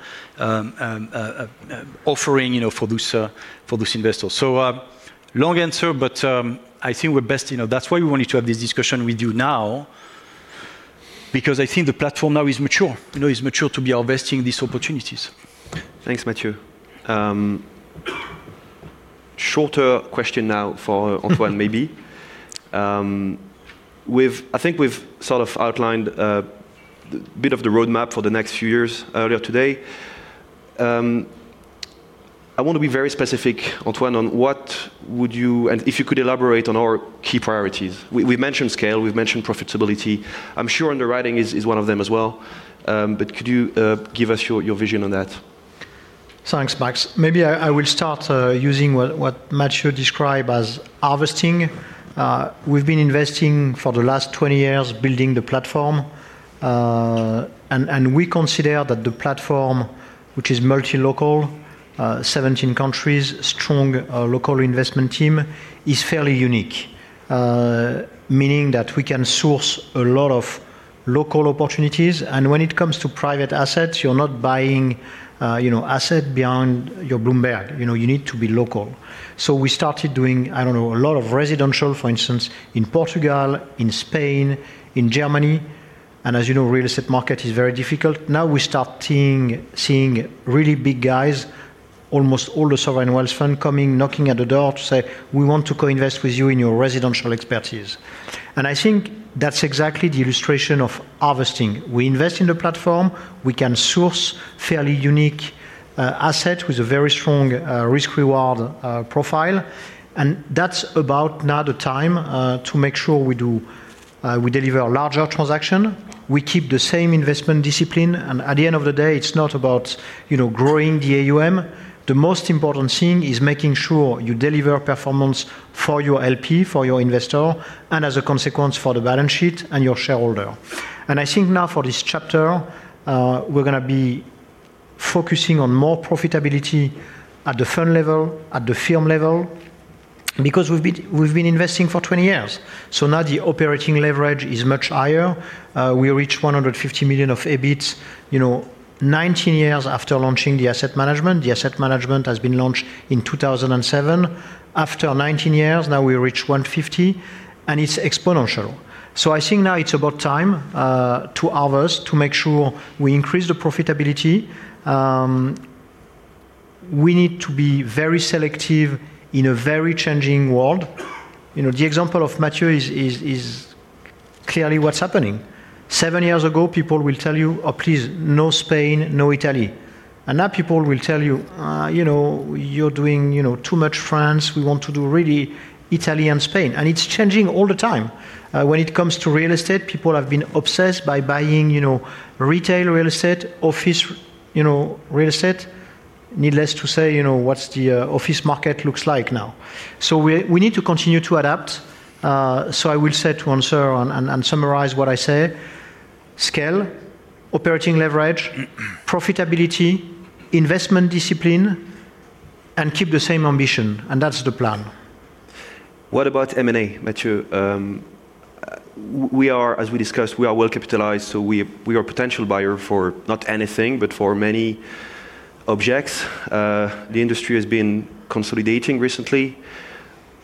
offering, you know, for those, for those investors. So, long answer, but, I think we're best, you know, that's why we wanted to have this discussion with you now, because I think the platform now is mature, you know, is mature to be harvesting these opportunities. Thanks, Mathieu. Shorter question now for Antoine, maybe. We've—I think we've sort of outlined a bit of the roadmap for the next few years earlier today. I want to be very specific, Antoine, on what would you... and if you could elaborate on our key priorities. We've mentioned scale, we've mentioned profitability. I'm sure underwriting is one of them as well. But could you give us your vision on that? Thanks, Max. Maybe I will start using what Mathieu described as harvesting. We've been investing for the last 20 years, building the platform, and we consider that the platform, which is multi-local, 17 countries, strong local investment team, is fairly unique. Meaning that we can source a lot of local opportunities, and when it comes to private assets, you're not buying, you know, asset behind your Bloomberg. You know, you need to be local. So we started doing, I don't know, a lot of residential, for instance, in Portugal, in Spain, in Germany, and as you know, real estate market is very difficult. Now, we start seeing really big guys, almost all the sovereign wealth fund coming, knocking at the door to say, "We want to co-invest with you in your residential expertise." And I think that's exactly the illustration of harvesting. We invest in the platform, we can source fairly unique asset with a very strong risk-reward profile. And that's about now the time to make sure we do, we deliver a larger transaction, we keep the same investment discipline, and at the end of the day, it's not about, you know, growing the AUM. The most important thing is making sure you deliver performance for your LP, for your investor, and as a consequence, for the balance sheet and your shareholder. I think now for this chapter, we're gonna be focusing on more profitability at the fund level, at the firm level, because we've been, we've been investing for 20 years. So now the operating leverage is much higher. We reached 150 million of EBIT, you know, 19 years after launching the asset management. The asset management has been launched in 2007. After 19 years, now we reach 150 million, and it's exponential. So I think now it's about time to harvest, to make sure we increase the profitability. We need to be very selective in a very changing world. You know, the example of Mathieu is, is, is clearly what's happening. Seven years ago, people will tell you, "Oh, please, no Spain, no Italy." And now people will tell you, "you know, you're doing, you know, too much France. We want to do really Italy and Spain." And it's changing all the time. When it comes to real estate, people have been obsessed by buying, you know, retail real estate, office, you know, real estate. Needless to say, you know, what's the office market looks like now. So we need to continue to adapt. So I will say to answer and, and summarize what I say: scale, operating leverage, profitability, investment discipline, and keep the same ambition, and that's the plan. ...What about M&A, Mathieu? We are, as we discussed, we are well capitalized, so we are a potential buyer for not anything, but for many objects. The industry has been consolidating recently.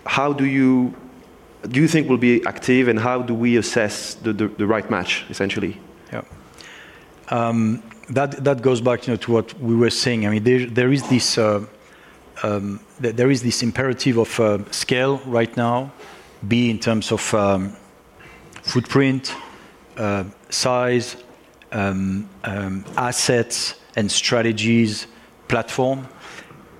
How do you think we'll be active, and how do we assess the right match, essentially? Yeah. That goes back, you know, to what we were saying. I mean, there is this imperative of scale right now, in terms of footprint, size, assets and strategies, platform.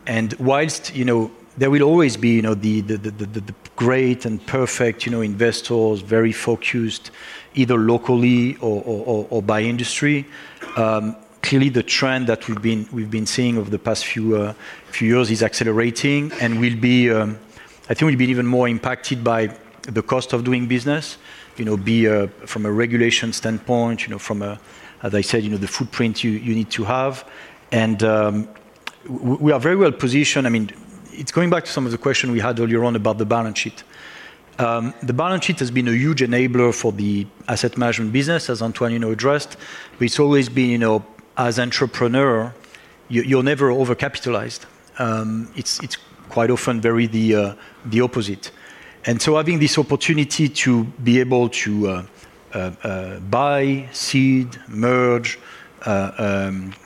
And whilst, you know, there will always be the great and perfect, you know, investors, very focused, either locally or by industry, clearly, the trend that we've been seeing over the past few years is accelerating and will be, I think, even more impacted by the cost of doing business. You know, from a regulation standpoint, you know, from, as I said, you know, the footprint you need to have. And we are very well positioned. I mean, it's going back to some of the questions we had earlier on about the balance sheet. The balance sheet has been a huge enabler for the asset management business, as Antoine, you know, addressed. But it's always been, you know, as entrepreneurs, you're never overcapitalized. It's quite often the very opposite. And so having this opportunity to be able to buy, cede, merge,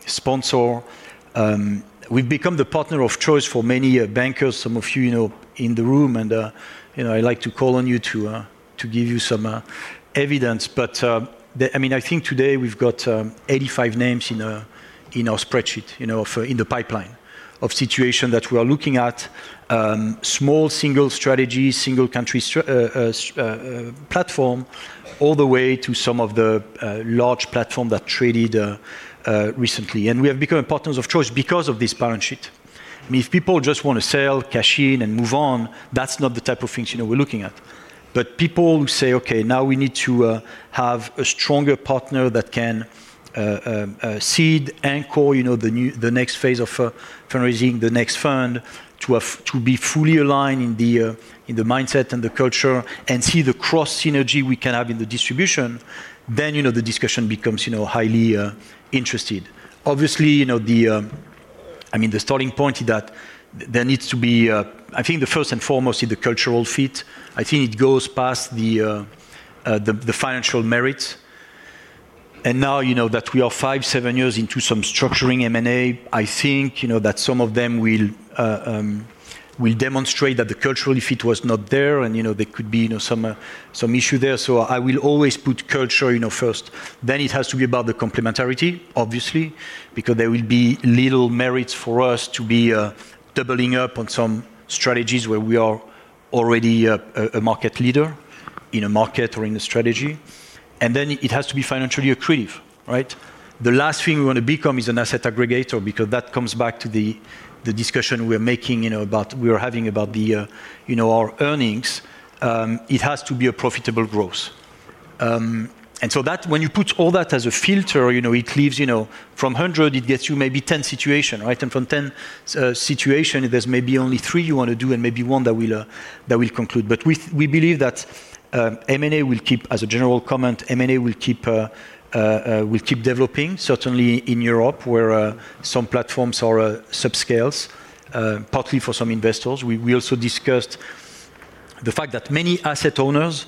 sponsor, we've become the partner of choice for many bankers. Some of you, you know, in the room, and, you know, I like to call on you to give you some evidence. But the... I mean, I think today we've got 85 names in our spreadsheet, you know, for the pipeline of situations that we are looking at. Small, single strategy, single country platform, all the way to some of the large platform that traded recently. And we have become partners of choice because of this balance sheet. I mean, if people just want to sell, cash in, and move on, that's not the type of things, you know, we're looking at. But people who say, "Okay, now we need to have a stronger partner that can seed, anchor, you know, the next phase of fundraising, the next fund, to have, to be fully aligned in the mindset and the culture and see the cross synergy we can have in the distribution," then, you know, the discussion becomes, you know, highly interested. Obviously, you know, the... I mean, the starting point is that there needs to be. I think the first and foremost is the cultural fit. I think it goes past the financial merits. And now, you know, that we are 5-7 years into some structuring M&A, I think, you know, that some of them will demonstrate that the cultural fit was not there, and, you know, there could be, you know, some issue there. So I will always put culture, you know, first. Then it has to be about the complementarity, obviously, because there will be little merits for us to be doubling up on some strategies where we are already a market leader in a market or in a strategy. And then it has to be financially accretive, right? The last thing we want to become is an asset aggregator, because that comes back to the discussion we're making, you know, about—we were having about the, you know, our earnings. It has to be a profitable growth. And so that, when you put all that as a filter, you know, it leaves, you know, from 100, it gets you maybe 10 situations, right? And from 10 situations, there's maybe only three you want to do and maybe one that will conclude. But we believe that M&A will keep... As a general comment, M&A will keep developing, certainly in Europe, where some platforms are subscales, partly for some investors. We also discussed the fact that many asset owners,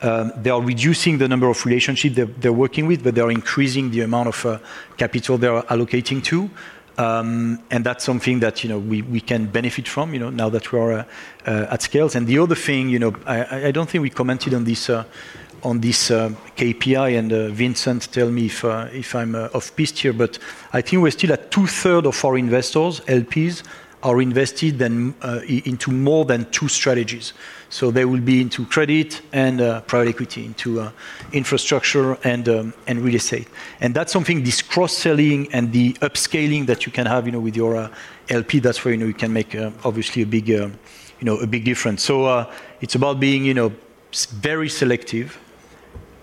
they are reducing the number of relationships they're working with, but they are increasing the amount of capital they are allocating to. And that's something that, you know, we can benefit from, you know, now that we are at scales. And the other thing, you know, I don't think we commented on this on this KPI, and Vincent, tell me if I'm off-piste here, but I think we're still at two-thirds of our investors, LPs, are invested in into more than two strategies. So they will be into credit and private equity, into infrastructure and real estate. That's something, this cross-selling and the upscaling that you can have, you know, with your LP, that's where, you know, you can make obviously a big, you know, a big difference. So, it's about being, you know, very selective.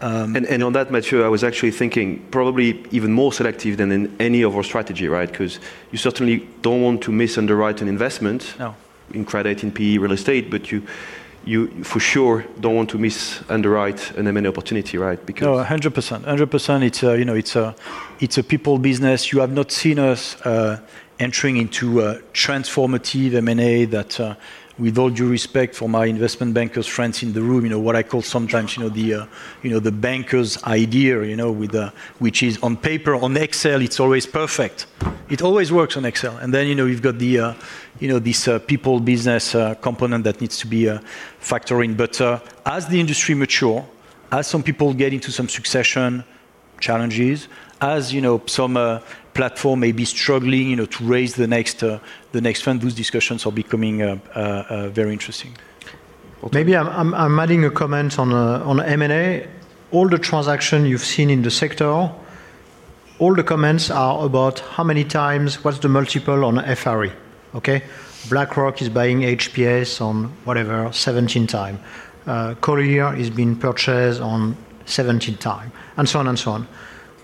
On that, Mathieu, I was actually thinking probably even more selective than in any of our strategy, right? Because you certainly don't want to misunderwrite an investment- No... in credit, in PE, real estate, but you, you for sure don't want to misunderwrite an M&A opportunity, right? Because- No, 100%, 100%. It's a people business. You have not seen us entering into a transformative M&A that, with all due respect for my investment bankers friends in the room, you know, what I call sometimes, you know, the bankers' idea, you know, with which is on paper, on Excel, it's always perfect. It always works on Excel. And then, you know, you've got the, you know, this people business component that needs to be factoring. But as the industry mature, as some people get into some succession challenges, as, you know, some platform may be struggling, you know, to raise the next, the next fund, those discussions are becoming very interesting. Okay. Maybe I'm adding a comment on M&A. All the transactions you've seen in the sector, all the comments are about how many times, what's the multiple on FRE, okay? BlackRock is buying HPS on, whatever, 17 times. Coller is being purchased on 17 times, and so on, and so on.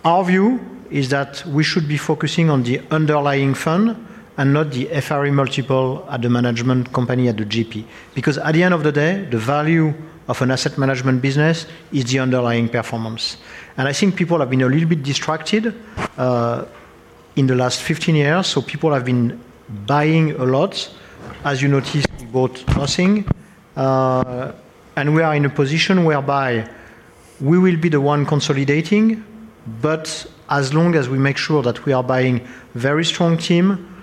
Our view is that we should be focusing on the underlying fund and not the FRE multiple at the management company, at the GP. Because at the end of the day, the value of an asset management business is the underlying performance. And I think people have been a little bit distracted in the last 15 years, so people have been buying a lot. As you noticed, we bought nothing. And we are in a position whereby we will be the one consolidating, but as long as we make sure that we are buying very strong team,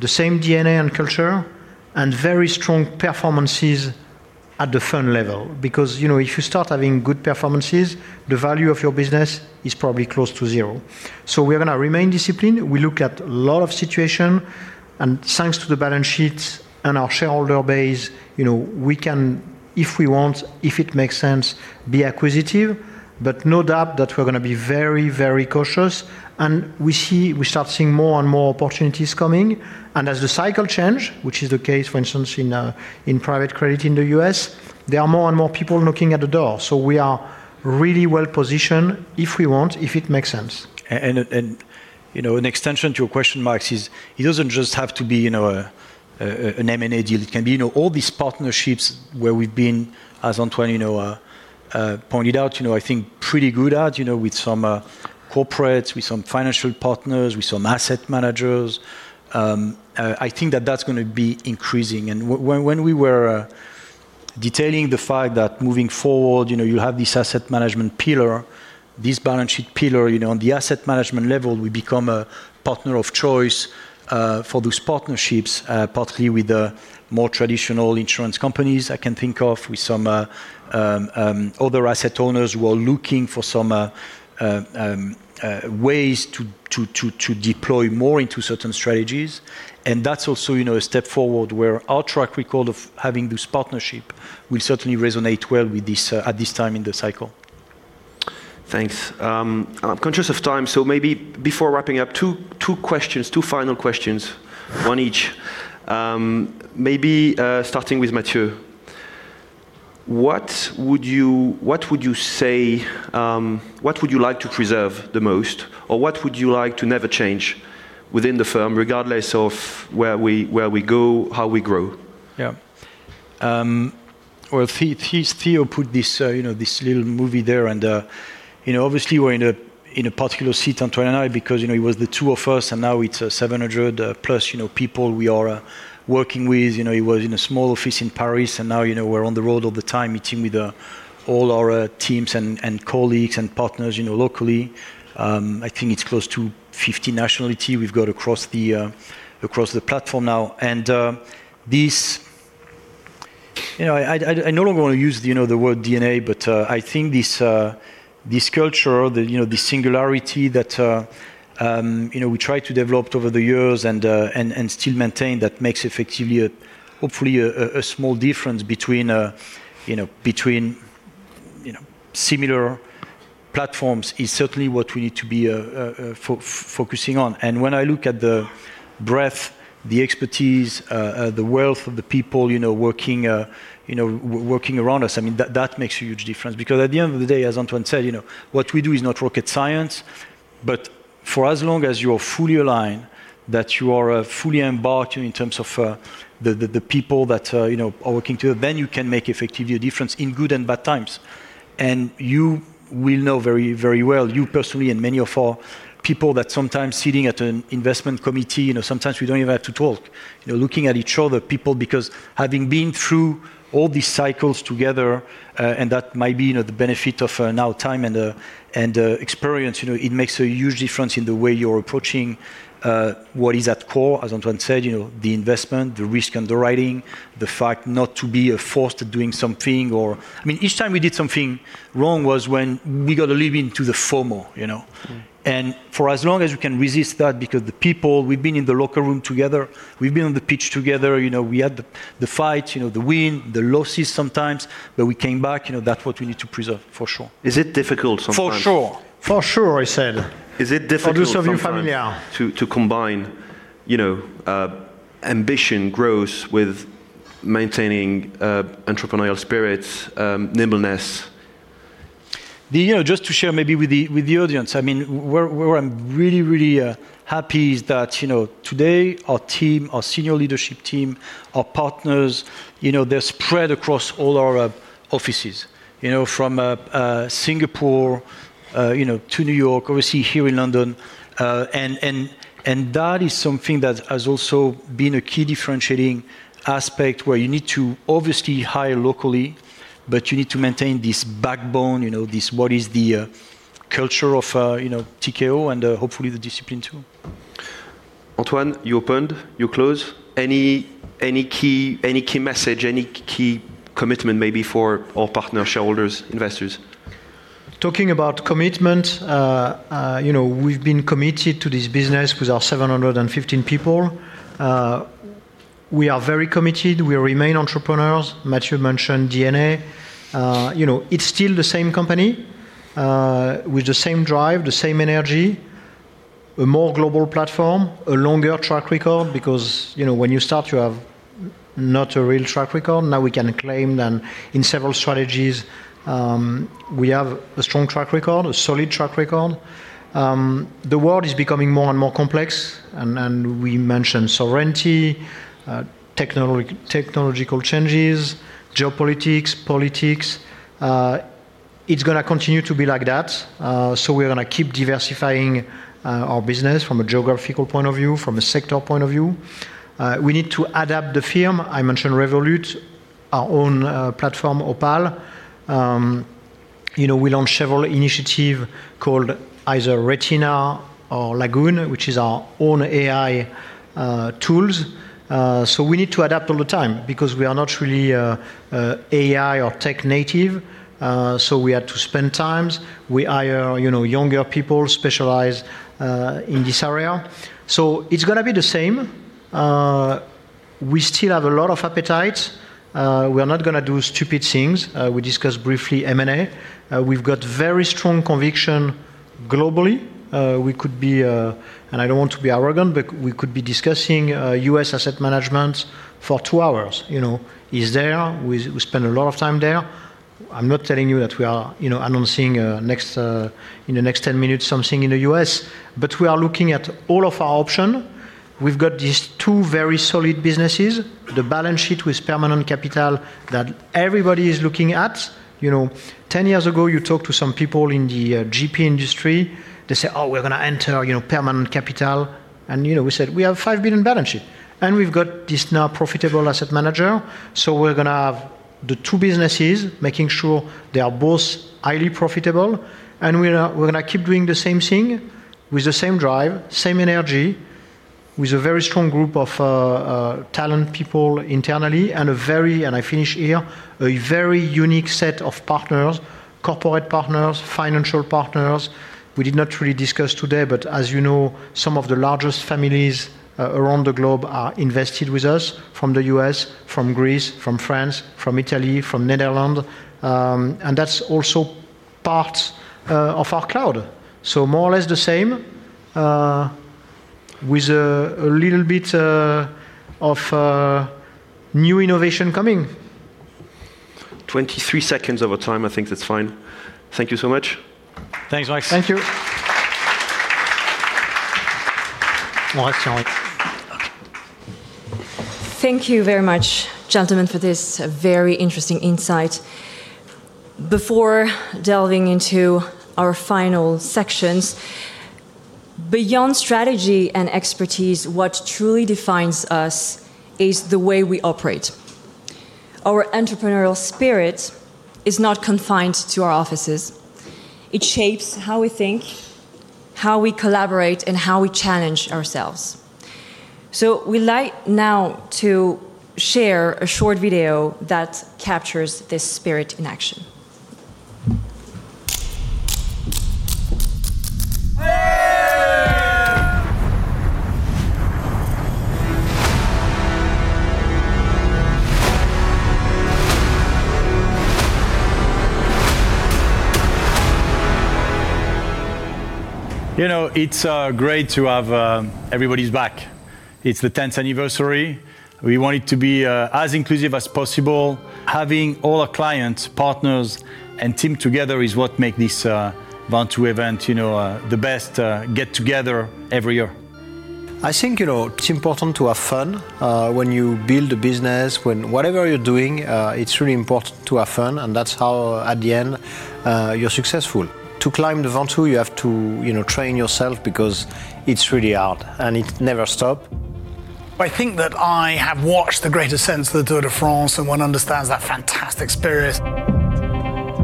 the same DNA and culture, and very strong performances at the fund level. Because, you know, if you start having good performances, the value of your business is probably close to zero. So we are going to remain disciplined. We look at a lot of situation, and thanks to the balance sheets and our shareholder base, you know, we can, if we want, if it makes sense, be acquisitive, but no doubt that we're going to be very, very cautious. And we see, we start seeing more and more opportunities coming. And as the cycle change, which is the case, for instance, in private credit in the U.S., there are more and more people knocking at the door. We are really well positioned if we want, if it makes sense. And, you know, an extension to your question, Max, is it doesn't just have to be, you know, an M&A deal. It can be, you know, all these partnerships where we've been, as Antoine, you know, pointed out, you know, I think pretty good at, you know, with some corporates, with some financial partners, with some asset managers. I think that's going to be increasing. And when we were detailing the fact that moving forward, you know, you have this asset management pillar, this balance sheet pillar, you know, on the asset management level, we become a partner of choice for those partnerships partly with the more traditional insurance companies I can think of, with some other asset owners who are looking for some ways to deploy more into certain strategies. And that's also, you know, a step forward, where our track record of having this partnership will certainly resonate well with this at this time in the cycle. Thanks. I'm conscious of time, so maybe before wrapping up, two final questions, one each. Maybe starting with Mathieu. What would you say? What would you like to preserve the most, or what would you like to never change within the firm, regardless of where we go, how we grow? Yeah. Well, Theo put this, you know, this little movie there, and, you know, obviously, we're in a, in a particular seat, Antoine and I, because, you know, it was the two of us, and now it's, 700, plus, you know, people we are working with. You know, it was in a small office in Paris, and now, you know, we're on the road all the time, meeting with, all our, teams and colleagues and partners, you know, locally. I think it's close to 50 nationalities we've got across the, across the platform now. You know, I no longer want to use the, you know, the word DNA, but I think this culture, the singularity that we tried to developed over the years and still maintain, that makes effectively a, hopefully a small difference between similar platforms, is certainly what we need to be focusing on. And when I look at the breadth, the expertise, the wealth of the people, you know, working around us, I mean, that makes a huge difference. Because at the end of the day, as Antoine said, you know, what we do is not rocket science, but for as long as you are fully aligned, that you are fully embarked in terms of the people that you know are working together, then you can make effectively a difference in good and bad times. And you will know very, very well, you personally, and many of our people that sometimes sitting at an investment committee, you know, sometimes we don't even have to talk. You know, looking at each other, people, because having been through all these cycles together, and that might be, you know, the benefit of now time and experience, you know, it makes a huge difference in the way you're approaching what is at core, as Antoine said, you know, the investment, the risk underwriting, the fact not to be forced to doing something or... I mean, each time we did something wrong was when we got to lean into the FOMO, you know? Mm. For as long as we can resist that, because the people, we've been in the locker room together, we've been on the pitch together, you know, we had the, the fight, you know, the win, the losses sometimes, but we came back. You know, that's what we need to preserve, for sure. Is it difficult sometimes? For sure. For sure, I said... Is it difficult sometimes- I do something familiar.... to combine, you know, ambition, growth, with maintaining, entrepreneurial spirit, nimbleness? You know, just to share maybe with the audience, I mean, where I'm really, really happy is that, you know, today, our team, our senior leadership team, our partners, you know, they're spread across all our offices, you know, from Singapore to New York, obviously here in London. And that is something that has also been a key differentiating aspect, where you need to obviously hire locally, but you need to maintain this backbone, you know, this what is the culture of Tikehau, and hopefully the discipline, too. Antoine, you opened, you close. Any key message, any key commitment maybe for our partner, shareholders, investors? Talking about commitment, you know, we've been committed to this business with our 715 people. We are very committed, we remain entrepreneurs. Mathieu mentioned DNA. You know, it's still the same company, with the same drive, the same energy, a more global platform, a longer track record, because, you know, when you start, you have not a real track record. Now we can claim that in several strategies, we have a strong track record, a solid track record. The world is becoming more and more complex, and we mentioned sovereignty, technological changes, geopolitics, politics. It's gonna continue to be like that, so we're gonna keep diversifying our business from a geographical point of view, from a sector point of view. We need to adapt the firm. I mentioned Revolut, our own platform, Opale. You know, we launched several initiative called either Retina or Lagoon, which is our own AI tools. So we need to adapt all the time because we are not really AI or tech native, so we had to spend times. We hire, you know, younger people, specialize in this area. So it's gonna be the same. We still have a lot of appetite. We are not gonna do stupid things. We discussed briefly M&A. We've got very strong conviction globally. We could be... and I don't want to be arrogant, but we could be discussing U.S. asset management for two hours. You know, it's there, we, we spend a lot of time there. I'm not telling you that we are, you know, announcing next in the next 10 minutes, something in the U.S., but we are looking at all of our option. We've got these two very solid businesses, the balance sheet with permanent capital that everybody is looking at. You know, 10 years ago, you talk to some people in the GP industry, they say, "Oh, we're gonna enter, you know, permanent capital." And, you know, we said, "We have 5 billion balance sheet," and we've got this now profitable asset manager. So we're gonna have the two businesses, making sure they are both highly profitable, and we're gonna keep doing the same thing with the same drive, same energy, with a very strong group of talented people internally and a very, and I finish here, a very unique set of partners, corporate partners, financial partners. We did not really discuss today, but as you know, some of the largest families around the globe are invested with us from the U.S., from Greece, from France, from Italy, from Netherlands, and that's also part of our crowd. So more or less the same, with a little bit of new innovation coming. 23 seconds over time. I think that's fine. Thank you so much. Thanks, guys. Thank you. Thank you very much, gentlemen, for this very interesting insight. Before delving into our final sections, beyond strategy and expertise, what truly defines us is the way we operate. Our entrepreneurial spirit is not confined to our offices. It shapes how we think, how we collaborate, and how we challenge ourselves. So we'd like now to share a short video that captures this spirit in action. You know, it's great to have everybody's back. It's the tenth anniversary. We want it to be as inclusive as possible. Having all our clients, partners, and team together is what make this Ventoux event, you know, the best get-together every year. I think, you know, it's important to have fun when you build a business. When, whatever you're doing, it's really important to have fun, and that's how, at the end, you're successful. To climb the Ventoux, you have to, you know, train yourself because it's really hard, and it never stop. I think that I have watched the greatest sense of the Tour de France, and one understands that fantastic experience.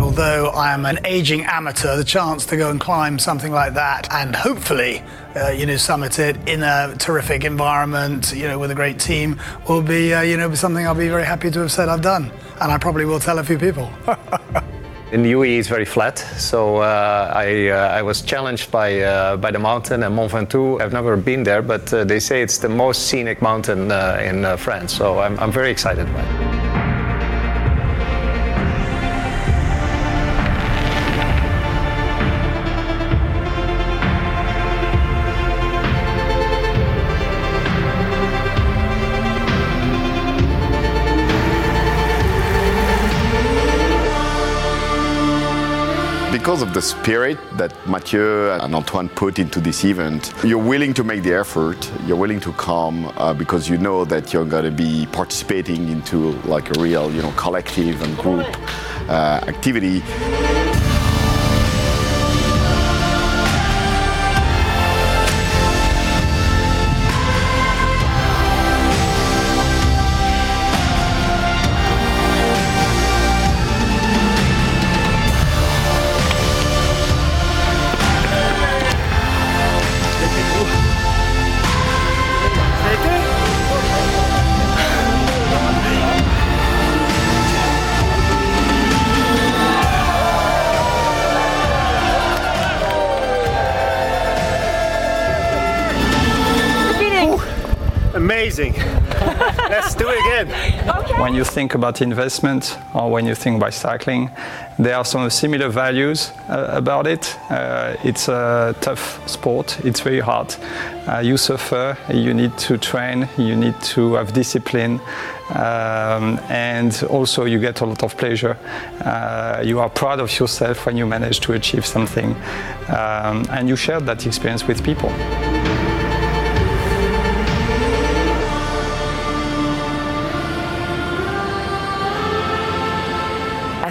Although I am an aging amateur, the chance to go and climb something like that and hopefully, you know, summit it in a terrific environment, you know, with a great team, will be, you know, something I'll be very happy to have said I've done, and I probably will tell a few people. In the UAE, it's very flat, so I was challenged by the mountain at Mont Ventoux. I've never been there, but they say it's the most scenic mountain in France, so I'm very excited about it. Because of the spirit that Mathieu and Antoine put into this event, you're willing to make the effort, you're willing to come, because you know that you're gonna be participating into, like, a real, you know, collective and group activity. ... Amazing! Let's do it again. Okay. When you think about investment or when you think about cycling, there are some similar values about it. It's a tough sport. It's very hard. You suffer, you need to train, you need to have discipline, and also you get a lot of pleasure. You are proud of yourself when you manage to achieve something, and you share that experience with people.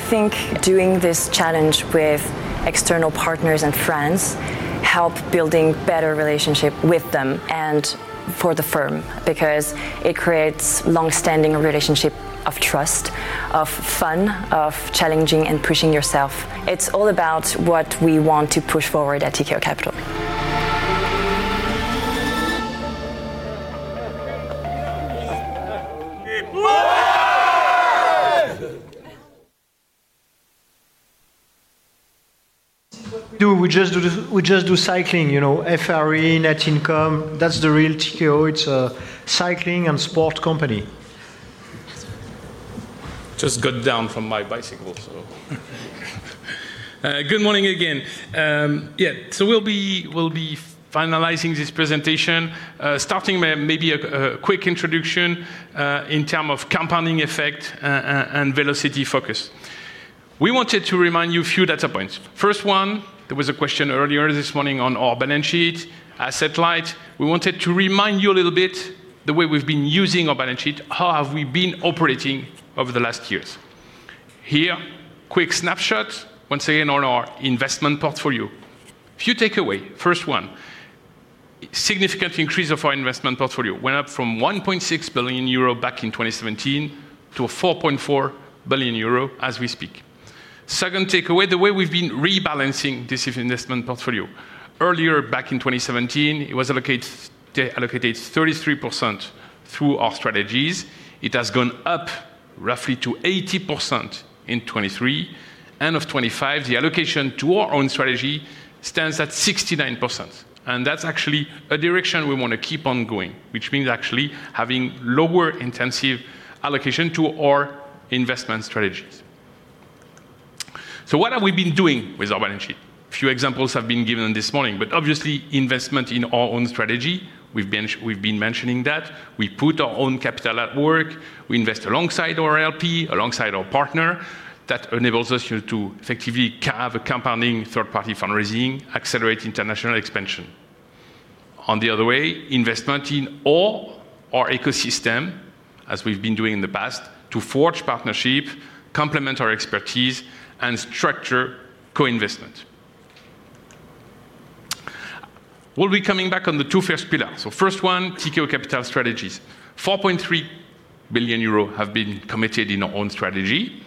I think doing this challenge with external partners and friends help building better relationship with them and for the firm, because it creates long-standing relationship of trust, of fun, of challenging and pushing yourself. It's all about what we want to push forward at Tikehau Capital. Do we just do cycling, you know, FRE, net income, that's the real Tikehau. It's a cycling and sport company. Just got down from my bicycle, so... Good morning again. Yeah, so we'll be finalizing this presentation, starting maybe a quick introduction in terms of compounding effect and velocity focus. We wanted to remind you a few data points. First one, there was a question earlier this morning on our balance sheet, asset light. We wanted to remind you a little bit the way we've been using our balance sheet, how have we been operating over the last years. Here, quick snapshot, once again, on our investment portfolio. Few takeaways, first one, significant increase of our investment portfolio went up from 1.6 billion euro back in 2017 to 4.4 billion euro as we speak. Second takeaway, the way we've been rebalancing this investment portfolio. Earlier, back in 2017, it was allocated 33% through our strategies. It has gone up roughly to 80% in 2023. End of 2025, the allocation to our own strategy stands at 69%, and that's actually a direction we want to keep on going, which means actually having lower intensive allocation to our investment strategies. So what have we been doing with our balance sheet? A few examples have been given this morning, but obviously, investment in our own strategy, we've been mentioning that. We put our own capital at work, we invest alongside our LP, alongside our partner. That enables us to effectively have a compounding third-party fundraising, accelerate international expansion. On the other way, investment in all our ecosystem, as we've been doing in the past, to forge partnership, complement our expertise, and structure co-investment. We'll be coming back on the two first pillars. So first one, Tikehau Capital strategies. 4.3 billion euros have been committed in our own strategy.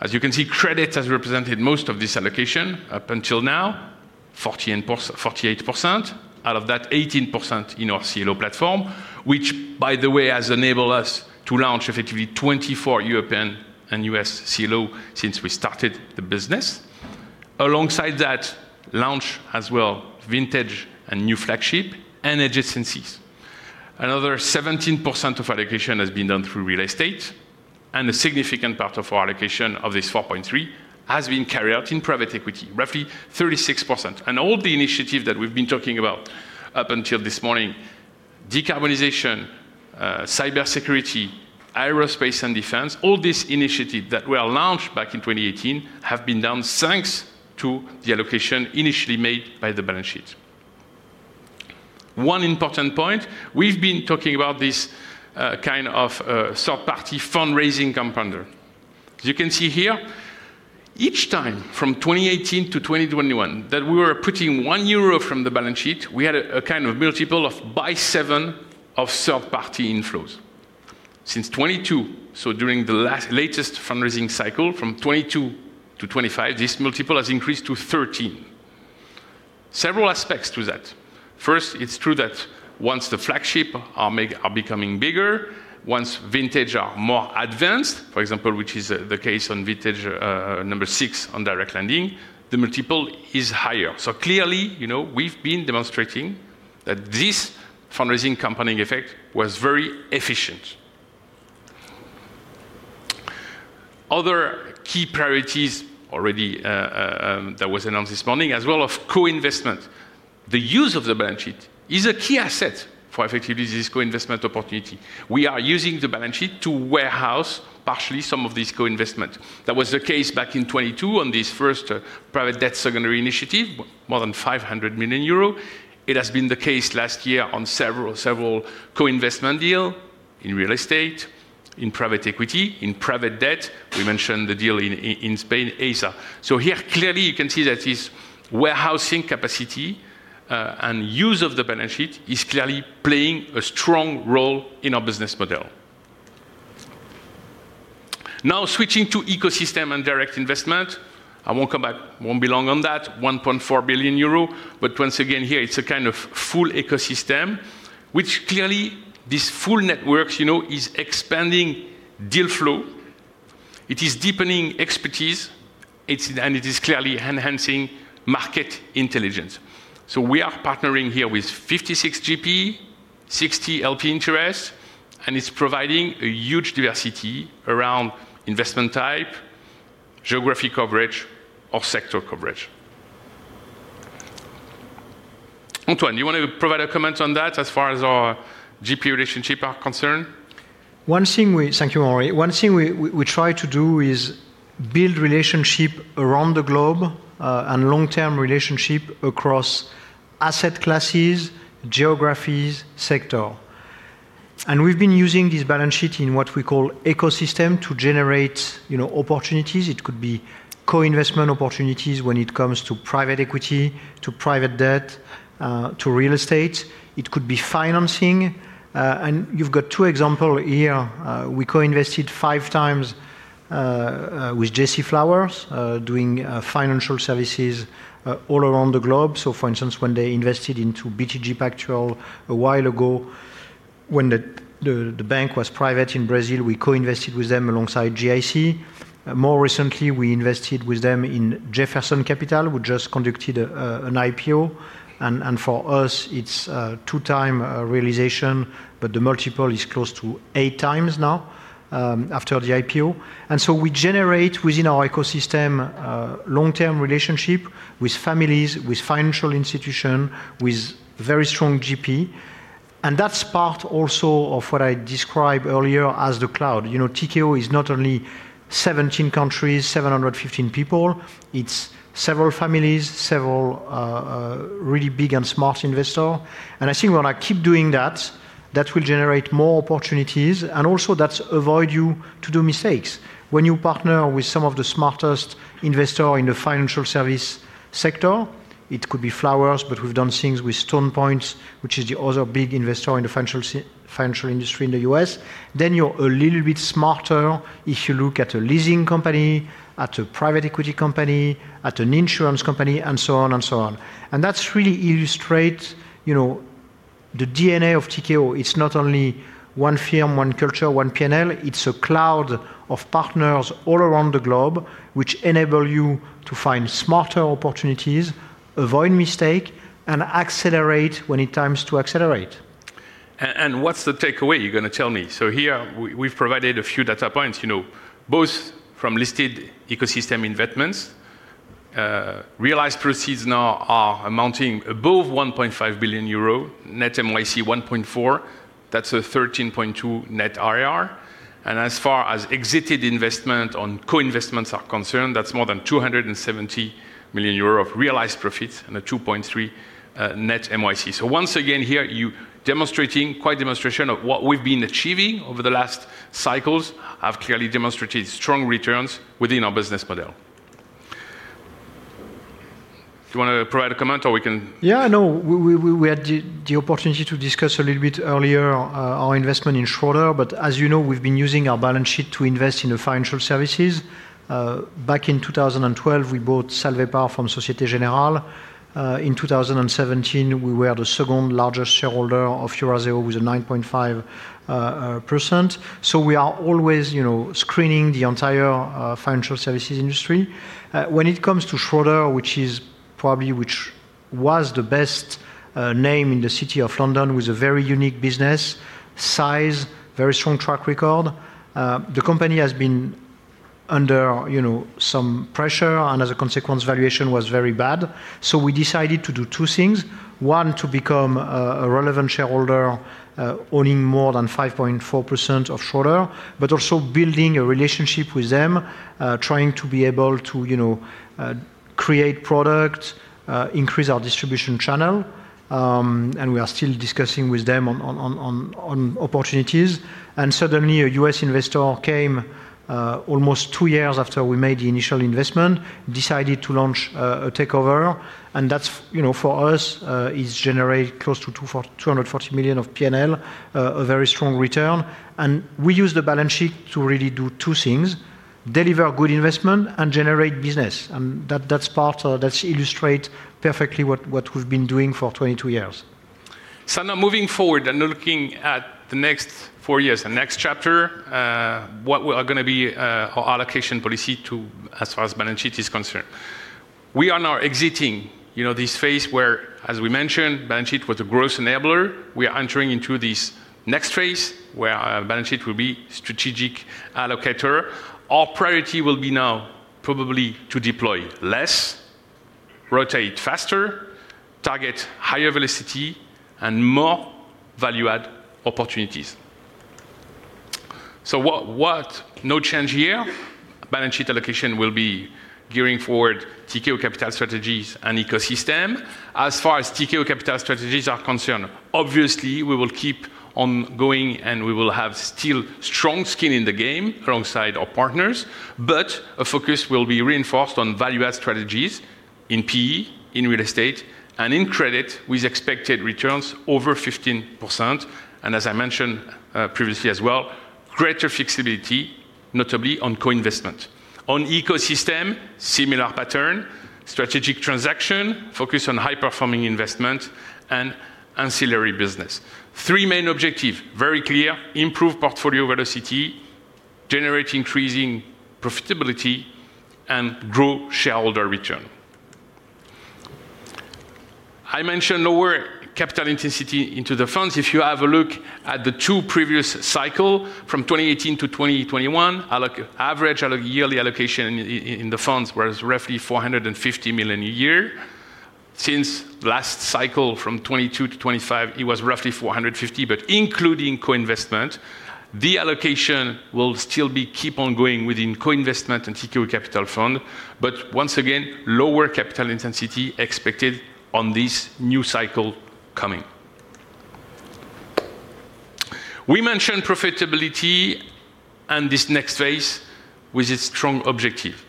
As you can see, credit has represented most of this allocation. Up until now, 48%, 48%. Out of that, 18% in our CLO platform, which, by the way, has enabled us to launch effectively 24 European and U.S. CLO since we started the business. Alongside that, launch as well, vintage and new flagship and adjacencies. Another 17% of allocation has been done through real estate, and a significant part of our allocation of this 4.3 billion has been carried out in private equity, roughly 36%. And all the initiatives that we've been talking about up until this morning, Decarbonization, Cybersecurity, Aerospace, and Defense, all these initiatives that were launched back in 2018 have been done thanks to the allocation initially made by the balance sheet. One important point, we've been talking about this, kind of, third-party fundraising compounder. You can see here, each time from 2018 to 2021, that we were putting 1 euro from the balance sheet, we had a kind of multiple of by 7 of third-party inflows. Since 2022, so during the latest fundraising cycle, from 2022 to 2025, this multiple has increased to 13. Several aspects to that. First, it's true that once the flagships are becoming bigger, once vintages are more advanced, for example, which is the case on vintage number 6 on direct lending, the multiple is higher. So clearly, you know, we've been demonstrating that this fundraising compounding effect was very efficient. Other key priorities already that was announced this morning, as well as co-investment. The use of the balance sheet is a key asset for effectively this co-investment opportunity. We are using the balance sheet to warehouse partially some of this co-investment. That was the case back in 2022 on this first private debt secondary initiative, more than 500 million euro. It has been the case last year on several co-investment deals in real estate, in private equity, in private debt. We mentioned the deal in Spain, AESA. So here, clearly, you can see that this warehousing capacity and use of the balance sheet is clearly playing a strong role in our business model. Now, switching to ecosystem and direct investment, I won't come back, won't be long on that, 1.4 billion euro, but once again, here, it's a kind of full ecosystem, which clearly this full networks, you know, is expanding deal flow. It is deepening expertise, it's, and it is clearly enhancing market intelligence. So we are partnering here with 56 GP, 60 LP interests, and it's providing a huge diversity around investment type, geographic coverage, or sector coverage. Antoine, do you want to provide a comment on that as far as our GP relationship are concerned? One thing we thank you, Henri. One thing we try to do is build relationship around the globe and long-term relationship across asset classes, geographies, sector. We've been using this balance sheet in what we call ecosystem to generate, you know, opportunities. It could be co-investment opportunities when it comes to private equity, to private debt, to real estate. It could be financing. And you've got two example here. We co-invested five times with J.C. Flowers doing financial services all around the globe. So for instance, when they invested into BTG Pactual a while ago, when the bank was private in Brazil, we co-invested with them alongside GIC. More recently, we invested with them in Jefferson Capital, who just conducted an IPO, and for us, it's a 2x realization, but the multiple is close to 8x now, after the IPO. And so we generate, within our ecosystem, long-term relationship with families, with financial institution, with very strong GP, and that's part also of what I described earlier as the cloud. You know, Tikehau is not only 17 countries, 715 people, it's several families, several, really big and smart investor. And I think when I keep doing that, that will generate more opportunities, and also that's avoid you to do mistakes. When you partner with some of the smartest investor in the financial service sector, it could be Flowers, but we've done things with Stone Point, which is the other big investor in the financial industry in the US, then you're a little bit smarter if you look at a leasing company, at a private equity company, at an insurance company, and so on and so on. That's really illustrate, you know, the DNA of Tikehau. It's not only one firm, one culture, one P&L, it's a cloud of partners all around the globe, which enable you to find smarter opportunities, avoid mistake, and accelerate when it times to accelerate. And what's the takeaway? You're going to tell me. So here, we've provided a few data points, you know, both from listed ecosystem investments. Realized proceeds now are amounting above 1.5 billion euro, net MOIC 1.4, that's a 13.2% net IRR. And as far as exited investment on co-investments are concerned, that's more than 270 million euros of realized profits and a 2.3 net MOIC. So once again, here, you demonstrating—quite demonstration of what we've been achieving over the last cycles, have clearly demonstrated strong returns within our business model. Do you want to provide a comment, or we can- Yeah, no, we had the opportunity to discuss a little bit earlier our investment in Schroders, but as you know, we've been using our balance sheet to invest in the financial services. Back in 2012, we bought Salvepar from Société Générale. In 2017, we were the second largest shareholder of Eurazeo with a 9.5%. So we are always, you know, screening the entire financial services industry. When it comes to Schroders, which is probably—which was the best name in the City of London, with a very unique business, size, very strong track record, the company has been under, you know, some pressure, and as a consequence, valuation was very bad. So we decided to do two things: one, to become a relevant shareholder, owning more than 5.4% of Schroders, but also building a relationship with them, trying to be able to, you know, create product, increase our distribution channel, and we are still discussing with them on opportunities. And suddenly, a U.S. investor came, almost 2 years after we made the initial investment, decided to launch a takeover, and that's, you know, for us, is generate close to 240 million of P&L, a very strong return. And we use the balance sheet to really do two things: deliver good investment and generate business. And that, that's part or that's illustrate perfectly what, what we've been doing for 22 years. So now moving forward and now looking at the next four years, the next chapter, what we are gonna be, our allocation policy to as far as balance sheet is concerned. We are now exiting, you know, this phase where, as we mentioned, balance sheet was a growth enabler. We are entering into this next phase, where our balance sheet will be strategic allocator. Our priority will be now probably to deploy less, rotate faster, target higher velocity, and more value-add opportunities. No change here. Balance sheet allocation will be gearing forward Tikehau Capital strategies and ecosystem. As far as Tikehau Capital strategies are concerned, obviously, we will keep on going, and we will have still strong skin in the game alongside our partners, but a focus will be reinforced on value-add strategies in PE, in real estate, and in credit, with expected returns over 15%, and as I mentioned, previously as well, greater flexibility, notably on co-investment, on ecosystem, similar pattern, strategic transaction, focus on high-performing investment and ancillary business. Three main objective, very clear: improve portfolio velocity, generate increasing profitability, and grow shareholder return. I mentioned lower capital intensity into the funds. If you have a look at the two previous cycle from 2018 to 2021, average out of yearly allocation in the funds was roughly 450 million a year. Since last cycle, from 2022 to 2025, it was roughly 450, but including co-investment, the allocation will still be keep on going within co-investment and secure capital fund. But once again, lower capital intensity expected on this new cycle coming. We mentioned profitability and this next phase with its strong objective.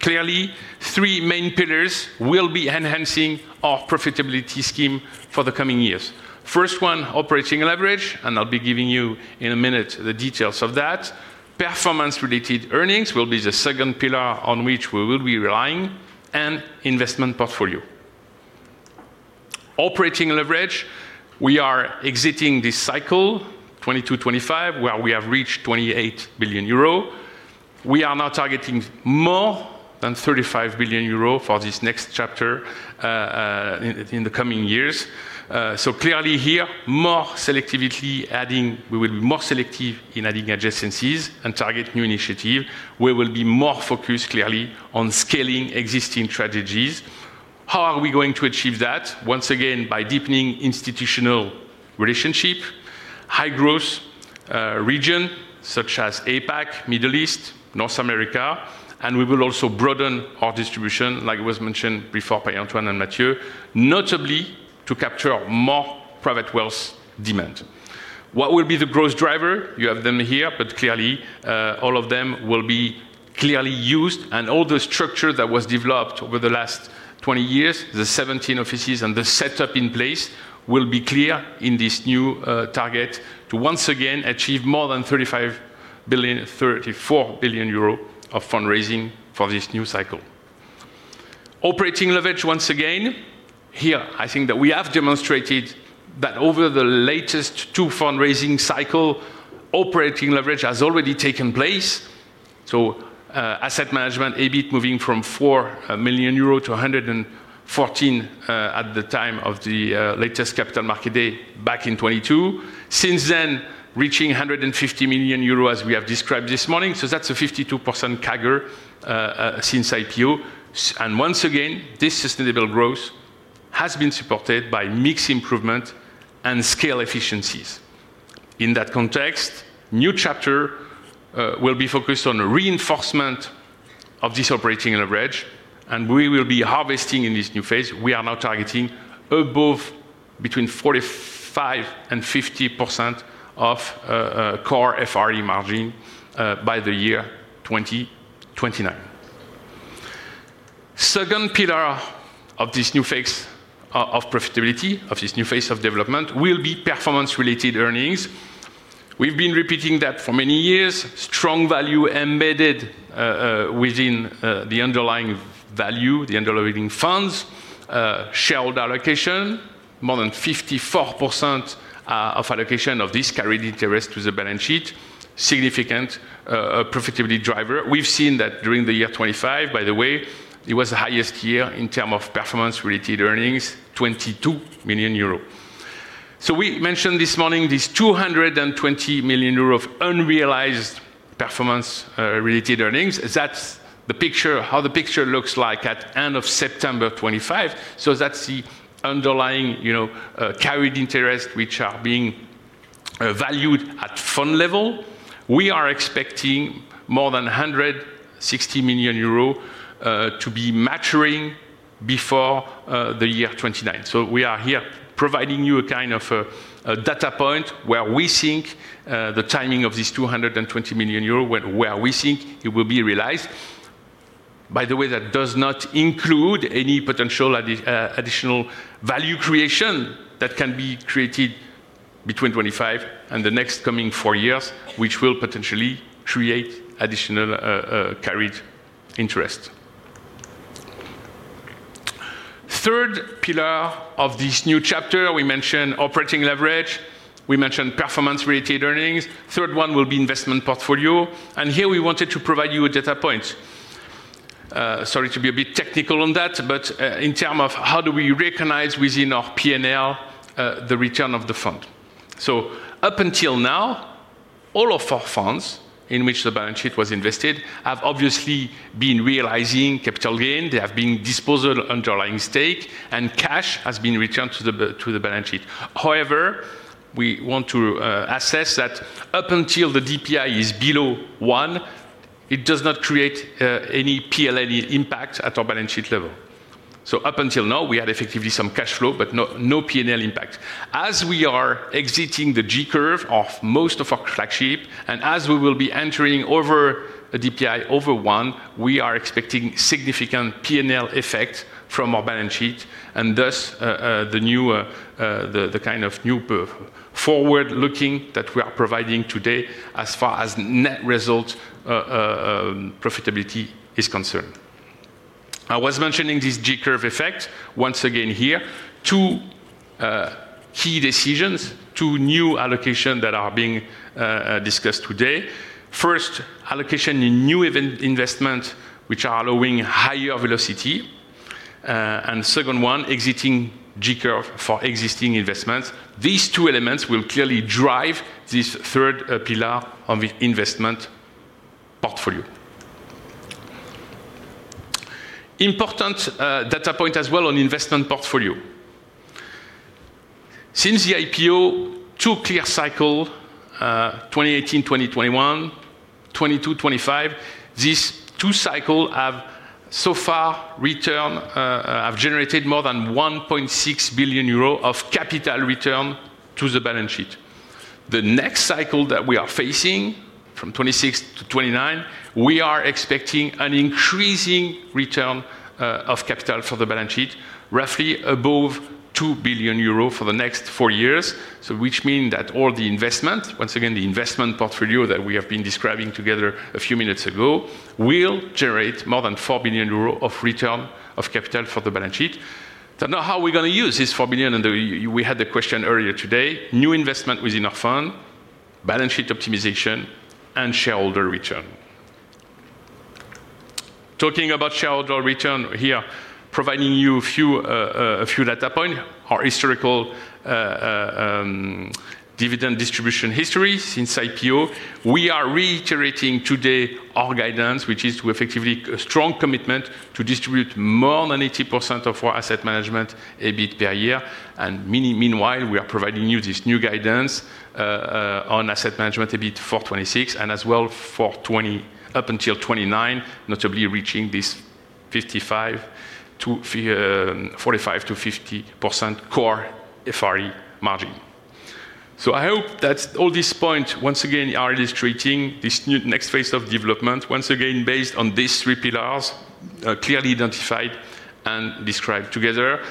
Clearly, three main pillars will be enhancing our profitability scheme for the coming years. First one, operating leverage, and I'll be giving you in a minute the details of that. Performance-related earnings will be the second pillar on which we will be relying, and investment portfolio. Operating leverage, we are exiting this cycle, 2022-2025, where we have reached 28 billion euro. We are now targeting more than 35 billion euro for this next chapter in the coming years. So clearly here, more selectivity—we will be more selective in adding adjacencies and target new initiative. We will be more focused, clearly, on scaling existing strategies. How are we going to achieve that? Once again, by deepening institutional relationship, high-growth region, such as APAC, Middle East, North America, and we will also broaden our distribution, like it was mentioned before by Antoine and Mathieu, notably to capture more private wealth demand. What will be the growth driver? You have them here, but clearly, all of them will be clearly used, and all the structure that was developed over the last 20 years, the 17 offices and the setup in place, will be clear in this new target to once again achieve more than 35 billion, 34 billion euro of fundraising for this new cycle. Operating leverage, once again, here, I think that we have demonstrated that over the latest two fundraising cycle, operating leverage has already taken place. So, asset management, EBIT, moving from 4 million euro to 114, at the time of the, latest Capital Markets Day back in 2022. Since then, reaching 150 million euros, as we have described this morning. So that's a 52% CAGR since IPO. And once again, this sustainable growth has been supported by mix improvement and scale efficiencies. In that context, new chapter will be focused on reinforcement of this operating leverage, and we will be harvesting in this new phase. We are now targeting above between 45%-50% of core FRE margin by the year 2029. Second pillar of this new phase of profitability, of this new phase of development, will be performance-related earnings. We've been repeating that for many years. Strong value embedded within the underlying value, the underlying funds, shareholder allocation, more than 54% of allocation of this carried interest to the balance sheet, significant profitability driver. We've seen that during the year 2025, by the way, it was the highest year in term of performance-related earnings, 22 million euros. So we mentioned this morning, this 220 million euros of unrealized performance related earnings. That's the picture, how the picture looks like at end of September 2025. So that's the underlying, you know, carried interest, which are being valued at fund level. We are expecting more than 160 million euros to be maturing before the year 2029. So we are here providing you a kind of a data point where we think the timing of this 220 million euro, when, where we think it will be realized. By the way, that does not include any potential additional value creation that can be created between 2025 and the next coming four years, which will potentially create additional carried interest. Third pillar of this new chapter, we mentioned operating leverage, we mentioned performance-related earnings. Third one will be investment portfolio, and here we wanted to provide you a data point. Sorry to be a bit technical on that, but in terms of how do we recognize within our P&L the return of the fund? So up until now, all of our funds in which the balance sheet was invested have obviously been realizing capital gain. They have been disposing of underlying stakes, and cash has been returned to the balance sheet. However, we want to assess that up until the DPI is below one, it does not create any P&L impact at our balance sheet level. So up until now, we had effectively some cash flow, but no, no P&L impact. As we are exiting the J-curve of most of our flagship, and as we will be entering over a DPI over one, we are expecting significant P&L effect from our balance sheet, and thus, the new, the kind of new forward-looking that we are providing today as far as net result, profitability is concerned. I was mentioning this J-curve effect. Once again here, two key decisions, two new allocations that are being discussed today. First, allocation in new even-investment, which are allowing higher velocity. Second one, exiting G-curve for existing investments. These two elements will clearly drive this third pillar of the investment portfolio. Important data point as well on investment portfolio. Since the IPO, two clear cycle, 2018, 2021, 2022, 2025, these two cycle have so far return, have generated more than 1.6 billion euro of capital return to the balance sheet. The next cycle that we are facing, from 2026 to 2029, we are expecting an increasing return of capital for the balance sheet, roughly above 2 billion euros for the next four years. So which mean that all the investment, once again, the investment portfolio that we have been describing together a few minutes ago, will generate more than 4 billion euros of return of capital for the balance sheet. So now, how are we going to use this 4 billion? And we had the question earlier today, new investment within our fund, balance sheet optimization, and shareholder return. Talking about shareholder return here, providing you a few, a few data point, our historical, dividend distribution history since IPO. We are reiterating today our guidance, which is to effectively a strong commitment to distribute more than 80% of our asset management EBIT per year. Meanwhile, we are providing you this new guidance on asset management, EBIT for 2026, and as well for 2025 up until 2029, notably reaching this 45%-50% core FRE margin. So I hope that all these points, once again, are illustrating this new next phase of development, once again, based on these three pillars clearly identified and described together.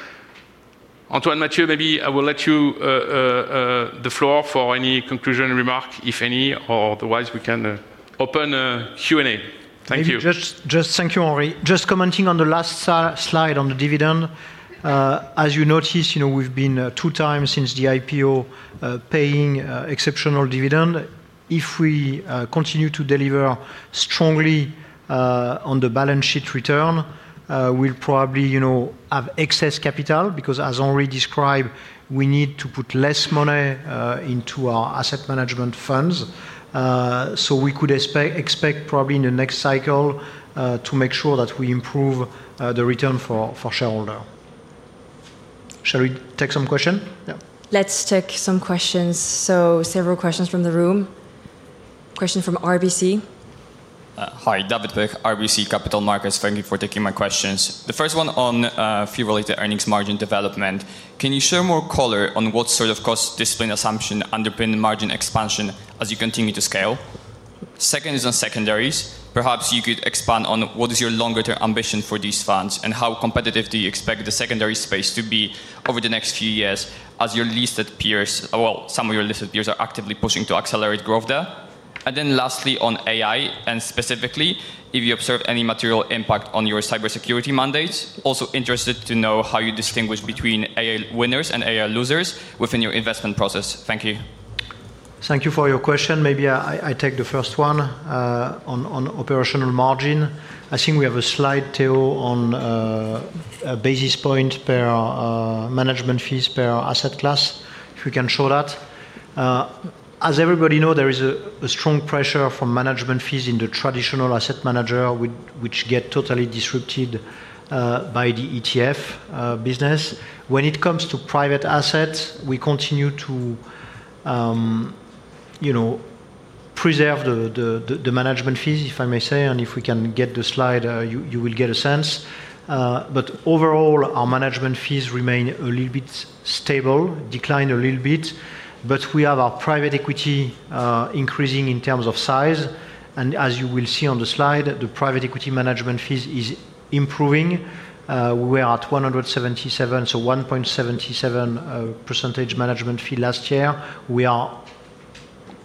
Antoine, Mathieu, maybe I will let you the floor for any concluding remark, if any, or otherwise we can open a Q&A. Thank you. Maybe just thank you, Henri. Just commenting on the last slide on the dividend. As you notice, you know, we've been two times since the IPO paying exceptional dividend. If we continue to deliver strongly on the balance sheet return, we'll probably, you know, have excess capital, because as Henri described, we need to put less money into our asset management funds. So we could expect probably in the next cycle to make sure that we improve the return for shareholder. Shall we take some question? Yeah. Let's take some questions. Several questions from the room. Question from RBC. Hi, David Beck, RBC Capital Markets. Thank you for taking my questions. The first one on, fee-related earnings margin development. Can you share more color on what sort of cost discipline assumption underpin the margin expansion as you continue to scale? Second is on secondaries. Perhaps you could expand on what is your longer-term ambition for these funds, and how competitive do you expect the secondary space to be over the next few years as your listed peers, well, some of your listed peers, are actively pushing to accelerate growth there? And then lastly, on AI, and specifically, if you observe any material impact on your cybersecurity mandates. Also interested to know how you distinguish between AI winners and AI losers within your investment process. Thank you. Thank you for your question. Maybe I, I take the first one, on, on operational margin. I think we have a slide, Theo, on, a basis point per, management fees per asset class, if we can show that. As everybody know, there is a, a strong pressure from management fees in the traditional asset manager, which, which get totally disrupted, by the ETF, business. When it comes to private assets, we continue to, you know, preserve the, the, the, the management fees, if I may say, and if we can get the slide, you, you will get a sense. But overall, our management fees remain a little bit stable, decline a little bit, but we have our private equity, increasing in terms of size. And as you will see on the slide, the private equity management fees is improving. We are at 177, so 1.77% management fee last year. We are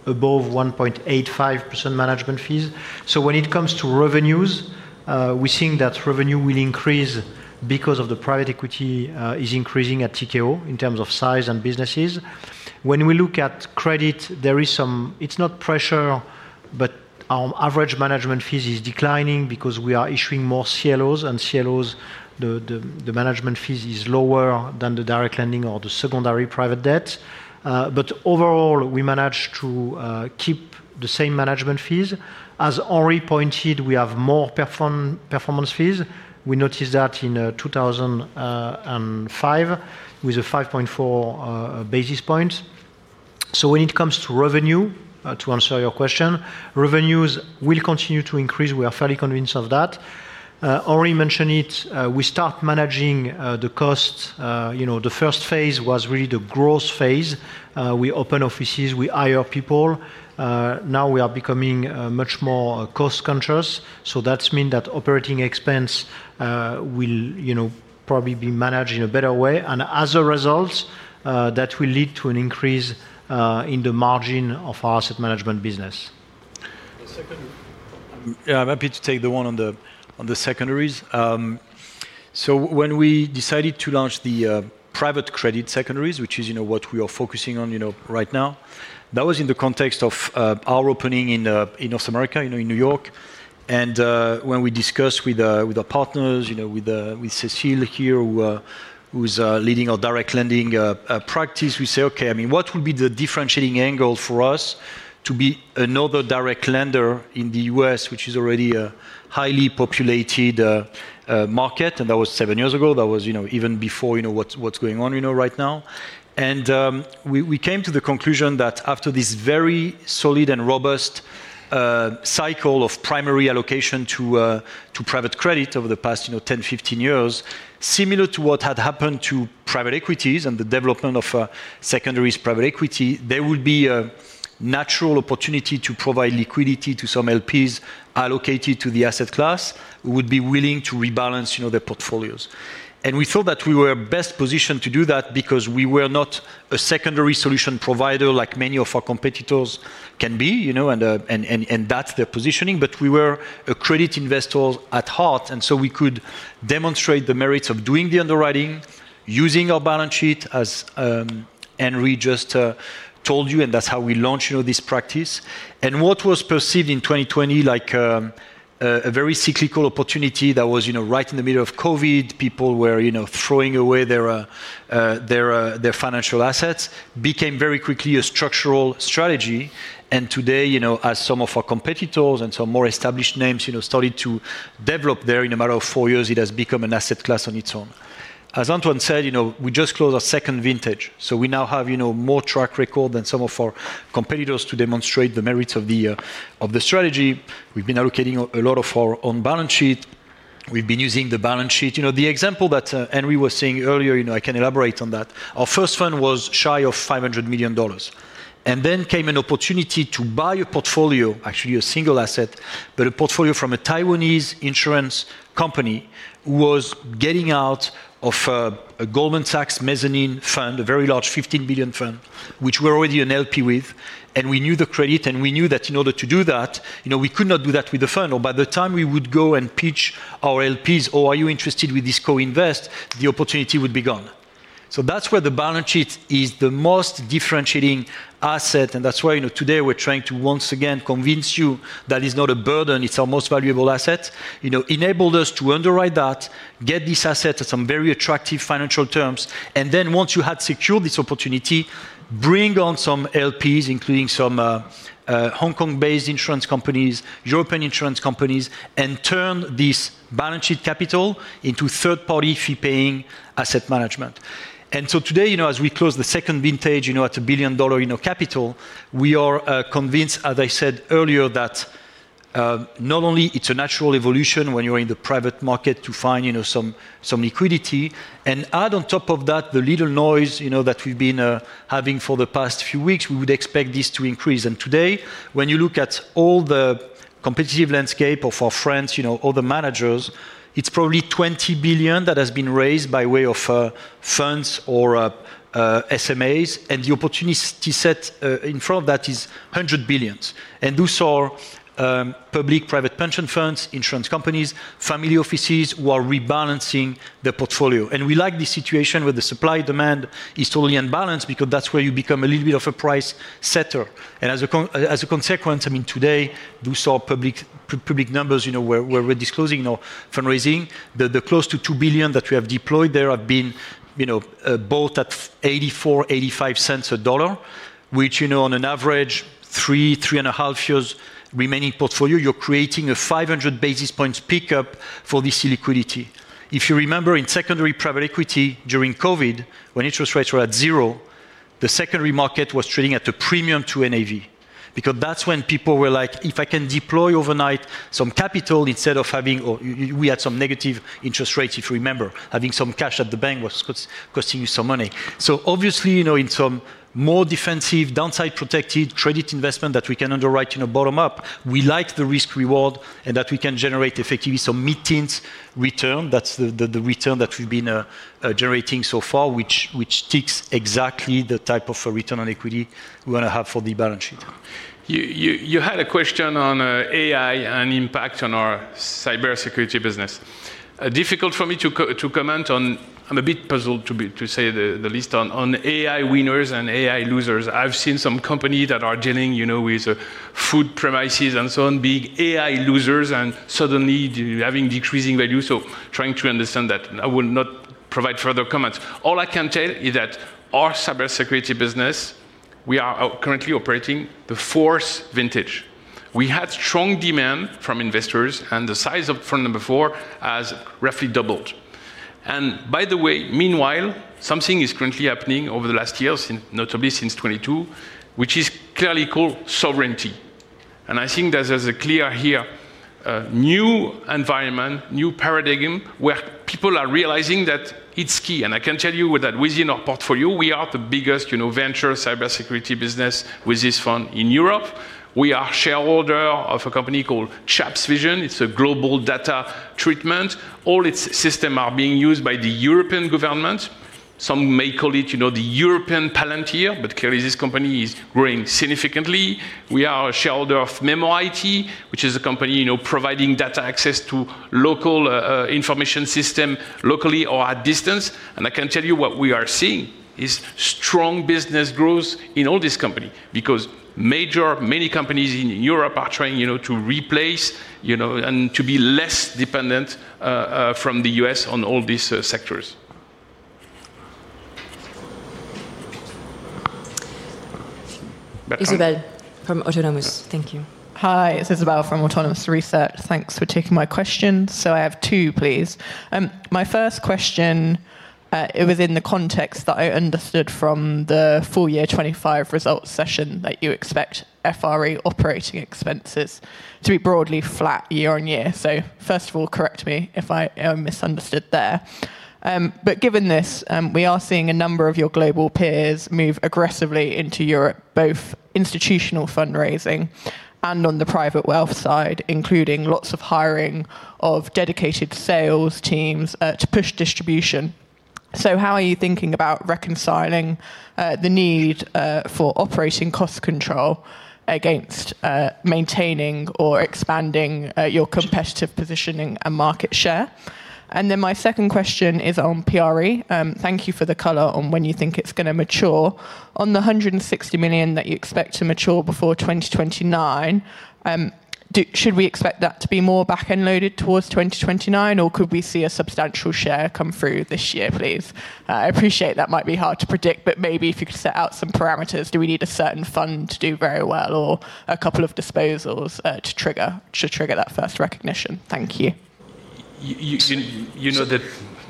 above 1.85% management fees. So when it comes to revenues, we're seeing that revenue will increase because of the private equity is increasing at Tikehau in terms of size and businesses. When we look at credit, there is some. It's not pressure, but our average management fees is declining because we are issuing more CLOs, and CLOs, the management fees is lower than the direct lending or the secondary private debt. But overall, we managed to keep the same management fees. As Henri pointed, we have more performance fees. We noticed that in 2005, with a 5.4 basis points. So when it comes to revenue, to answer your question, revenues will continue to increase. We are fairly convinced of that. Henri mentioned it, we start managing the costs. You know, the first phase was really the growth phase. We open offices, we hire people. Now we are becoming much more cost-conscious, so that's mean that operating expense will, you know, probably be managed in a better way. And as a result, that will lead to an increase in the margin of our asset management business.... Yeah, I'm happy to take the one on the secondaries. So when we decided to launch the private credit secondaries, which is, you know, what we are focusing on, you know, right now, that was in the context of our opening in North America, you know, in New York. And when we discussed with our partners, you know, with Cécile here, who's leading our direct lending practice, we say: Okay, I mean, what would be the differentiating angle for us to be another direct lender in the U.S., which is already a highly populated market? And that was seven years ago. That was, you know, even before you know what's going on, you know, right now. We came to the conclusion that after this very solid and robust cycle of primary allocation to private credit over the past, you know, 10, 15 years, similar to what had happened to private equities and the development of secondaries private equity, there would be a natural opportunity to provide liquidity to some LPs allocated to the asset class, who would be willing to rebalance, you know, their portfolios. We thought that we were best positioned to do that because we were not a secondary solution provider, like many of our competitors can be, you know, and that's their positioning. But we were a credit investor at heart, and so we could demonstrate the merits of doing the underwriting, using our balance sheet, as Henri just told you, and that's how we launched, you know, this practice. And what was perceived in 2020, like, a very cyclical opportunity that was, you know, right in the middle of COVID, people were, you know, throwing away their financial assets, became very quickly a structural strategy. And today, you know, as some of our competitors and some more established names, you know, started to develop there, in a matter of four years, it has become an asset class on its own. As Antoine said, you know, we just closed our second vintage, so we now have, you know, more track record than some of our competitors to demonstrate the merits of the of the strategy. We've been allocating a lot of our on-balance sheet. We've been using the balance sheet. You know, the example that Henri was saying earlier, you know, I can elaborate on that. Our first fund was shy of $500 million, and then came an opportunity to buy a portfolio, actually, a single asset, but a portfolio from a Taiwanese insurance company who was getting out of a Goldman Sachs mezzanine fund, a very large $15 billion fund, which we're already an LP with. We knew the credit, and we knew that in order to do that, you know, we could not do that with the fund, or by the time we would go and pitch our LPs or, "Are you interested with this co-invest?" The opportunity would be gone. So that's where the balance sheet is the most differentiating asset, and that's why, you know, today we're trying to once again convince you that it's not a burden, it's our most valuable asset. You know, enabled us to underwrite that, get this asset at some very attractive financial terms, and then once you had secured this opportunity, bring on some LPs, including some, Hong Kong-based insurance companies, European insurance companies, and turn this balance sheet capital into third-party, fee-paying asset management. So today, you know, as we close the second vintage, you know, at a $1 billion capital, we are convinced, as I said earlier, that not only it's a natural evolution when you're in the private market to find, you know, some, some liquidity. And add on top of that, the little noise, you know, that we've been having for the past few weeks, we would expect this to increase. And today, when you look at all the competitive landscape of our friends, you know, all the managers, it's probably $20 billion that has been raised by way of funds or SMAs, and the opportunity set in front of that is $100 billion. And those are public-private pension funds, insurance companies, family offices who are rebalancing their portfolio. And we like this situation where the supply-demand is totally in balance because that's where you become a little bit of a price setter. And as a consequence, I mean, today, you saw public numbers, you know, where we're disclosing our fundraising. The close to 2 billion that we have deployed there have been, you know, both at $0.84-$0.85, which, you know, on an average 3-3.5 years remaining portfolio, you're creating a 500 basis points pickup for this illiquidity. If you remember, in secondary private equity during COVID, when interest rates were at zero, the secondary market was trading at a premium to NAV. Because that's when people were like: If I can deploy overnight some capital instead of having... Or we had some negative interest rates, if you remember, having some cash at the bank was costing you some money. So obviously, you know, in some more defensive, downside-protected credit investment that we can underwrite in a bottom-up, we like the risk-reward and that we can generate effectively some mid-teens return. That's the return that we've been generating so far, which ticks exactly the type of return on equity we want to have for the balance sheet. You had a question on AI and impact on our cybersecurity business. Difficult for me to comment on. I'm a bit puzzled, to be, to say the least, on AI winners and AI losers. I've seen some company that are dealing, you know, with food premises and so on, being AI losers and suddenly having decreasing value, so trying to understand that. I will not provide further comments. All I can tell you is that our cybersecurity business, we are currently operating the fourth vintage. We had strong demand from investors, and the size of fund number four has roughly doubled. By the way, meanwhile, something is currently happening over the last years, in notably since 2022, which is clearly called sovereignty. I think there's a clear here, a new environment, new paradigm, where people are realizing that it's key. I can tell you that within our portfolio, we are the biggest, you know, venture cybersecurity business with this fund in Europe. We are shareholder of a company called ChapsVision. It's a global data treatment. All its system are being used by the European government. Some may call it, you know, the European Palantir, but clearly this company is growing significantly. We are a shareholder of Memo-IT, which is a company, you know, providing data access to local information system locally or at distance. I can tell you what we are seeing is strong business growth in all this company, because major, many companies in Europe are trying, you know, to replace, you know, and to be less dependent from the U.S. on all these sectors. Isobel from Autonomous. Thank you. Hi, it's Isobel from Autonomous Research. Thanks for taking my question. So I have two, please. My first question, it was in the context that I understood from the full year 2025 results session, that you expect FRE operating expenses to be broadly flat YoY. So first of all, correct me if I misunderstood there. But given this, we are seeing a number of your global peers move aggressively into Europe, both institutional fundraising and on the private wealth side, including lots of hiring of dedicated sales teams to push distribution. So how are you thinking about reconciling the need for operating cost control against maintaining or expanding your competitive positioning and market share? And then my second question is on PRE. Thank you for the color on when you think it's going to mature. On the 160 million that you expect to mature before 2029, should we expect that to be more back-end loaded towards 2029, or could we see a substantial share come through this year, please? I appreciate that might be hard to predict, but maybe if you could set out some parameters. Do we need a certain fund to do very well or a couple of disposals, to trigger that first recognition? Thank you. You know that-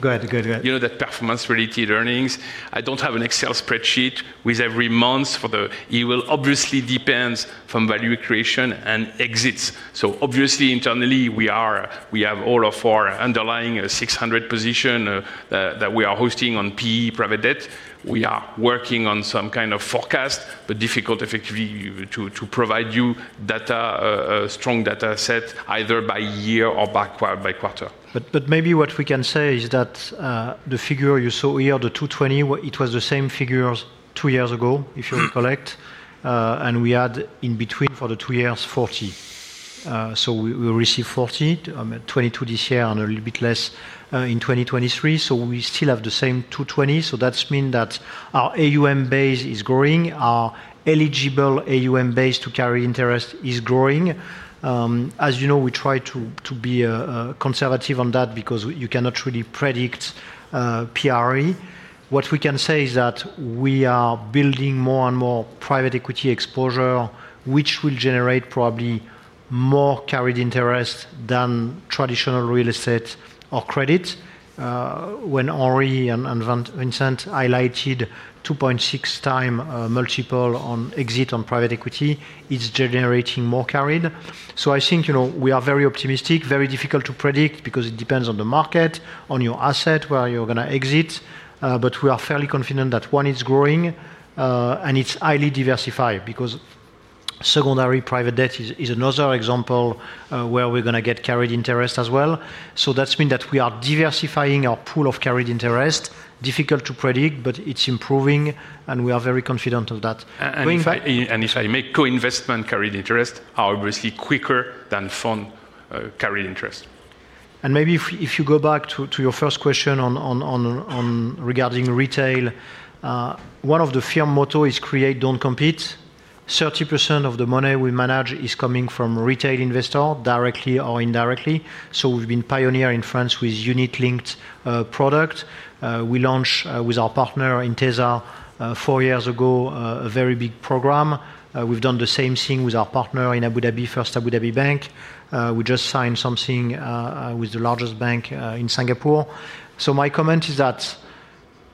Go ahead. Go ahead, go ahead. You know that performance-related earnings, I don't have an Excel spreadsheet with every month for the... It will obviously depends from value creation and exits. So obviously, internally, we have all of our underlying, 600 position, that we are hosting on PE private debt. We are working on some kind of forecast, but difficult effectively to provide you data, strong data set, either by year or by quarter. But, but maybe what we can say is that the figure you saw here, the 220, it was the same figure as two years ago, if you reflect. Mm-hmm. We add in between for the two years, 40. So we receive 40, 22 this year and a little bit less in 2023. So we still have the same 220, so that means that our AUM base is growing, our eligible AUM base to carry interest is growing. As you know, we try to be conservative on that because you cannot really predict PRE. What we can say is that we are building more and more private equity exposure, which will generate probably more carried interest than traditional real estate or credit. When Henri and Vincent highlighted 2.6x multiple on exit on private equity, it's generating more carried. So I think, you know, we are very optimistic, very difficult to predict because it depends on the market, on your asset, where you're going to exit, but we are fairly confident that one is growing, and it's highly diversified because secondary private debt is, is another example, where we're going to get carried interest as well. So that's mean that we are diversifying our pool of carried interest. Difficult to predict, but it's improving, and we are very confident of that. And in fact- If I make co-investment, carried interest are obviously quicker than fund carried interest. Maybe if you go back to your first question regarding retail, one of the firm's motto is "Create, don't compete." 30% of the money we manage is coming from retail investor, directly or indirectly. So we've been pioneer in France with unit-linked product. We launched with our partner in Intesa four years ago a very big program. We've done the same thing with our partner in Abu Dhabi, First Abu Dhabi Bank. We just signed something with the largest bank in Singapore. So my comment is that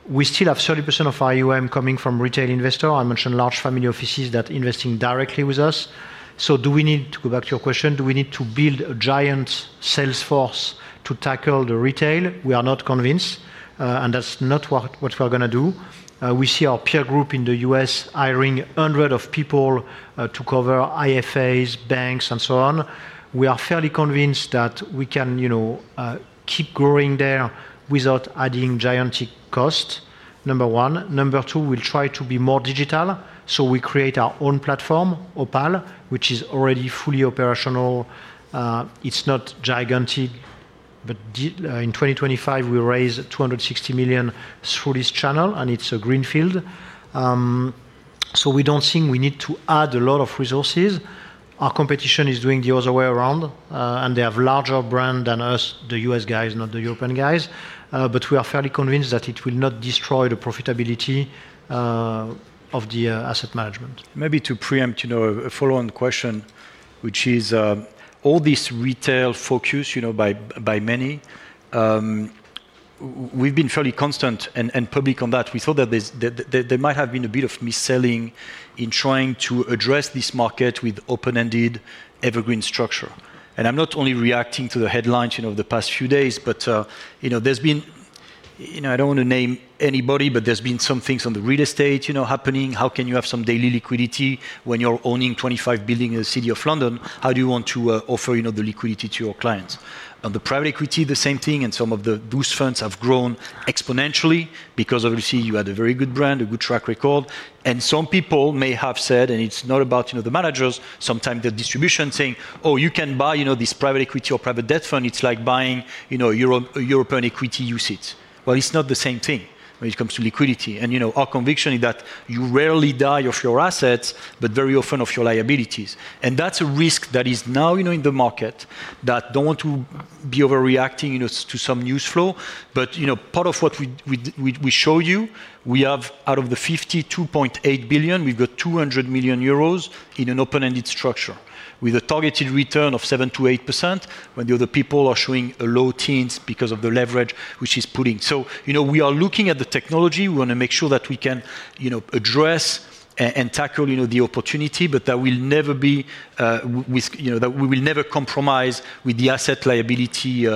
we still have 30% of our AUM coming from retail investor. I mentioned large family offices that investing directly with us. So do we need, to go back to your question, do we need to build a giant sales force to tackle the retail? We are not convinced, and that's not what we are going to do. We see our peer group in the U.S. hiring 100 of people to cover IFAs, banks, and so on. We are fairly convinced that we can, you know, keep growing there without adding gigantic cost, number one. Number two, we'll try to be more digital, so we create our own platform, Opale, which is already fully operational. It's not gigantic, but in 2025, we raised 260 million through this channel, and it's a greenfield. So we don't think we need to add a lot of resources. Our competition is doing the other way around, and they have larger brand than us, the U.S. guys, not the European guys. But we are fairly convinced that it will not destroy the profitability of the asset management. Maybe to preempt, you know, a follow-on question, which is, all this retail focus, you know, by, by many, we've been fairly constant and, and public on that. We thought that there's, that, that there might have been a bit of mis-selling in trying to address this market with open-ended evergreen structure. And I'm not only reacting to the headlines, you know, of the past few days, but, you know, there's been-... you know, I don't want to name anybody, but there's been some things on the real estate, you know, happening. How can you have some daily liquidity when you're owning 25 buildings in the City of London? How do you want to offer, you know, the liquidity to your clients? On the private equity, the same thing, and some of the boost funds have grown exponentially because obviously, you had a very good brand, a good track record. And some people may have said, and it's not about, you know, the managers, sometimes the distribution saying, "Oh, you can buy, you know, this private equity or private debt fund. It's like buying, you know, Euro-European equity UCITS." Well, it's not the same thing when it comes to liquidity. And, you know, our conviction is that you rarely die of your assets, but very often of your liabilities. That's a risk that is now, you know, in the market, that don't want to be overreacting, you know, to some news flow. But, you know, part of what we show you, we have out of the 52.8 billion, we've got 200 million euros in an open-ended structure with a targeted return of 7%-8%, when the other people are showing a low teens because of the leverage which is putting. So, you know, we are looking at the technology. We want to make sure that we can, you know, address and tackle, you know, the opportunity, but that will never be with... You know, that we will never compromise with the asset liability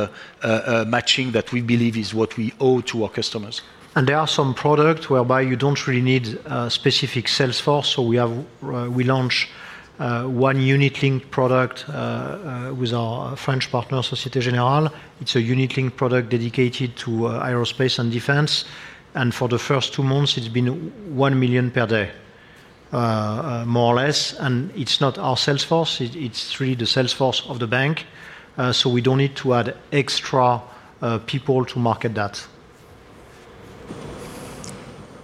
matching that we believe is what we owe to our customers. There are some product whereby you don't really need specific sales force. So we have we launch one unit-linked product with our French partner, Société Générale. It's a unit-linked product dedicated to aerospace and defense, and for the first two months, it's been 1 million per day, more or less. It's not our sales force, it's it's really the sales force of the bank. So we don't need to add extra people to market that.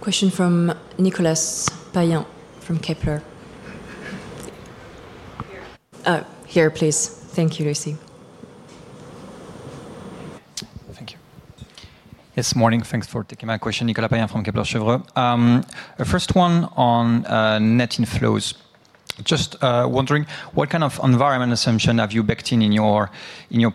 Question from Nicolas Payen from Kepler. Here. Oh, here, please. Thank you, Lucy. Thank you. This morning, thanks for taking my question. Nicolas Payen from Kepler Cheuvreux. The first one on net inflows. Just wondering, what kind of environment assumption have you backed in in your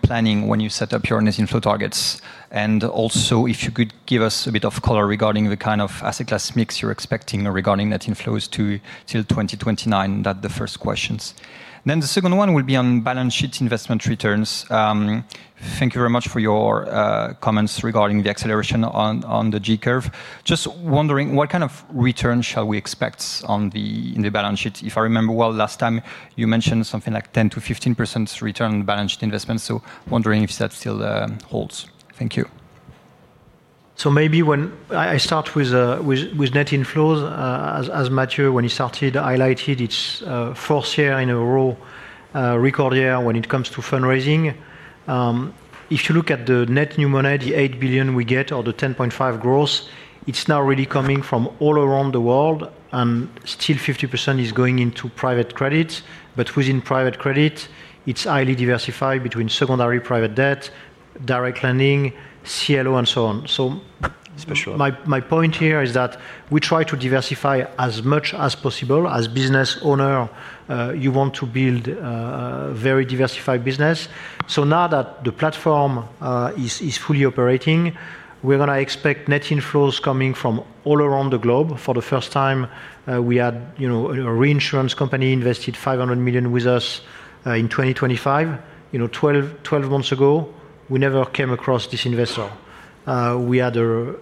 planning when you set up your net inflow targets? And also, if you could give us a bit of color regarding the kind of asset class mix you're expecting or regarding net inflows to till 2029. That's the first question. Then the second one will be on balance sheet investment returns. Thank you very much for your comments regarding the acceleration on the J-curve. Just wondering, what kind of return shall we expect on the in the balance sheet? If I remember well, last time you mentioned something like 10%-15% return on balance sheet investment. So wondering if that still holds. Thank you. I start with net inflows. As Mathieu, when he started, highlighted, it's the fourth year in a row, record year when it comes to fundraising. If you look at the net new money, the 8 billion we get or the 10.5% growth, it's now really coming from all around the world, and still 50% is going into private credit, but within private credit, it's highly diversified between secondary private debt, direct lending, CLO, and so on. Special My, my point here is that we try to diversify as much as possible. As business owner, you want to build a very diversified business. So now that the platform is fully operating, we're gonna expect net inflows coming from all around the globe. For the first time, we had, you know, a reinsurance company invested 500 million with us in 2025. You know, 12, 12 months ago, we never came across this investor. We had a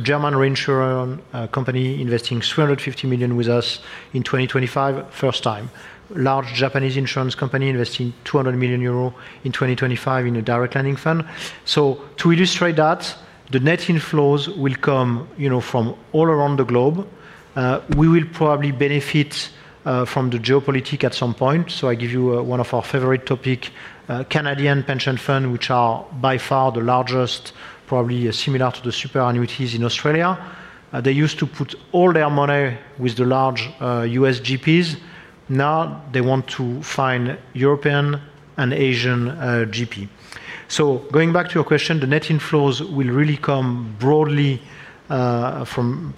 German reinsurer company investing 350 million with us in 2025, first time. Large Japanese insurance company investing 200 million euro in 2025 in a direct lending fund. So to illustrate that, the net inflows will come, you know, from all around the globe. We will probably benefit from the geopolitics at some point. So I give you one of our favorite topic, Canadian pension fund, which are by far the largest, probably similar to the superannuities in Australia. They used to put all their money with the large U.S. GPs. Now, they want to find European and Asian GP. So going back to your question, the net inflows will really come broadly from,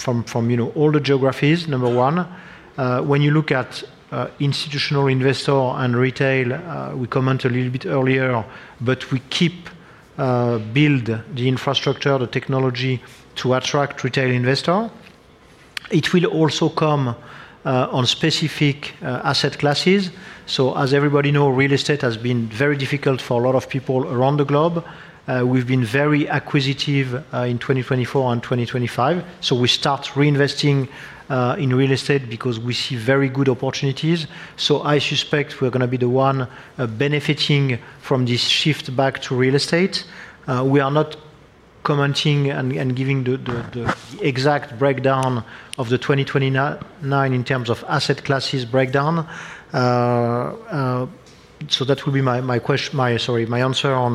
you know, all the geographies, number one. When you look at institutional investor and retail, we comment a little bit earlier, but we keep build the infrastructure, the technology to attract retail investor. It will also come on specific asset classes. So as everybody know, real estate has been very difficult for a lot of people around the globe. We've been very acquisitive in 2024 and 2025, so we start reinvesting in real estate because we see very good opportunities. So I suspect we're gonna be the one benefiting from this shift back to real estate. We are not commenting and giving the exact breakdown of the 2029 in terms of asset classes breakdown. So that will be my... Sorry, my answer on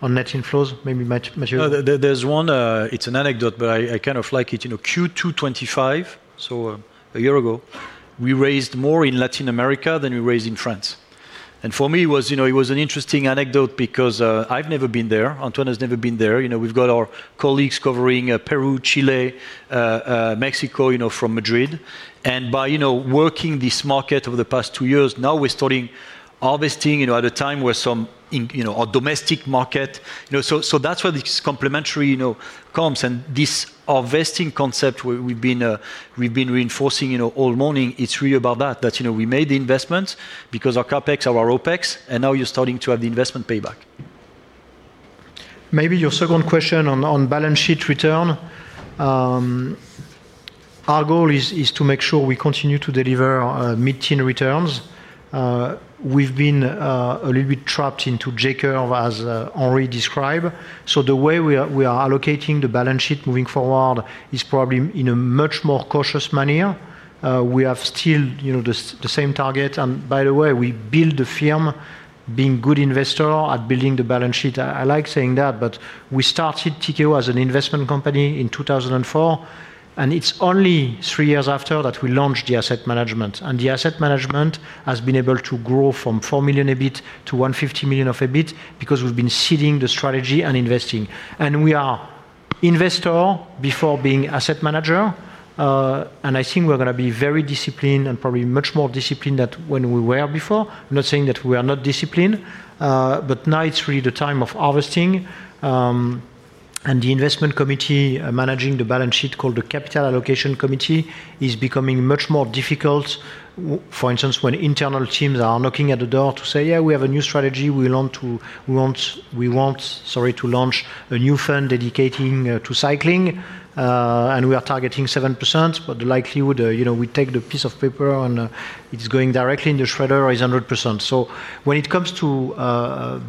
net inflows. Maybe Mathieu? There's one, it's an anecdote, but I, I kind of like it. You know, Q2 2025, so a year ago, we raised more in Latin America than we raised in France. For me, it was, you know, it was an interesting anecdote because I've never been there. Antoine has never been there. You know, we've got our colleagues covering Peru, Chile, Mexico, you know, from Madrid. By, you know, working this market over the past two years, now we're starting harvesting, you know, at a time where some in, you know, our domestic market... You know, so that's where this complementary, you know, comes. This harvesting concept where we've been, we've been reinforcing, you know, all morning, it's really about that. That, you know, we made the investments because our CapEx are our OpEx, and now you're starting to have the investment payback.... maybe your second question on, on balance sheet return. Our goal is, is to make sure we continue to deliver, mid-teen returns. We've been, a little bit trapped into J-Curve, as, Henri describe. So the way we are, we are allocating the balance sheet moving forward is probably in a much more cautious manner. We have still, you know, the s- the same target. And by the way, we build the firm being good investor at building the balance sheet. I, I like saying that, but we started Tikehau as an investment company in 2004, and it's only 3 years after that we launched the asset management. And the asset management has been able to grow from 4 million AUM to 150 million AUM because we've been seeding the strategy and investing. We are investor before being asset manager, and I think we're going to be very disciplined and probably much more disciplined than when we were before. I'm not saying that we are not disciplined, but now it's really the time of harvesting. And the investment committee managing the balance sheet, called the Capital Allocation Committee, is becoming much more difficult. For instance, when internal teams are knocking at the door to say, "Yeah, we have a new strategy. We want, sorry, to launch a new fund dedicating to cycling, and we are targeting 7%," but the likelihood, you know, we take the piece of paper and, it's going directly in the shredder is 100%. When it comes to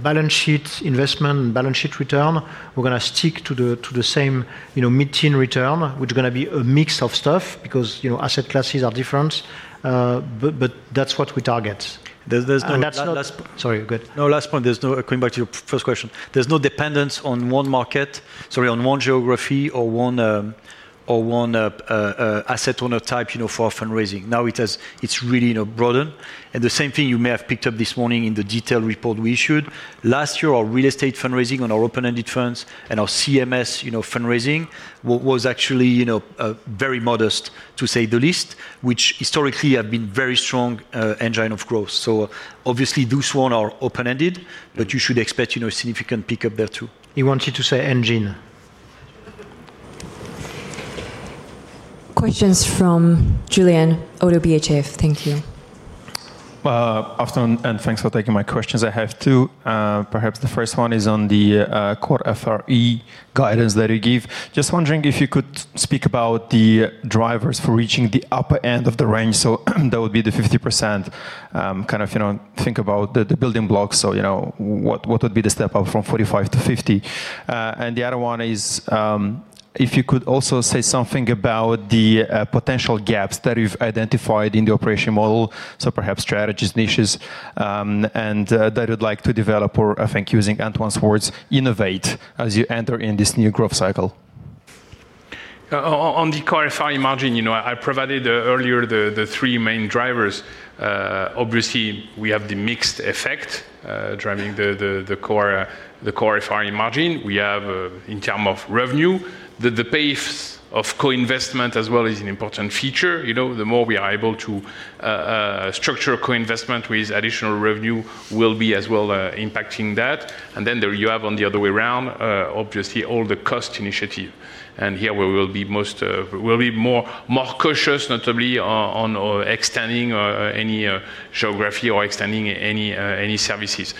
balance sheet investment and balance sheet return, we're going to stick to the same, you know, mid-teen return, which is going to be a mix of stuff because, you know, asset classes are different. But that's what we target. There, there's- And that's not- Last, last- Sorry, go ahead. No, last point, coming back to your first question. There's no dependence on one market, sorry, on one geography or one asset owner type, you know, for our fundraising. Now, it's really, you know, broadened. And the same thing you may have picked up this morning in the detailed report we issued. Last year, our real estate fundraising on our open-ended funds and our CMS, you know, fundraising was actually, you know, very modest, to say the least, which historically have been very strong engine of growth. So obviously, those one are open-ended, but you should expect, you know, significant pick up there, too. He wanted to say engine. Questions from Iulian ODDO BHF. Thank you. Afternoon, and thanks for taking my questions. I have two. Perhaps the first one is on the core FRE guidance that you give. Just wondering if you could speak about the drivers for reaching the upper end of the range, so that would be the 50%. Kind of, you know, think about the building blocks, so, you know, what would be the step up from 45% to 50%? And the other one is, if you could also say something about the potential gaps that you've identified in the operation model, so perhaps strategies, niches, and that you'd like to develop, or I think, using Antoine's words, innovate as you enter in this new growth cycle. On the core FRE margin, you know, I provided earlier the three main drivers. Obviously, we have the mix effect driving the core FRE margin. We have, in terms of revenue, the pace of co-investment as well is an important feature. You know, the more we are able to structure a co-investment with additional revenue will be as well impacting that. And then there you have, on the other way around, obviously, all the cost initiative. And here we will be most, we'll be more cautious, notably on extending any geography or extending any services.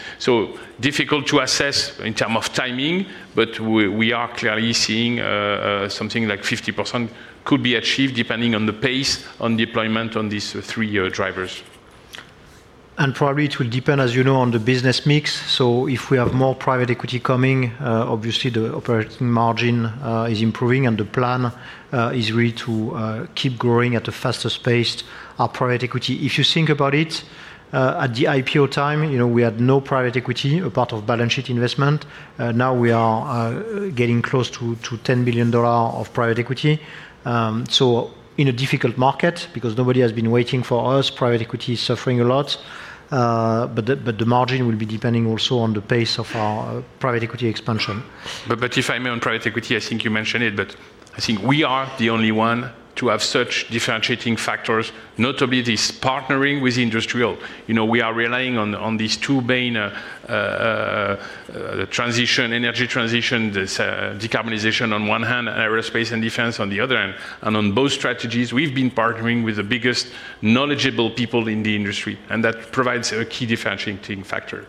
Difficult to assess in terms of timing, but we are clearly seeing something like 50% could be achieved, depending on the pace on deployment on these three drivers. Probably it will depend, as you know, on the business mix. So if we have more private equity coming, obviously, the operating margin is improving, and the plan is really to keep growing at a faster pace our private equity. If you think about it, at the IPO time, you know, we had no private equity, a part of balance sheet investment. Now we are getting close to $10 billion of private equity. So in a difficult market, because nobody has been waiting for us, private equity is suffering a lot. But the margin will be depending also on the pace of our private equity expansion. But if I may, on private equity, I think you mentioned it, but I think we are the only one to have such differentiating factors, notably this partnering with industrial. You know, we are relying on these two main transitions, energy transition, this decarbonization on one hand, Aerospace and Defense on the other hand. And on both strategies, we've been partnering with the biggest knowledgeable people in the industry, and that provides a key differentiating factor.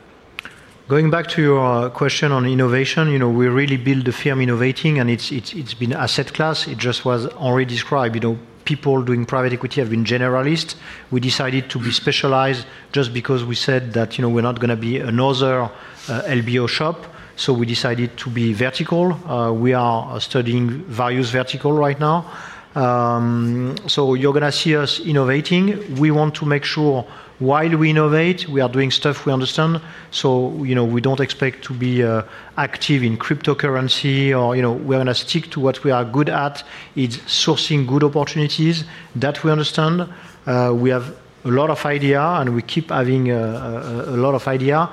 Going back to your question on innovation, you know, we really build the firm innovating, and it's been asset class. It just was already described. You know, people doing private equity have been generalists. We decided to be specialized just because we said that, you know, we're not going to be another LBO shop. So we decided to be vertical. We are studying various vertical right now. So you're going to see us innovating. We want to make sure, while we innovate, we are doing stuff we understand. So, you know, we don't expect to be active in cryptocurrency or, you know, we're going to stick to what we are good at. It's sourcing good opportunities that we understand. We have a lot of idea, and we keep having a lot of idea.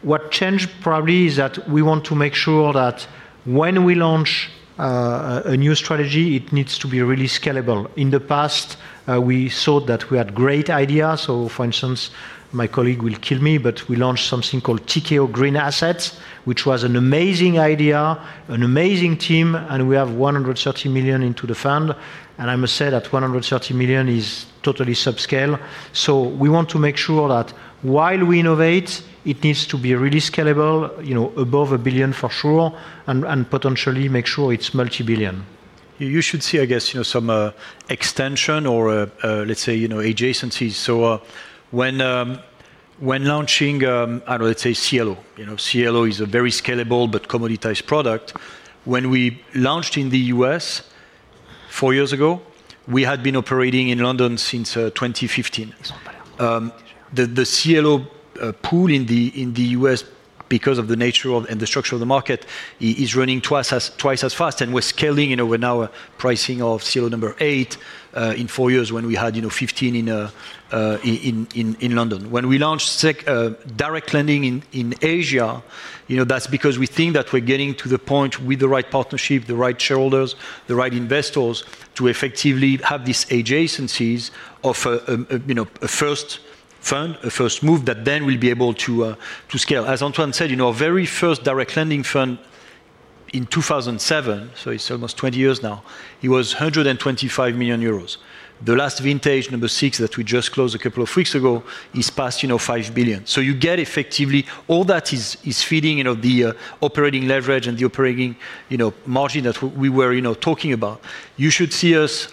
What changed probably is that we want to make sure that when we launch a new strategy, it needs to be really scalable. In the past, we saw that we had great ideas. So for instance, my colleague will kill me, but we launched something called Tikehau Green Assets, which was an amazing idea, an amazing team, and we have 130 million into the fund. And I must say that 130 million is totally subscale. So we want to make sure that while we innovate, it needs to be really scalable, you know, above 1 billion for sure, and, and potentially make sure it's multi-billion. You, you should see, I guess, you know, some extension or, let's say, you know, adjacencies. So, when launching, I don't know, let's say CLO, you know, CLO is a very scalable but commoditized product. When we launched in the U.S. four years ago, we had been operating in London since 2015. The CLO pool in the U.S., because of the nature of and the structure of the market, is running twice as fast, and we're scaling, you know, we're now pricing of CLO number eight in four years, when we had, you know, 15 in London. When we launched direct lending in Asia, you know, that's because we think that we're getting to the point with the right partnership, the right shareholders, the right investors, to effectively have these adjacencies of a, you know, a first fund, a first move, that then we'll be able to to scale. As Antoine said, you know, our very first direct lending fund in 2007, so it's almost 20 years now, it was 125 million euros. The last vintage, number six, that we just closed a couple of weeks ago, is past, you know, 5 billion. So you get effectively all that is, is feeding, you know, the operating leverage and the operating, you know, margin that we were, you know, talking about. You should see us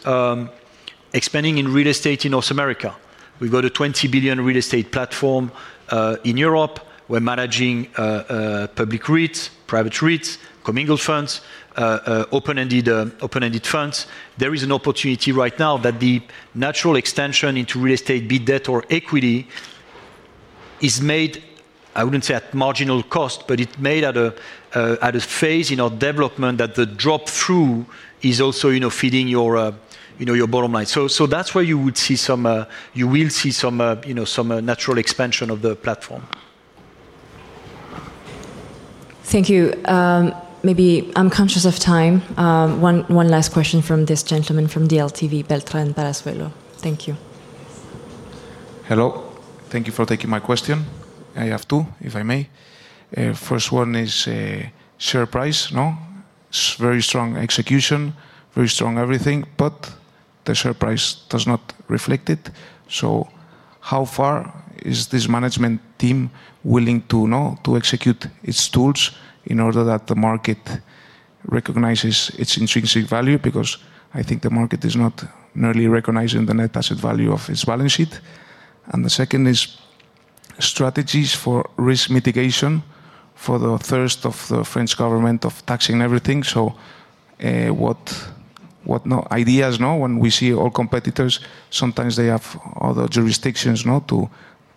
expanding in real estate in North America. We've got a 20 billion real estate platform in Europe. We're managing public REITs, private REITs, commingled funds, open-ended, open-ended funds. There is an opportunity right now that the natural extension into real estate, be debt or equity, is made, I wouldn't say at marginal cost, but it's made at a phase in our development that the drop-through is also, you know, feeding your, you know, your bottom line. So, so that's where you would see some, you will see some, you know, some natural expansion of the platform. Thank you. Maybe I'm conscious of time. One last question from this gentleman from DLTV, Beltrán Palazuelo. Thank you. Hello. Thank you for taking my question. I have two, if I may. Mm-hmm. First one is share price. Very strong execution, very strong everything, but the share price does not reflect it. So how far is this management team willing to know, to execute its tools in order that the market recognizes its intrinsic value? Because I think the market is not nearly recognizing the net asset value of its balance sheet. And the second is strategies for risk mitigation for the thirst of the French government of taxing everything. So, what now ideas, when we see all competitors, sometimes they have other jurisdictions,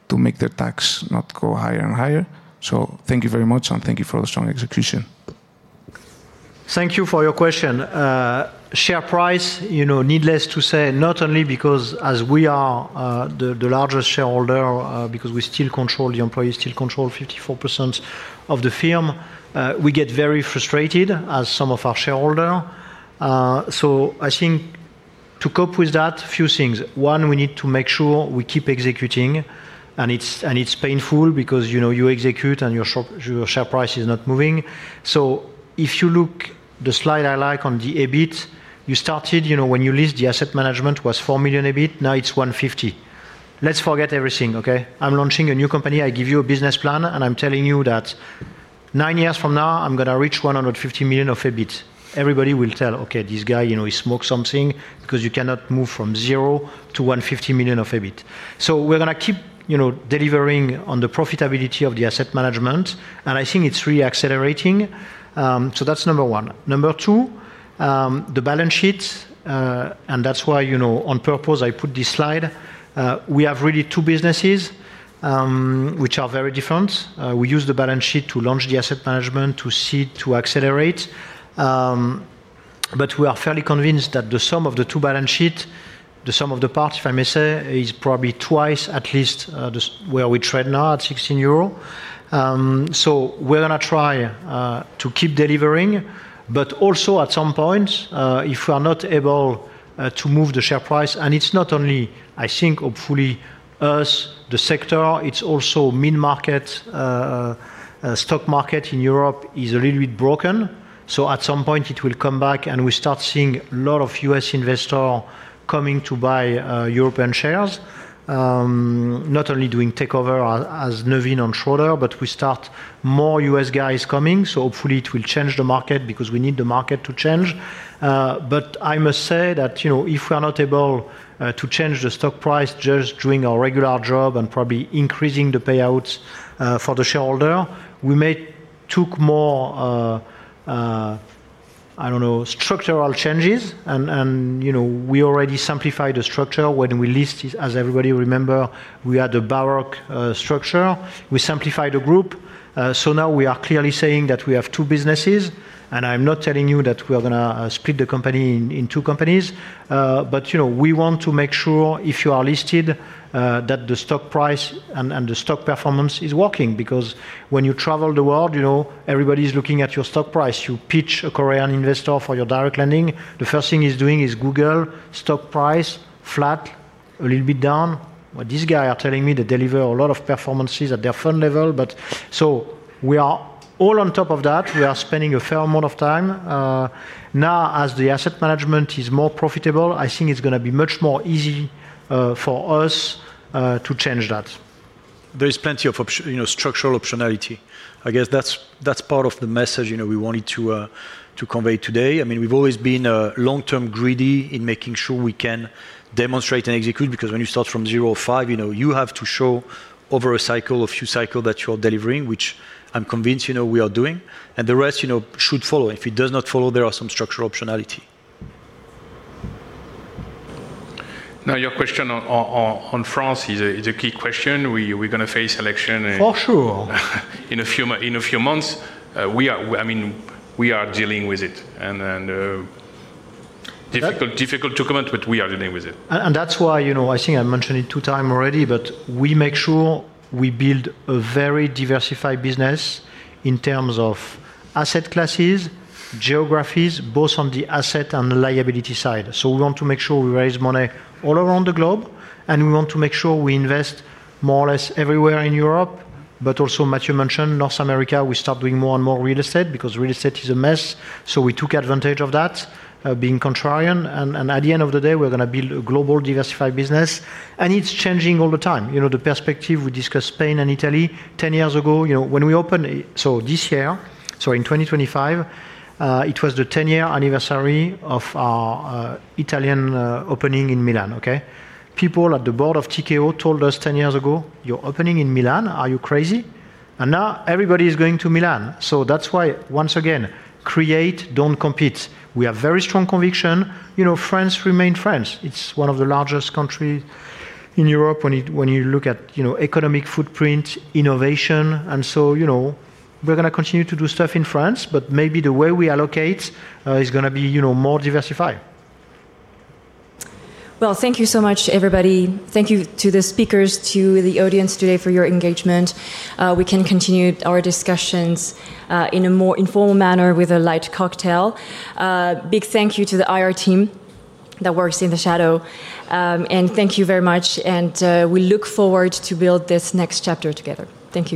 to make their tax not go higher and higher. So thank you very much, and thank you for the strong execution. Thank you for your question. Share price, you know, needless to say, not only because as we are, the, the largest shareholder, because we still control, the employees still control 54% of the firm, we get very frustrated as some of our shareholder. So I think to cope with that, few things. One, we need to make sure we keep executing, and it's, and it's painful because, you know, you execute, and your shop, your share price is not moving. So if you look the slide I like on the EBIT, you started, you know, when you list the asset management was 4 million EBIT, now it's 150 million. Let's forget everything, okay? I'm launching a new company, I give you a business plan, and I'm telling you that 9 years from now, I'm going to reach 150 million of EBIT. Everybody will tell, "Okay, this guy, you know, he smoked something," because you cannot move from zero to 150 million of EBIT. So we're going to keep, you know, delivering on the profitability of the asset management, and I think it's really accelerating. So that's number one. Number two, the balance sheet, and that's why, you know, on purpose, I put this slide. We have really two businesses, which are very different. We use the balance sheet to launch the asset management, to seed, to accelerate. But we are fairly convinced that the sum of the two balance sheet, the sum of the parts, if I may say, is probably twice at least, the stock where we trade now at 16 euro. So we're going to try to keep delivering, but also at some point, if we are not able to move the share price - and it's not only, I think, hopefully, us, the sector, it's also mid-market. Stock market in Europe is a little bit broken. So at some point, it will come back, and we start seeing a lot of U.S. investor coming to buy European shares. Not only doing takeover as Nuveen and Schroders, but we start more U.S. guys coming, so hopefully it will change the market because we need the market to change. But I must say that, you know, if we are not able to change the stock price just doing our regular job and probably increasing the payouts for the shareholder, we may took more, I don't know, structural changes. You know, we already simplified the structure. When we listed, as everybody remember, we had a baroque structure. We simplified the group. So now we are clearly saying that we have two businesses, and I'm not telling you that we are gonna split the company in two companies. But, you know, we want to make sure if you are listed that the stock price and the stock performance is working. Because when you travel the world, you know, everybody's looking at your stock price. You pitch a Korean investor for your direct lending, the first thing he's doing is Google stock price, flat, a little bit down. But these guys are telling me they deliver a lot of performances at their fund level, but... So we are all on top of that. We are spending a fair amount of time. Now, as the asset management is more profitable, I think it's going to be much more easy for us to change that. There is plenty of, you know, structural optionality. I guess that's part of the message, you know, we wanted to convey today. I mean, we've always been long-term greedy in making sure we can demonstrate and execute, because when you start from zero or five, you know, you have to show over a cycle, a few cycle, that you are delivering, which I'm convinced, you know, we are doing, and the rest, you know, should follow. If it does not follow, there are some structural optionality. Now, your question on France is a key question. We're going to face election in- For sure. in a few months. We are, I mean, dealing with it, and then. That-... difficult to comment, but we are dealing with it. That's why, you know, I think I mentioned it two times already, but we make sure we build a very diversified business in terms of asset classes, geographies, both on the asset and liability side. So we want to make sure we raise money all around the globe, and we want to make sure we invest more or less everywhere in Europe. But also, Mathieu mentioned North America, we start doing more and more real estate because real estate is a mess. So we took advantage of that, being contrarian, and at the end of the day, we're going to build a global, diversified business. And it's changing all the time. You know, the perspective, we discussed Spain and Italy. Ten years ago, you know, when we opened— So this year, so in 2025, it was the 10-year anniversary of our Italian opening in Milan, okay? People at the board of Tikehau told us ten years ago, "You're opening in Milan? Are you crazy?" And now everybody is going to Milan. So that's why, once again, create, don't compete. We have very strong conviction. You know, France remain France. It's one of the largest country in Europe when you, when you look at, you know, economic footprint, innovation, and so, you know, we're going to continue to do stuff in France, but maybe the way we allocate is going to be, you know, more diversified. Well, thank you so much to everybody. Thank you to the speakers, to the audience today for your engagement. We can continue our discussions in a more informal manner with a light cocktail. Big thank you to the IR team that works in the shadow. And thank you very much, and we look forward to build this next chapter together. Thank you.